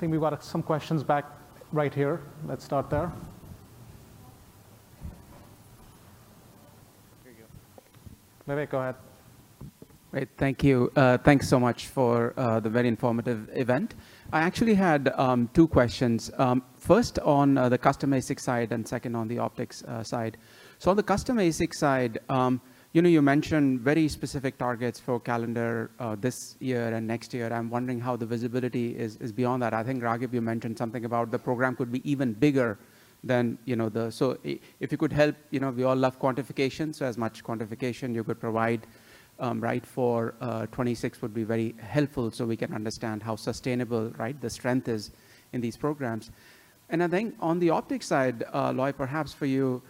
All right. I think we've got some questions back right here. Let's start there. Here you go. Vivek, go ahead. Great. Thank you. Thanks so much for the very informative event. I actually had two questions, first on the custom ASIC side and second on the optics side. So on the custom ASIC side, you mentioned very specific targets for calendar this year and next year. I'm wondering how the visibility is beyond that. I think, Raghib, you mentioned something about the program could be even bigger than the so if you could help, we all love quantification. So as much quantification you could provide for 2026 would be very helpful so we can understand how sustainable the strength is in these programs. And I think, on the optics side, Loi, perhaps for you,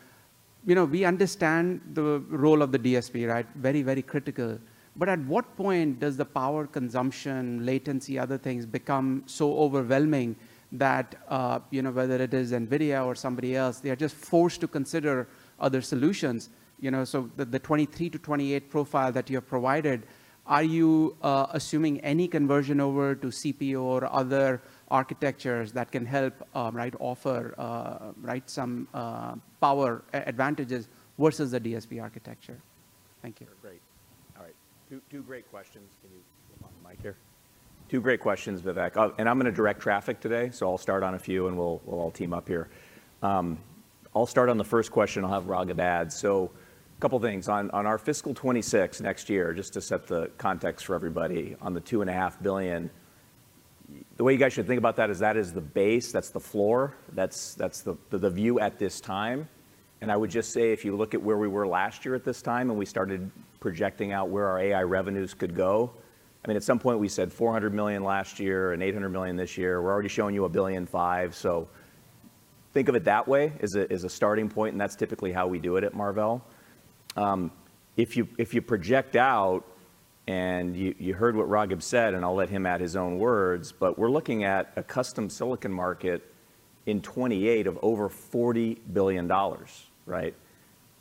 we understand the role of the DSP, very, very critical. But at what point does the power consumption, latency, other things become so overwhelming that whether it is NVIDIA or somebody else, they are just forced to consider other solutions? So the 2023-2028 profile that you have provided, are you assuming any conversion over to CPU or other architectures that can help offer some power advantages versus the DSP architecture? Thank you. Great. All right. Two great questions. Can you put them on the mic here? Two great questions, Vivek. And I'm going to direct traffic today. So I'll start on a few, and we'll all team up here. I'll start on the first question. I'll have Raghib add. So a couple of things. On our fiscal 2026 next year, just to set the context for everybody, on the $2.5 billion, the way you guys should think about that is that is the base. That's the floor. That's the view at this time. And I would just say, if you look at where we were last year at this time, and we started projecting out where our AI revenues could go, I mean, at some point, we said $400 million last year and $800 million this year. We're already showing you $1.5 billion. So think of it that way as a starting point. And that's typically how we do it at Marvell. If you project out and you heard what Raghib said, and I'll let him add his own words, but we're looking at a custom silicon market in 2028 of over $40 billion.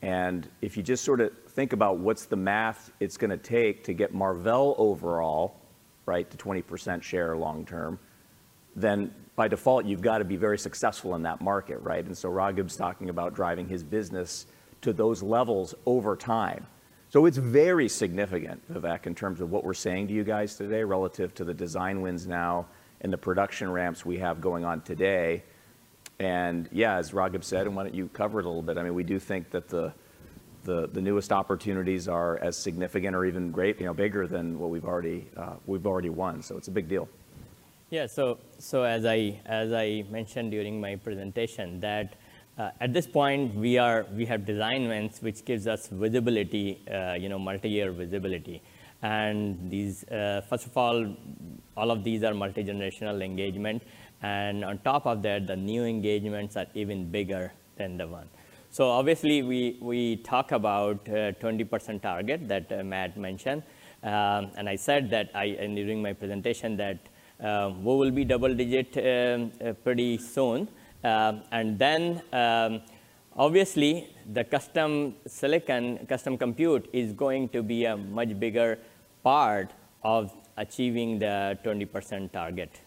And if you just sort of think about what's the math it's going to take to get Marvell overall to 20% share long term, then, by default, you've got to be very successful in that market. And so Raghib's talking about driving his business to those levels over time. So it's very significant, Vivek, in terms of what we're saying to you guys today relative to the design wins now and the production ramps we have going on today. Yeah, as Raghib said, and why don't you cover it a little bit? I mean, we do think that the newest opportunities are as significant or even bigger than what we've already won. So it's a big deal. Yeah. So as I mentioned during my presentation, at this point, we have design wins, which gives us multi-year visibility. And first of all, all of these are multi-generational engagements. And on top of that, the new engagements are even bigger than the one. So obviously, we talk about the 20% target that Matt mentioned. And I said during my presentation that we will be double digit pretty soon. And then, obviously, the custom silicon, custom compute is going to be a much bigger part of achieving the 20% target.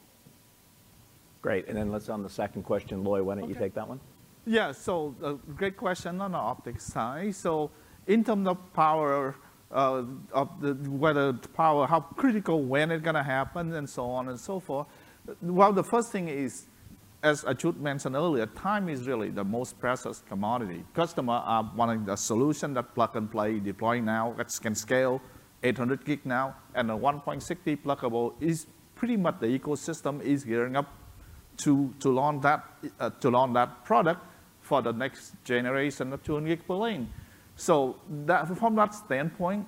Great. Then let's on the second question. Loi, why don't you take that one? Yeah. So great question on the optics side. So in terms of power, whether power, how critical, when it's going to happen, and so on and so forth, well, the first thing is, as Achyut mentioned earlier, time is really the most precious commodity. Customers are wanting the solution that plug and play, deploy now, which can scale 800G now. And the 1.6T pluggable is pretty much the ecosystem is gearing up to launch that product for the next generation of 200G per lane. So from that standpoint,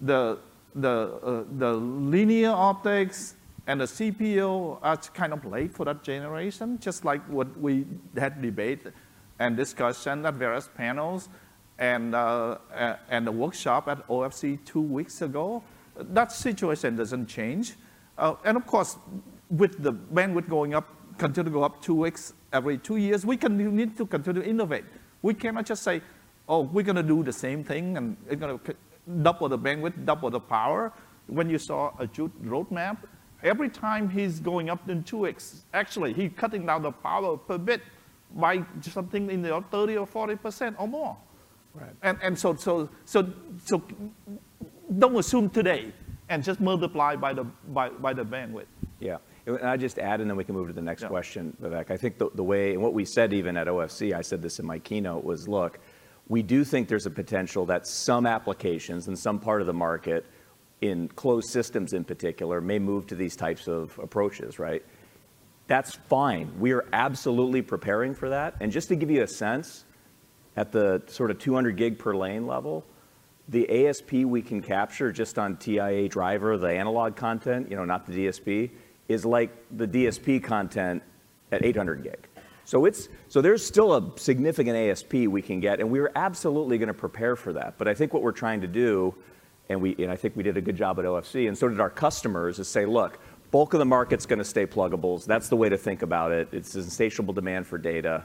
the linear optics and the CPO are kind of late for that generation, just like what we had debated and discussed on the various panels and the workshop at OFC two weeks ago. That situation doesn't change. Of course, with the bandwidth going up, continuing to go up 2x every two years, we need to continue to innovate. We cannot just say, oh, we're going to do the same thing. And it's going to double the bandwidth, double the power. When you saw Achyut's roadmap, every time he's going up 2x, actually, he's cutting down the power per bit by something in the 30% or 40% or more. And so don't assume today and just multiply by the bandwidth. Yeah. And I'll just add, and then we can move to the next question, Vivek. I think the way and what we said, even at OFC, I said this in my keynote, was, look, we do think there's a potential that some applications in some part of the market, in closed systems in particular, may move to these types of approaches. That's fine. We are absolutely preparing for that. And just to give you a sense, at the sort of 200 Gb per lane level, the ASP we can capture just on TIA driver, the analog content, not the DSP, is like the DSP content at 800 Gb. So there's still a significant ASP we can get. And we are absolutely going to prepare for that. But I think what we're trying to do, and I think we did a good job at OFC and so did our customers, is say, look, bulk of the market's going to stay pluggables. That's the way to think about it. It's insatiable demand for data.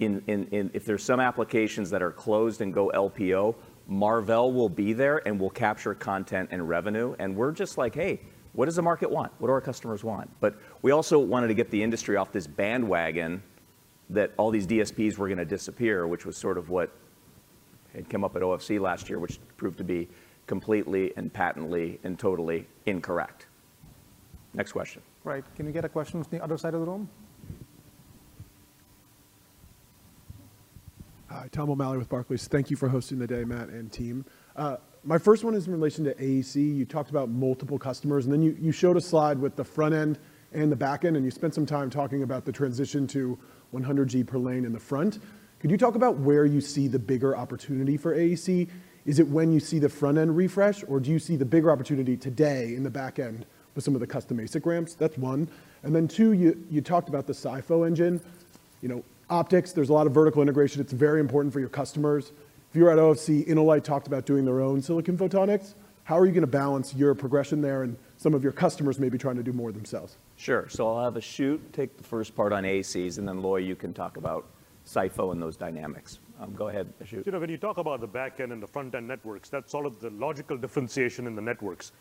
If there's some applications that are closed and go LPO, Marvell will be there and will capture content and revenue. And we're just like, hey, what does the market want? What do our customers want? But we also wanted to get the industry off this bandwagon that all these DSPs were going to disappear, which was sort of what had come up at OFC last year, which proved to be completely and patently and totally incorrect. Next question. Right. Can we get a question from the other side of the room? Hi. Tom O'Malley with Barclays. Thank you for hosting the day, Matt and team. My first one is in relation to AEC. You talked about multiple customers. Then you showed a slide with the front end and the back end. You spent some time talking about the transition to 100 Gb per lane in the front. Could you talk about where you see the bigger opportunity for AEC? Is it when you see the front end refresh? Or do you see the bigger opportunity today in the back end with some of the custom ASIC ramps? That's one. Then two, you talked about the SiPho engine. Optics, there's a lot of vertical integration. It's very important for your customers. If you're at OFC, InnoLight talked about doing their own silicon photonics. How are you going to balance your progression there? Some of your customers may be trying to do more themselves. Sure. So I'll have Achyut take the first part on AECs. And then, Loi, you can talk about SiPho and those dynamics. Go ahead, Achyut. When you talk about the back end and the front end networks, that's sort of the logical differentiation in the networks.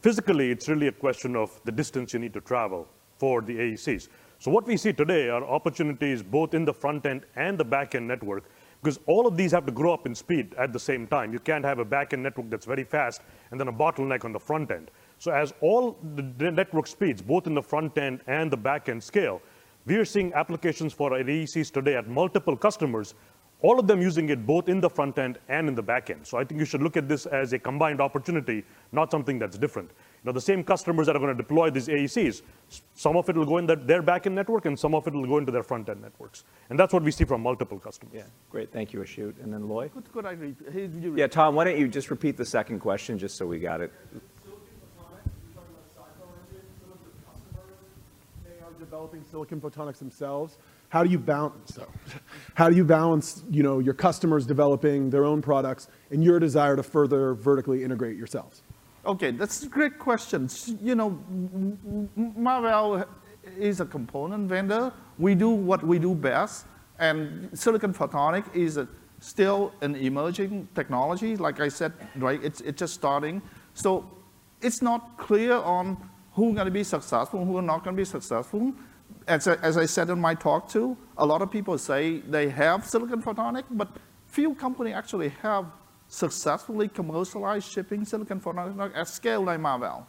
Physically, it's really a question of the distance you need to travel for the AECs. So what we see today are opportunities both in the front end and the back end network because all of these have to grow up in speed at the same time. You can't have a back end network that's very fast and then a bottleneck on the front end. So as all the network speeds, both in the front end and the back end, scale, we are seeing applications for AECs today at multiple customers, all of them using it both in the front end and in the back end. So I think you should look at this as a combined opportunity, not something that's different. The same customers that are going to deploy these AECs, some of it will go in their back end network, and some of it will go into their front end networks. That's what we see from multiple customers. Yeah. Great. Thank you, Achyut. And then, Loi? Could I repeat? Yeah. Tom, why don't you just repeat the second question just so we got it? Silicon photonics, you're talking about the SiPho engine. Some of your customers, they are developing silicon photonics themselves. How do you balance that? How do you balance your customers developing their own products and your desire to further vertically integrate yourselves? OK. That's a great question. Marvell is a component vendor. We do what we do best. Silicon photonics is still an emerging technology. Like I said, it's just starting. It's not clear on who's going to be successful, who's not going to be successful. As I said in my talk too, a lot of people say they have silicon photonics, but few companies actually have successfully commercialized shipping silicon photonics at scale like Marvell.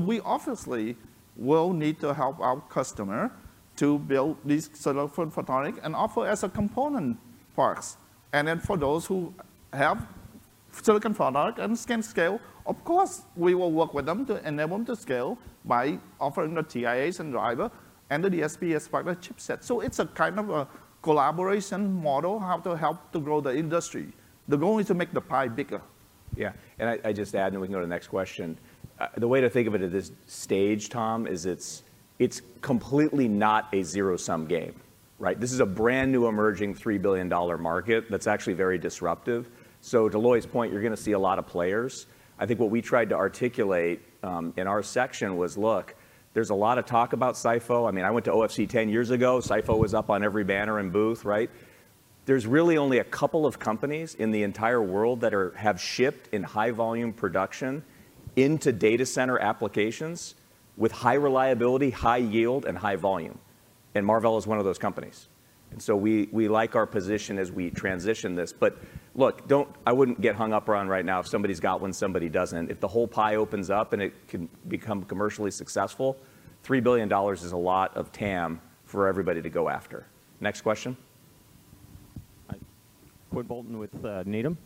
We obviously will need to help our customers to build these silicon photonics and offer as a component parts. Then for those who have silicon photonics and can scale, of course, we will work with them to enable them to scale by offering the TIAs and driver and the DSP as part of the chipset. It's a kind of a collaboration model to help to grow the industry. The goal is to make the pie bigger. Yeah. And I just add, and we can go to the next question. The way to think of it at this stage, Tom, is it's completely not a zero-sum game. This is a brand new emerging $3 billion market that's actually very disruptive. So to Loi's point, you're going to see a lot of players. I think what we tried to articulate in our section was, look, there's a lot of talk about SiPho. I mean, I went to OFC 10 years ago. SiPho was up on every banner and booth. There's really only a couple of companies in the entire world that have shipped in high-volume production into data center applications with high reliability, high yield, and high volume. And Marvell is one of those companies. And so we like our position as we transition this. But look, I wouldn't get hung up around right now if somebody's got one, somebody doesn't. If the whole pie opens up and it can become commercially successful, $3 billion is a lot of TAM for everybody to go after. Next question? Quinn Bolton with Needham.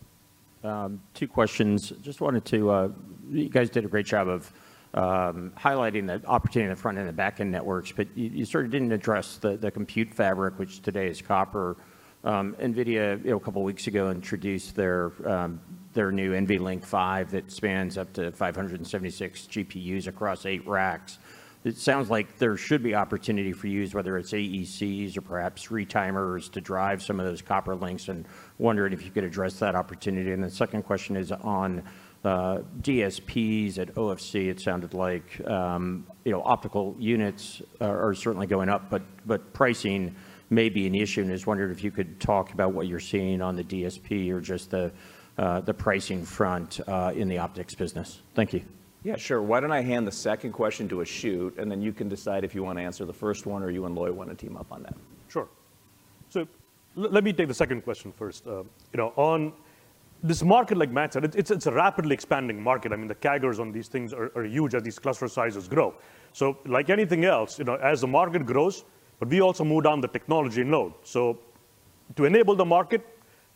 Two questions. Just wanted to you guys did a great job of highlighting the opportunity in the front-end and back-end networks. But you sort of didn't address the compute fabric, which today is copper. NVIDIA, a couple of weeks ago, introduced their new NVLink 5 that spans up to 576 GPUs across eight racks. It sounds like there should be opportunity for use, whether it's AECs or perhaps retimers, to drive some of those copper links. And wondering if you could address that opportunity. And the second question is on DSPs at OFC. It sounded like optical units are certainly going up. But pricing may be an issue. And I just wondered if you could talk about what you're seeing on the DSP or just the pricing front in the optics business. Thank you. Yeah. Sure. Why don't I hand the second question to Achyut? And then you can decide if you want to answer the first one or you and Loi want to team up on that. Sure. So let me take the second question first. On this market, like Matt said, it's a rapidly expanding market. I mean, the CAGRs on these things are huge as these cluster sizes grow. So like anything else, as the market grows, but we also move down the technology node. So to enable the market,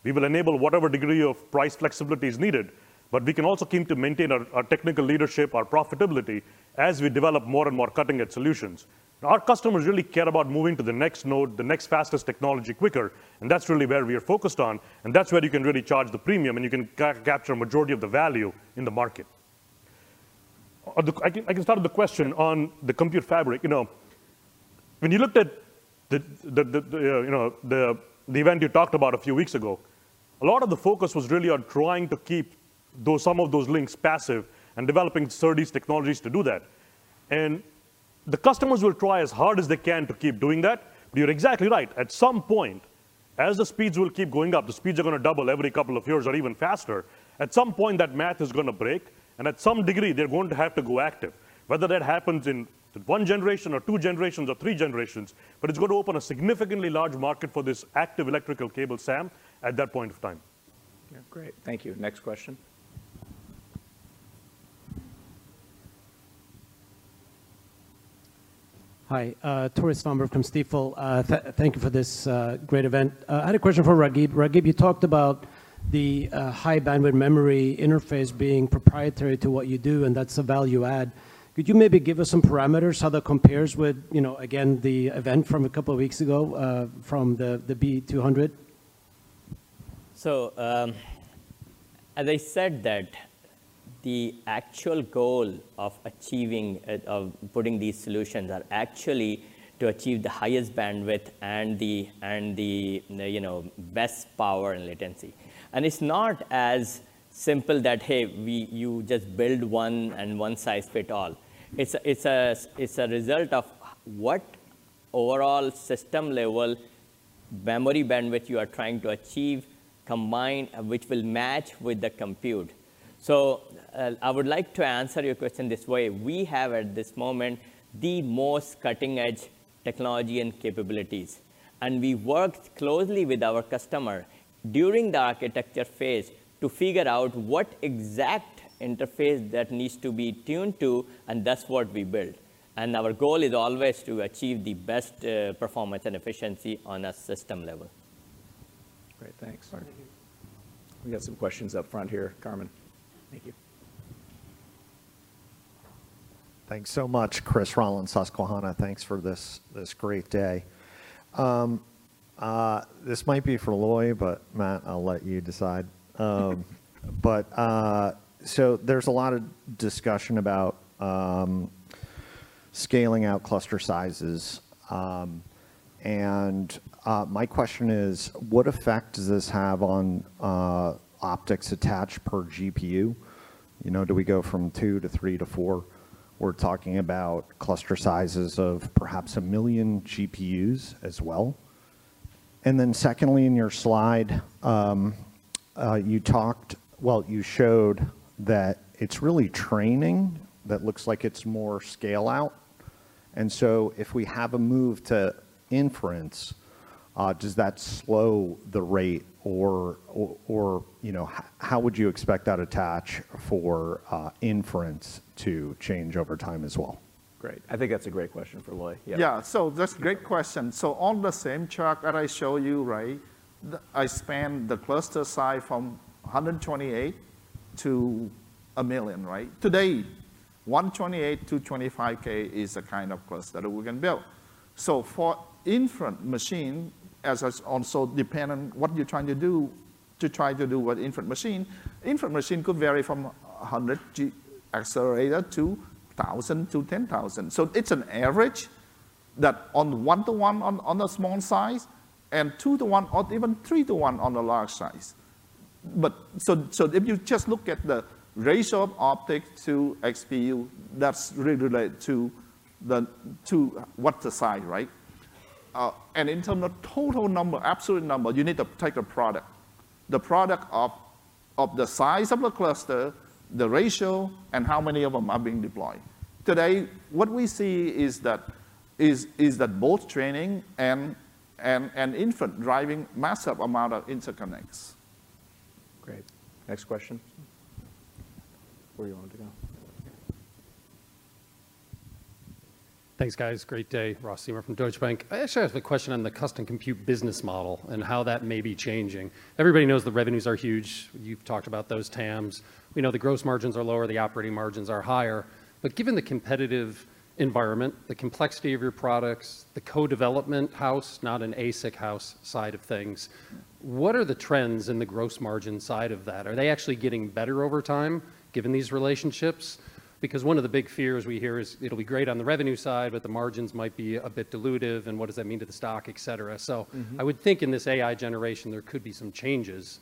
we will enable whatever degree of price flexibility is needed. But we can also keep to maintain our technical leadership, our profitability, as we develop more and more cutting-edge solutions. Our customers really care about moving to the next node, the next fastest technology quicker. And that's really where we are focused on. And that's where you can really charge the premium. And you can capture a majority of the value in the market. I can start with the question on the compute fabric. When you looked at the event you talked about a few weeks ago, a lot of the focus was really on trying to keep some of those links passive and developing SerDes technologies to do that. And the customers will try as hard as they can to keep doing that. But you're exactly right. At some point, as the speeds will keep going up, the speeds are going to double every couple of years or even faster, at some point, that math is going to break. And at some degree, they're going to have to go active, whether that happens in one generation or two generations or three generations. But it's going to open a significantly large market for this active electrical cable SAM at that point of time. Yeah. Great. Thank you. Next question. Hi. Tore Svanberg from Stifel. Thank you for this great event. I had a question for Raghib. Raghib, you talked about the high-bandwidth memory interface being proprietary to what you do. And that's a value add. Could you maybe give us some parameters, how that compares with, again, the event from a couple of weeks ago from the B200? So, as I said that, the actual goal of putting these solutions are actually to achieve the highest bandwidth and the best power and latency. It's not as simple that, hey, you just build one and one size fits all. It's a result of what overall system-level memory bandwidth you are trying to achieve, which will match with the compute. So, I would like to answer your question this way. We have, at this moment, the most cutting-edge technology and capabilities. We worked closely with our customer during the architecture phase to figure out what exact interface that needs to be tuned to. That's what we built. Our goal is always to achieve the best performance and efficiency on a system level. Great. Thanks. We got some questions up front here. Carmen, thank you. Thanks so much, Chris Rolland, Susquehanna. Thanks for this great day. This might be for Loi. But, Matt, I'll let you decide. So there's a lot of discussion about scaling out cluster sizes. And my question is, what effect does this have on optics attached per GPU? Do we go from 2 to 3 to 4? We're talking about cluster sizes of perhaps 1 million GPUs as well. And then secondly, in your slide, you talked well, you showed that it's really training that looks like it's more scale-out. And so if we have a move to inference, does that slow the rate? Or how would you expect that attach for inference to change over time as well? Great. I think that's a great question for Loi. Yeah. Yeah. So that's a great question. So on the same chart that I show you, I span the cluster size from 128 to 1 million. Today, 128 to 25,000 is the kind of cluster that we can build. So for inference machine, also depending on what you're trying to do to try to do with inference machine, inference machine could vary from 100 accelerator to 1,000 to 10,000. So it's an average that's on the 1-to-1 on the small size and 2-to-1 or even 3-to-1 on the large size. So if you just look at the ratio of optics to XPU, that's related to what the size. And in terms of total number, absolute number, you need to take the product, the product of the size of the cluster, the ratio, and how many of them are being deployed. Today, what we see is that both training and inference are driving a massive amount of interconnects. Great. Next question. Where do you want to go? Thanks, guys. Great day. Ross Seymour from Deutsche Bank. I actually have a question on the custom compute business model and how that may be changing. Everybody knows the revenues are huge. You've talked about those TAMs. We know the gross margins are lower. The operating margins are higher. But given the competitive environment, the complexity of your products, the co-development house, not an ASIC house side of things, what are the trends in the gross margin side of that? Are they actually getting better over time, given these relationships? Because one of the big fears we hear is it'll be great on the revenue side, but the margins might be a bit dilutive. And what does that mean to the stock, et cetera? I would think, in this AI generation, there could be some changes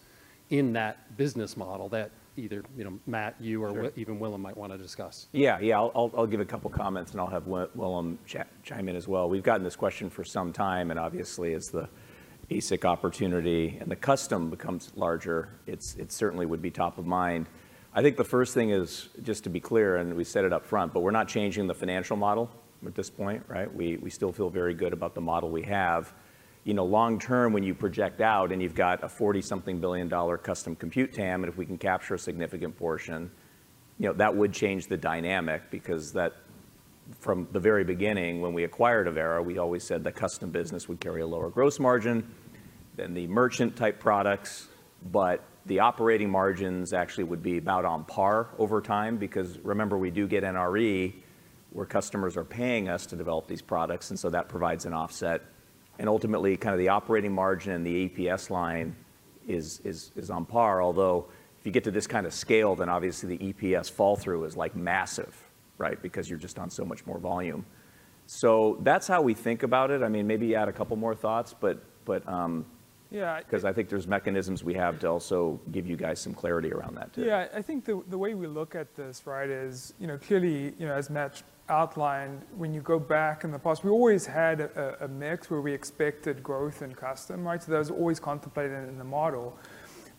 in that business model that either Matt, you, or even Willem might want to discuss. Yeah. Yeah. I'll give a couple of comments. And I'll have Willem chime in as well. We've gotten this question for some time. And obviously, as the ASIC opportunity and the custom becomes larger, it certainly would be top of mind. I think the first thing is, just to be clear, and we said it up front, but we're not changing the financial model at this point. We still feel very good about the model we have. Long term, when you project out and you've got a $40-something billion custom compute TAM, and if we can capture a significant portion, that would change the dynamic because, from the very beginning, when we acquired Avera, we always said the custom business would carry a lower gross margin than the merchant-type products. But the operating margins actually would be about on par over time because, remember, we do get NRE where customers are paying us to develop these products. And so that provides an offset. And ultimately, kind of the operating margin and the EPS line is on par. Although if you get to this kind of scale, then obviously, the EPS fall-through is massive because you're just on so much more volume. So that's how we think about it. I mean, maybe add a couple more thoughts. Because I think there's mechanisms we have to also give you guys some clarity around that too. Yeah. I think the way we look at this, right, is clearly, as Matt outlined, when you go back in the past, we always had a mix where we expected growth in custom. So that was always contemplated in the model.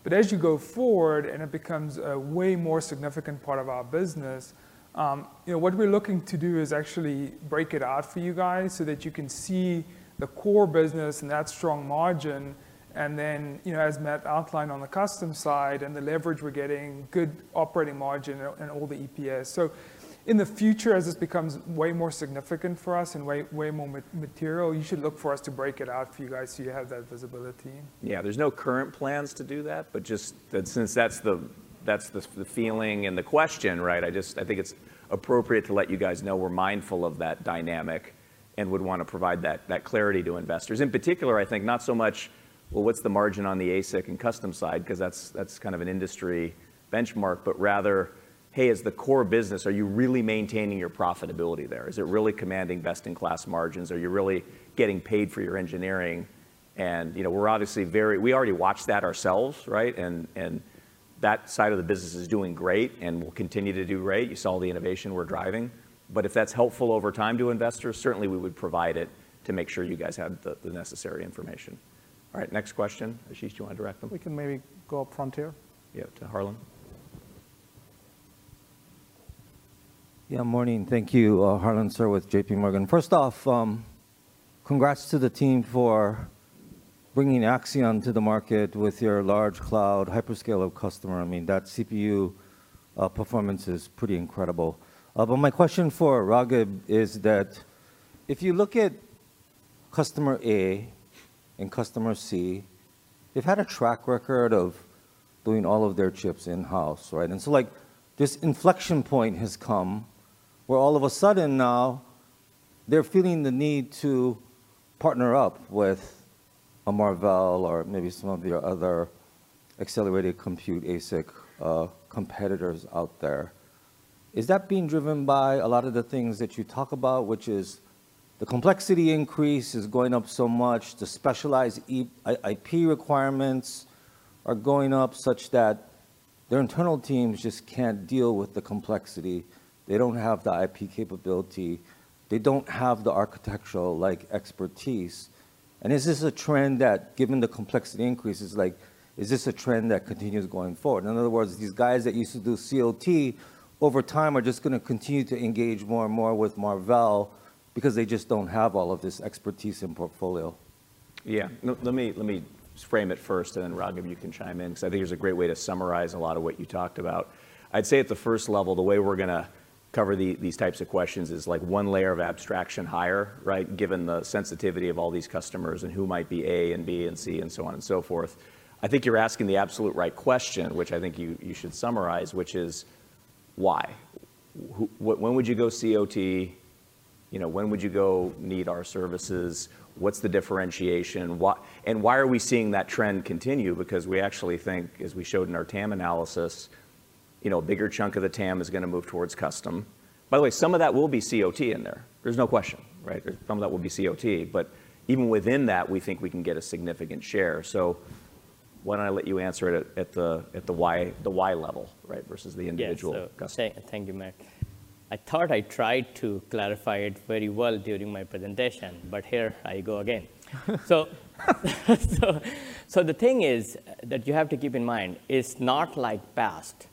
But as you go forward and it becomes a way more significant part of our business, what we're looking to do is actually break it out for you guys so that you can see the core business and that strong margin. And then, as Matt outlined on the custom side and the leverage, we're getting good operating margin and all the EPS. So in the future, as this becomes way more significant for us and way more material, you should look for us to break it out for you guys so you have that visibility. Yeah. There's no current plans to do that. But since that's the feeling and the question, I think it's appropriate to let you guys know we're mindful of that dynamic and would want to provide that clarity to investors. In particular, I think not so much, well, what's the margin on the ASIC and custom side? Because that's kind of an industry benchmark. But rather, hey, as the core business, are you really maintaining your profitability there? Is it really commanding best-in-class margins? Are you really getting paid for your engineering? And we're obviously very, we already watched that ourselves. And that side of the business is doing great. And we'll continue to do great. You saw all the innovation we're driving. But if that's helpful over time to investors, certainly, we would provide it to make sure you guys have the necessary information. All right. Next question. Achyut, you want to direct them? We can maybe go up front here. Yeah. To Harlan. Yeah. Morning. Thank you, Harlan Sur with J.P. Morgan. First off, congrats to the team for bringing Axion to the market with your large cloud hyperscaler customer. I mean, that CPU performance is pretty incredible. But my question for Raghib is that if you look at customer A and customer C, they've had a track record of doing all of their chips in-house. And so this inflection point has come where, all of a sudden, now, they're feeling the need to partner up with a Marvell or maybe some of your other accelerated compute ASIC competitors out there. Is that being driven by a lot of the things that you talk about, which is the complexity increase is going up so much, the specialized IP requirements are going up such that their internal teams just can't deal with the complexity? They don't have the IP capability. They don't have the architectural expertise. Is this a trend that, given the complexity increase, is this a trend that continues going forward? In other words, these guys that used to do COT, over time, are just going to continue to engage more and more with Marvell because they just don't have all of this expertise in portfolio. Yeah. Let me frame it first. And then, Raghib, you can chime in. Because I think it's a great way to summarize a lot of what you talked about. I'd say, at the first level, the way we're going to cover these types of questions is one layer of abstraction higher, given the sensitivity of all these customers and who might be A and B and C and so on and so forth. I think you're asking the absolute right question, which I think you should summarize, which is why? When would you go COT? When would you go need our services? What's the differentiation? And why are we seeing that trend continue? Because we actually think, as we showed in our TAM analysis, a bigger chunk of the TAM is going to move towards custom. By the way, some of that will be COT in there. There's no question. Some of that will be COT. But even within that, we think we can get a significant share. So why don't I let you answer it at the why level versus the individual customer? Yes. Thank you, Matt. I thought I tried to clarify it very well during my presentation. But here, I go again. So the thing that you have to keep in mind is not like past.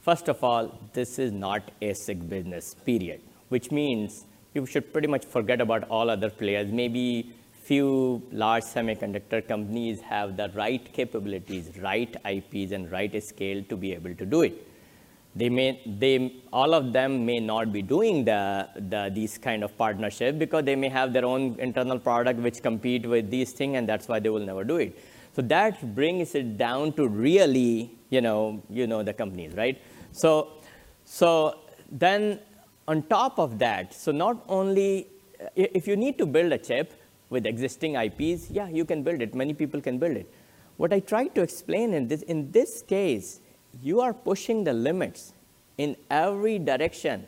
First of all, this is not ASIC business, period, which means you should pretty much forget about all other players. Maybe a few large semiconductor companies have the right capabilities, right IPs, and right scale to be able to do it. All of them may not be doing these kinds of partnerships because they may have their own internal product which competes with these things. And that's why they will never do it. So that brings it down to really the companies. So then, on top of that, if you need to build a chip with existing IPs, yeah, you can build it. Many people can build it. What I try to explain in this case, you are pushing the limits in every direction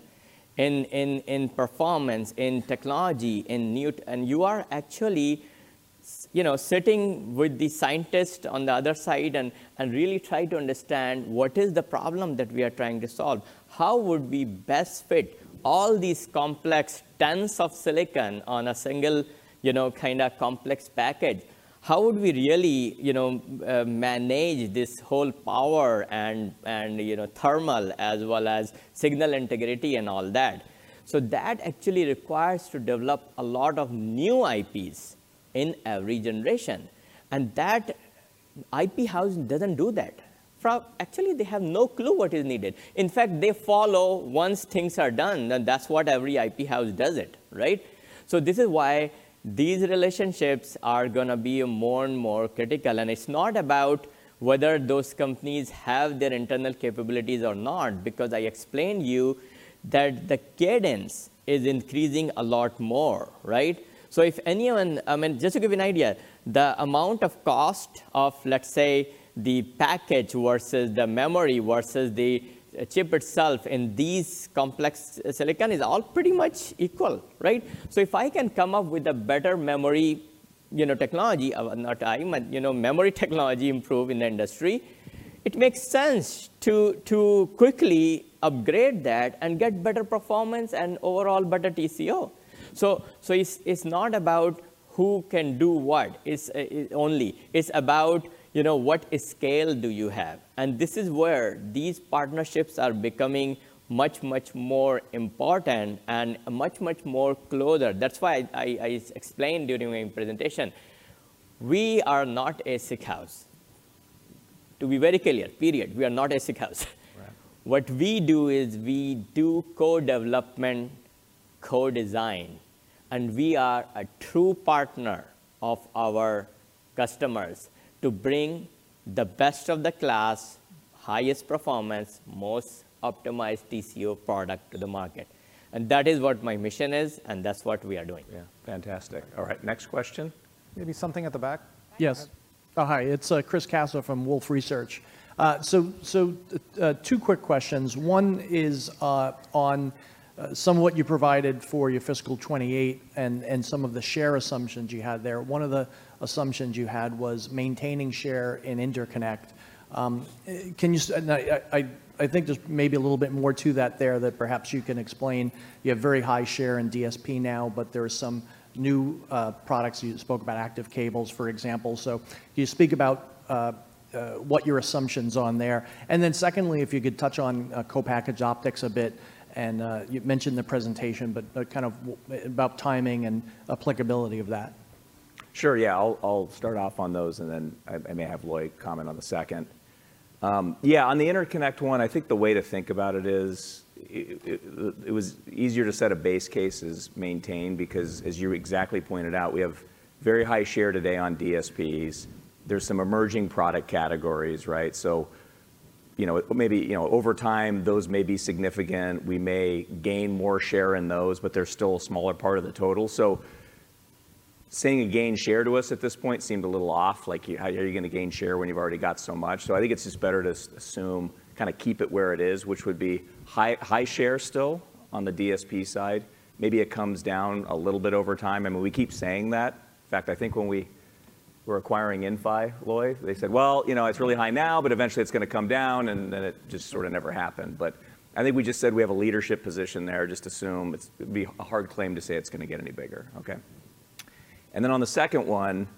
in performance, in technology. You are actually sitting with the scientists on the other side and really trying to understand what is the problem that we are trying to solve? How would we best fit all these complex tons of silicon on a single kind of complex package? How would we really manage this whole power and thermal as well as signal integrity and all that? That actually requires to develop a lot of new IPs in every generation. That IP house doesn't do that. Actually, they have no clue what is needed. In fact, they follow once things are done. That's what every IP house does. This is why these relationships are going to be more and more critical. It's not about whether those companies have their internal capabilities or not because I explained to you that the cadence is increasing a lot more. So if anyone I mean, just to give you an idea, the amount of cost of, let's say, the package versus the memory versus the chip itself in these complex silicon is all pretty much equal. So if I can come up with a better memory technology not I, but memory technology improved in the industry, it makes sense to quickly upgrade that and get better performance and overall better TCO. So it's not about who can do what. It's only about what scale do you have? And this is where these partnerships are becoming much, much more important and much, much more closer. That's why I explained during my presentation, we are not ASIC house. To be very clear, period. We are not ASIC house. What we do is we do co-development, co-design. We are a true partner of our customers to bring the best of the class, highest performance, most optimized TCO product to the market. That is what my mission is. That's what we are doing. Yeah. Fantastic. All right. Next question. Maybe something at the back? Yes. Hi. It's Chris Caso from Wolfe Research. So two quick questions. One is on some of what you provided for your fiscal 2028 and some of the share assumptions you had there. One of the assumptions you had was maintaining share in interconnect. I think there's maybe a little bit more to that there that perhaps you can explain. You have very high share in DSP now. But there are some new products. You spoke about active cables, for example. So can you speak about what your assumptions are on there? And then, secondly, if you could touch on co-packaged optics a bit. And you mentioned the presentation. But kind of about timing and applicability of that. Sure. Yeah. I'll start off on those. And then, I may have Loi comment on the second. Yeah. On the interconnect one, I think the way to think about it is it was easier to set a base case as maintained because, as you exactly pointed out, we have very high share today on DSPs. There's some emerging product categories. So maybe, over time, those may be significant. We may gain more share in those. But they're still a smaller part of the total. So saying you gain share to us at this point seemed a little off. How are you going to gain share when you've already got so much? So I think it's just better to assume kind of keep it where it is, which would be high share still on the DSP side. Maybe it comes down a little bit over time. I mean, we keep saying that. In fact, I think, when we were acquiring Inphi, Loi, they said, well, it's really high now. But eventually, it's going to come down. And then it just sort of never happened. But I think we just said we have a leadership position there. Just assume. It would be a hard claim to say it's going to get any bigger. And then, on the second one,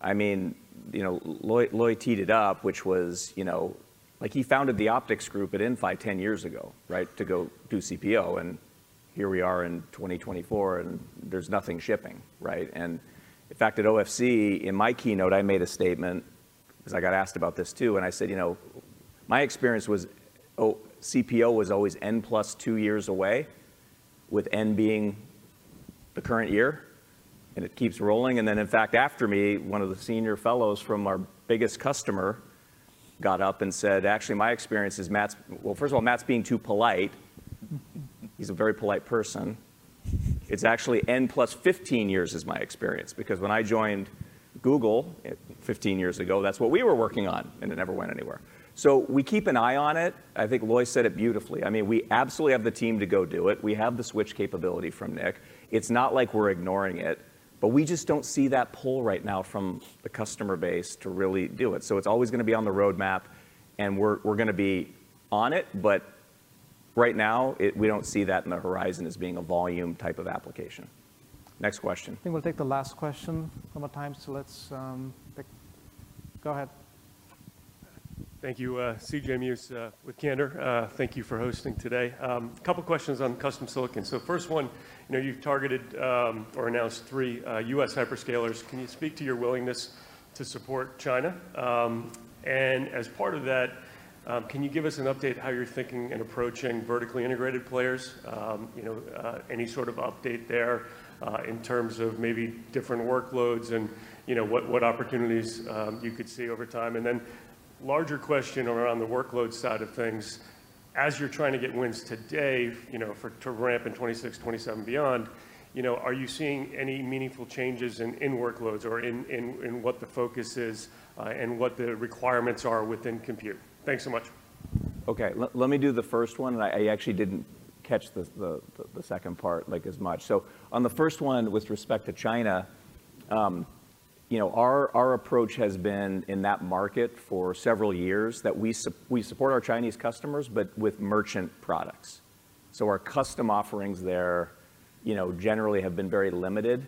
I mean, Loi teed it up, which was he founded the optics group at Inphi 10 years ago to go do CPO. And here we are in 2024. And there's nothing shipping. And in fact, at OFC, in my keynote, I made a statement because I got asked about this too. And I said, my experience was CPO was always N plus two years away, with N being the current year. And it keeps rolling. And then, in fact, after me, one of the senior fellows from our biggest customer got up and said, "Actually, my experience is, Matt is, well, first of all, Matt is being too polite. He's a very polite person. It's actually N plus 15 years is my experience. Because when I joined Google 15 years ago, that's what we were working on. And it never went anywhere." So we keep an eye on it. I think Loi said it beautifully. I mean, we absolutely have the team to go do it. We have the switch capability from Nick. It's not like we're ignoring it. But we just don't see that pull right now from the customer base to really do it. So it's always going to be on the roadmap. And we're going to be on it. But right now, we don't see that on the horizon as being a volume type of application. Next question. I think we'll take the last question from our time. Let's go ahead. Thank you, C.J. Muse, with Cantor Fitzgerald. Thank you for hosting today. A couple of questions on custom silicon. So first one, you've targeted or announced three U.S. hyperscalers. Can you speak to your willingness to support China? And as part of that, can you give us an update on how you're thinking and approaching vertically integrated players? Any sort of update there in terms of maybe different workloads and what opportunities you could see over time? And then, larger question around the workload side of things. As you're trying to get wins today to ramp in 2026, 2027, beyond, are you seeing any meaningful changes in workloads or in what the focus is and what the requirements are within compute? Thanks so much. OK. Let me do the first one. I actually didn't catch the second part as much. On the first one, with respect to China, our approach has been in that market for several years that we support our Chinese customers but with merchant products. Our custom offerings there generally have been very limited.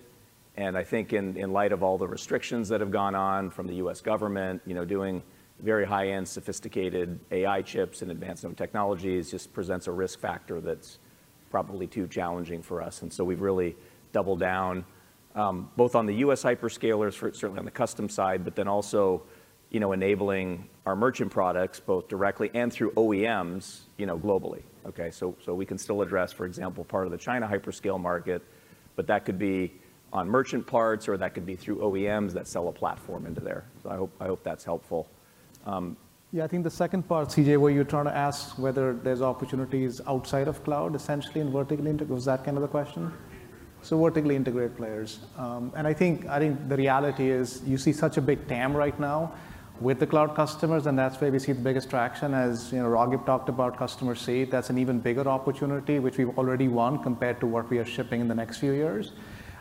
I think, in light of all the restrictions that have gone on from the U.S. government, doing very high-end, sophisticated AI chips and advanced technologies just presents a risk factor that's probably too challenging for us. We've really doubled down both on the U.S. hyperscalers, certainly on the custom side, but then also enabling our merchant products both directly and through OEMs globally. We can still address, for example, part of the China hyperscale market. That could be on merchant parts. Or that could be through OEMs that sell a platform into there. So I hope that's helpful. Yeah. I think the second part, C.J., where you're trying to ask whether there's opportunities outside of cloud, essentially in vertically integrated was that kind of the question? So vertically integrated players. And I think the reality is you see such a big TAM right now with the cloud customers. And that's where we see the biggest traction. As Raghib talked about, customer C, that's an even bigger opportunity, which we've already won compared to what we are shipping in the next few years.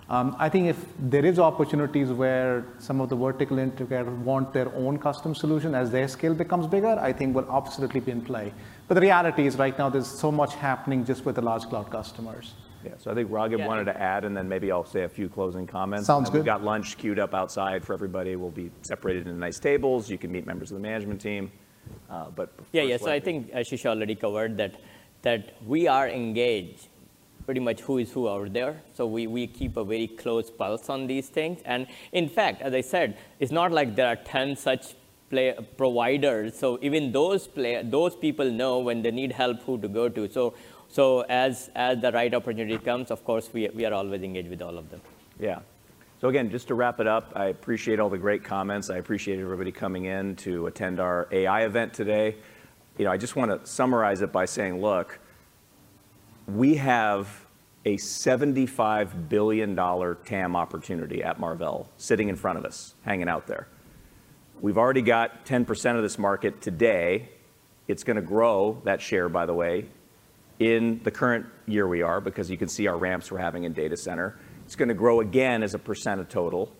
I think if there are opportunities where some of the vertical integrators want their own custom solution as their scale becomes bigger, I think we'll absolutely be in play. But the reality is, right now, there's so much happening just with the large cloud customers. Yeah. So I think Raghib wanted to add. And then, maybe I'll say a few closing comments. Sounds good. We've got lunch queued up outside for everybody. We'll be separated into nice tables. You can meet members of the management team. But. Yeah. Yeah. So I think Ashish already covered that we are engaged pretty much who's who out there. So we keep a very close pulse on these things. And in fact, as I said, it's not like there are 10 such providers. So even those people know when they need help who to go to. So as the right opportunity comes, of course, we are always engaged with all of them. Yeah. So again, just to wrap it up, I appreciate all the great comments. I appreciate everybody coming in to attend our AI event today. I just want to summarize it by saying, look, we have a $75 billion TAM opportunity at Marvell sitting in front of us, hanging out there. We've already got 10% of this market today. It's going to grow that share, by the way, in the current year we are because you can see our ramps we're having in data center. It's going to grow again as a percent of total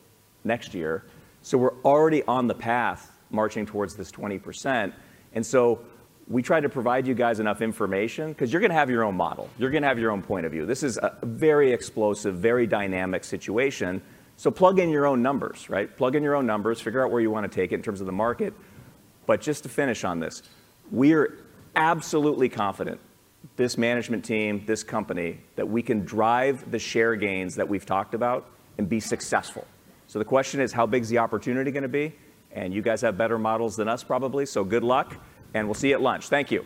next year. So we're already on the path marching towards this 20%. And so we tried to provide you guys enough information because you're going to have your own model. You're going to have your own point of view. This is a very explosive, very dynamic situation. So plug in your own numbers. Plug in your own numbers. Figure out where you want to take it in terms of the market. But just to finish on this, we are absolutely confident, this management team, this company, that we can drive the share gains that we've talked about and be successful. So the question is, how big is the opportunity going to be? And you guys have better models than us, probably. So good luck. And we'll see you at lunch. Thank you.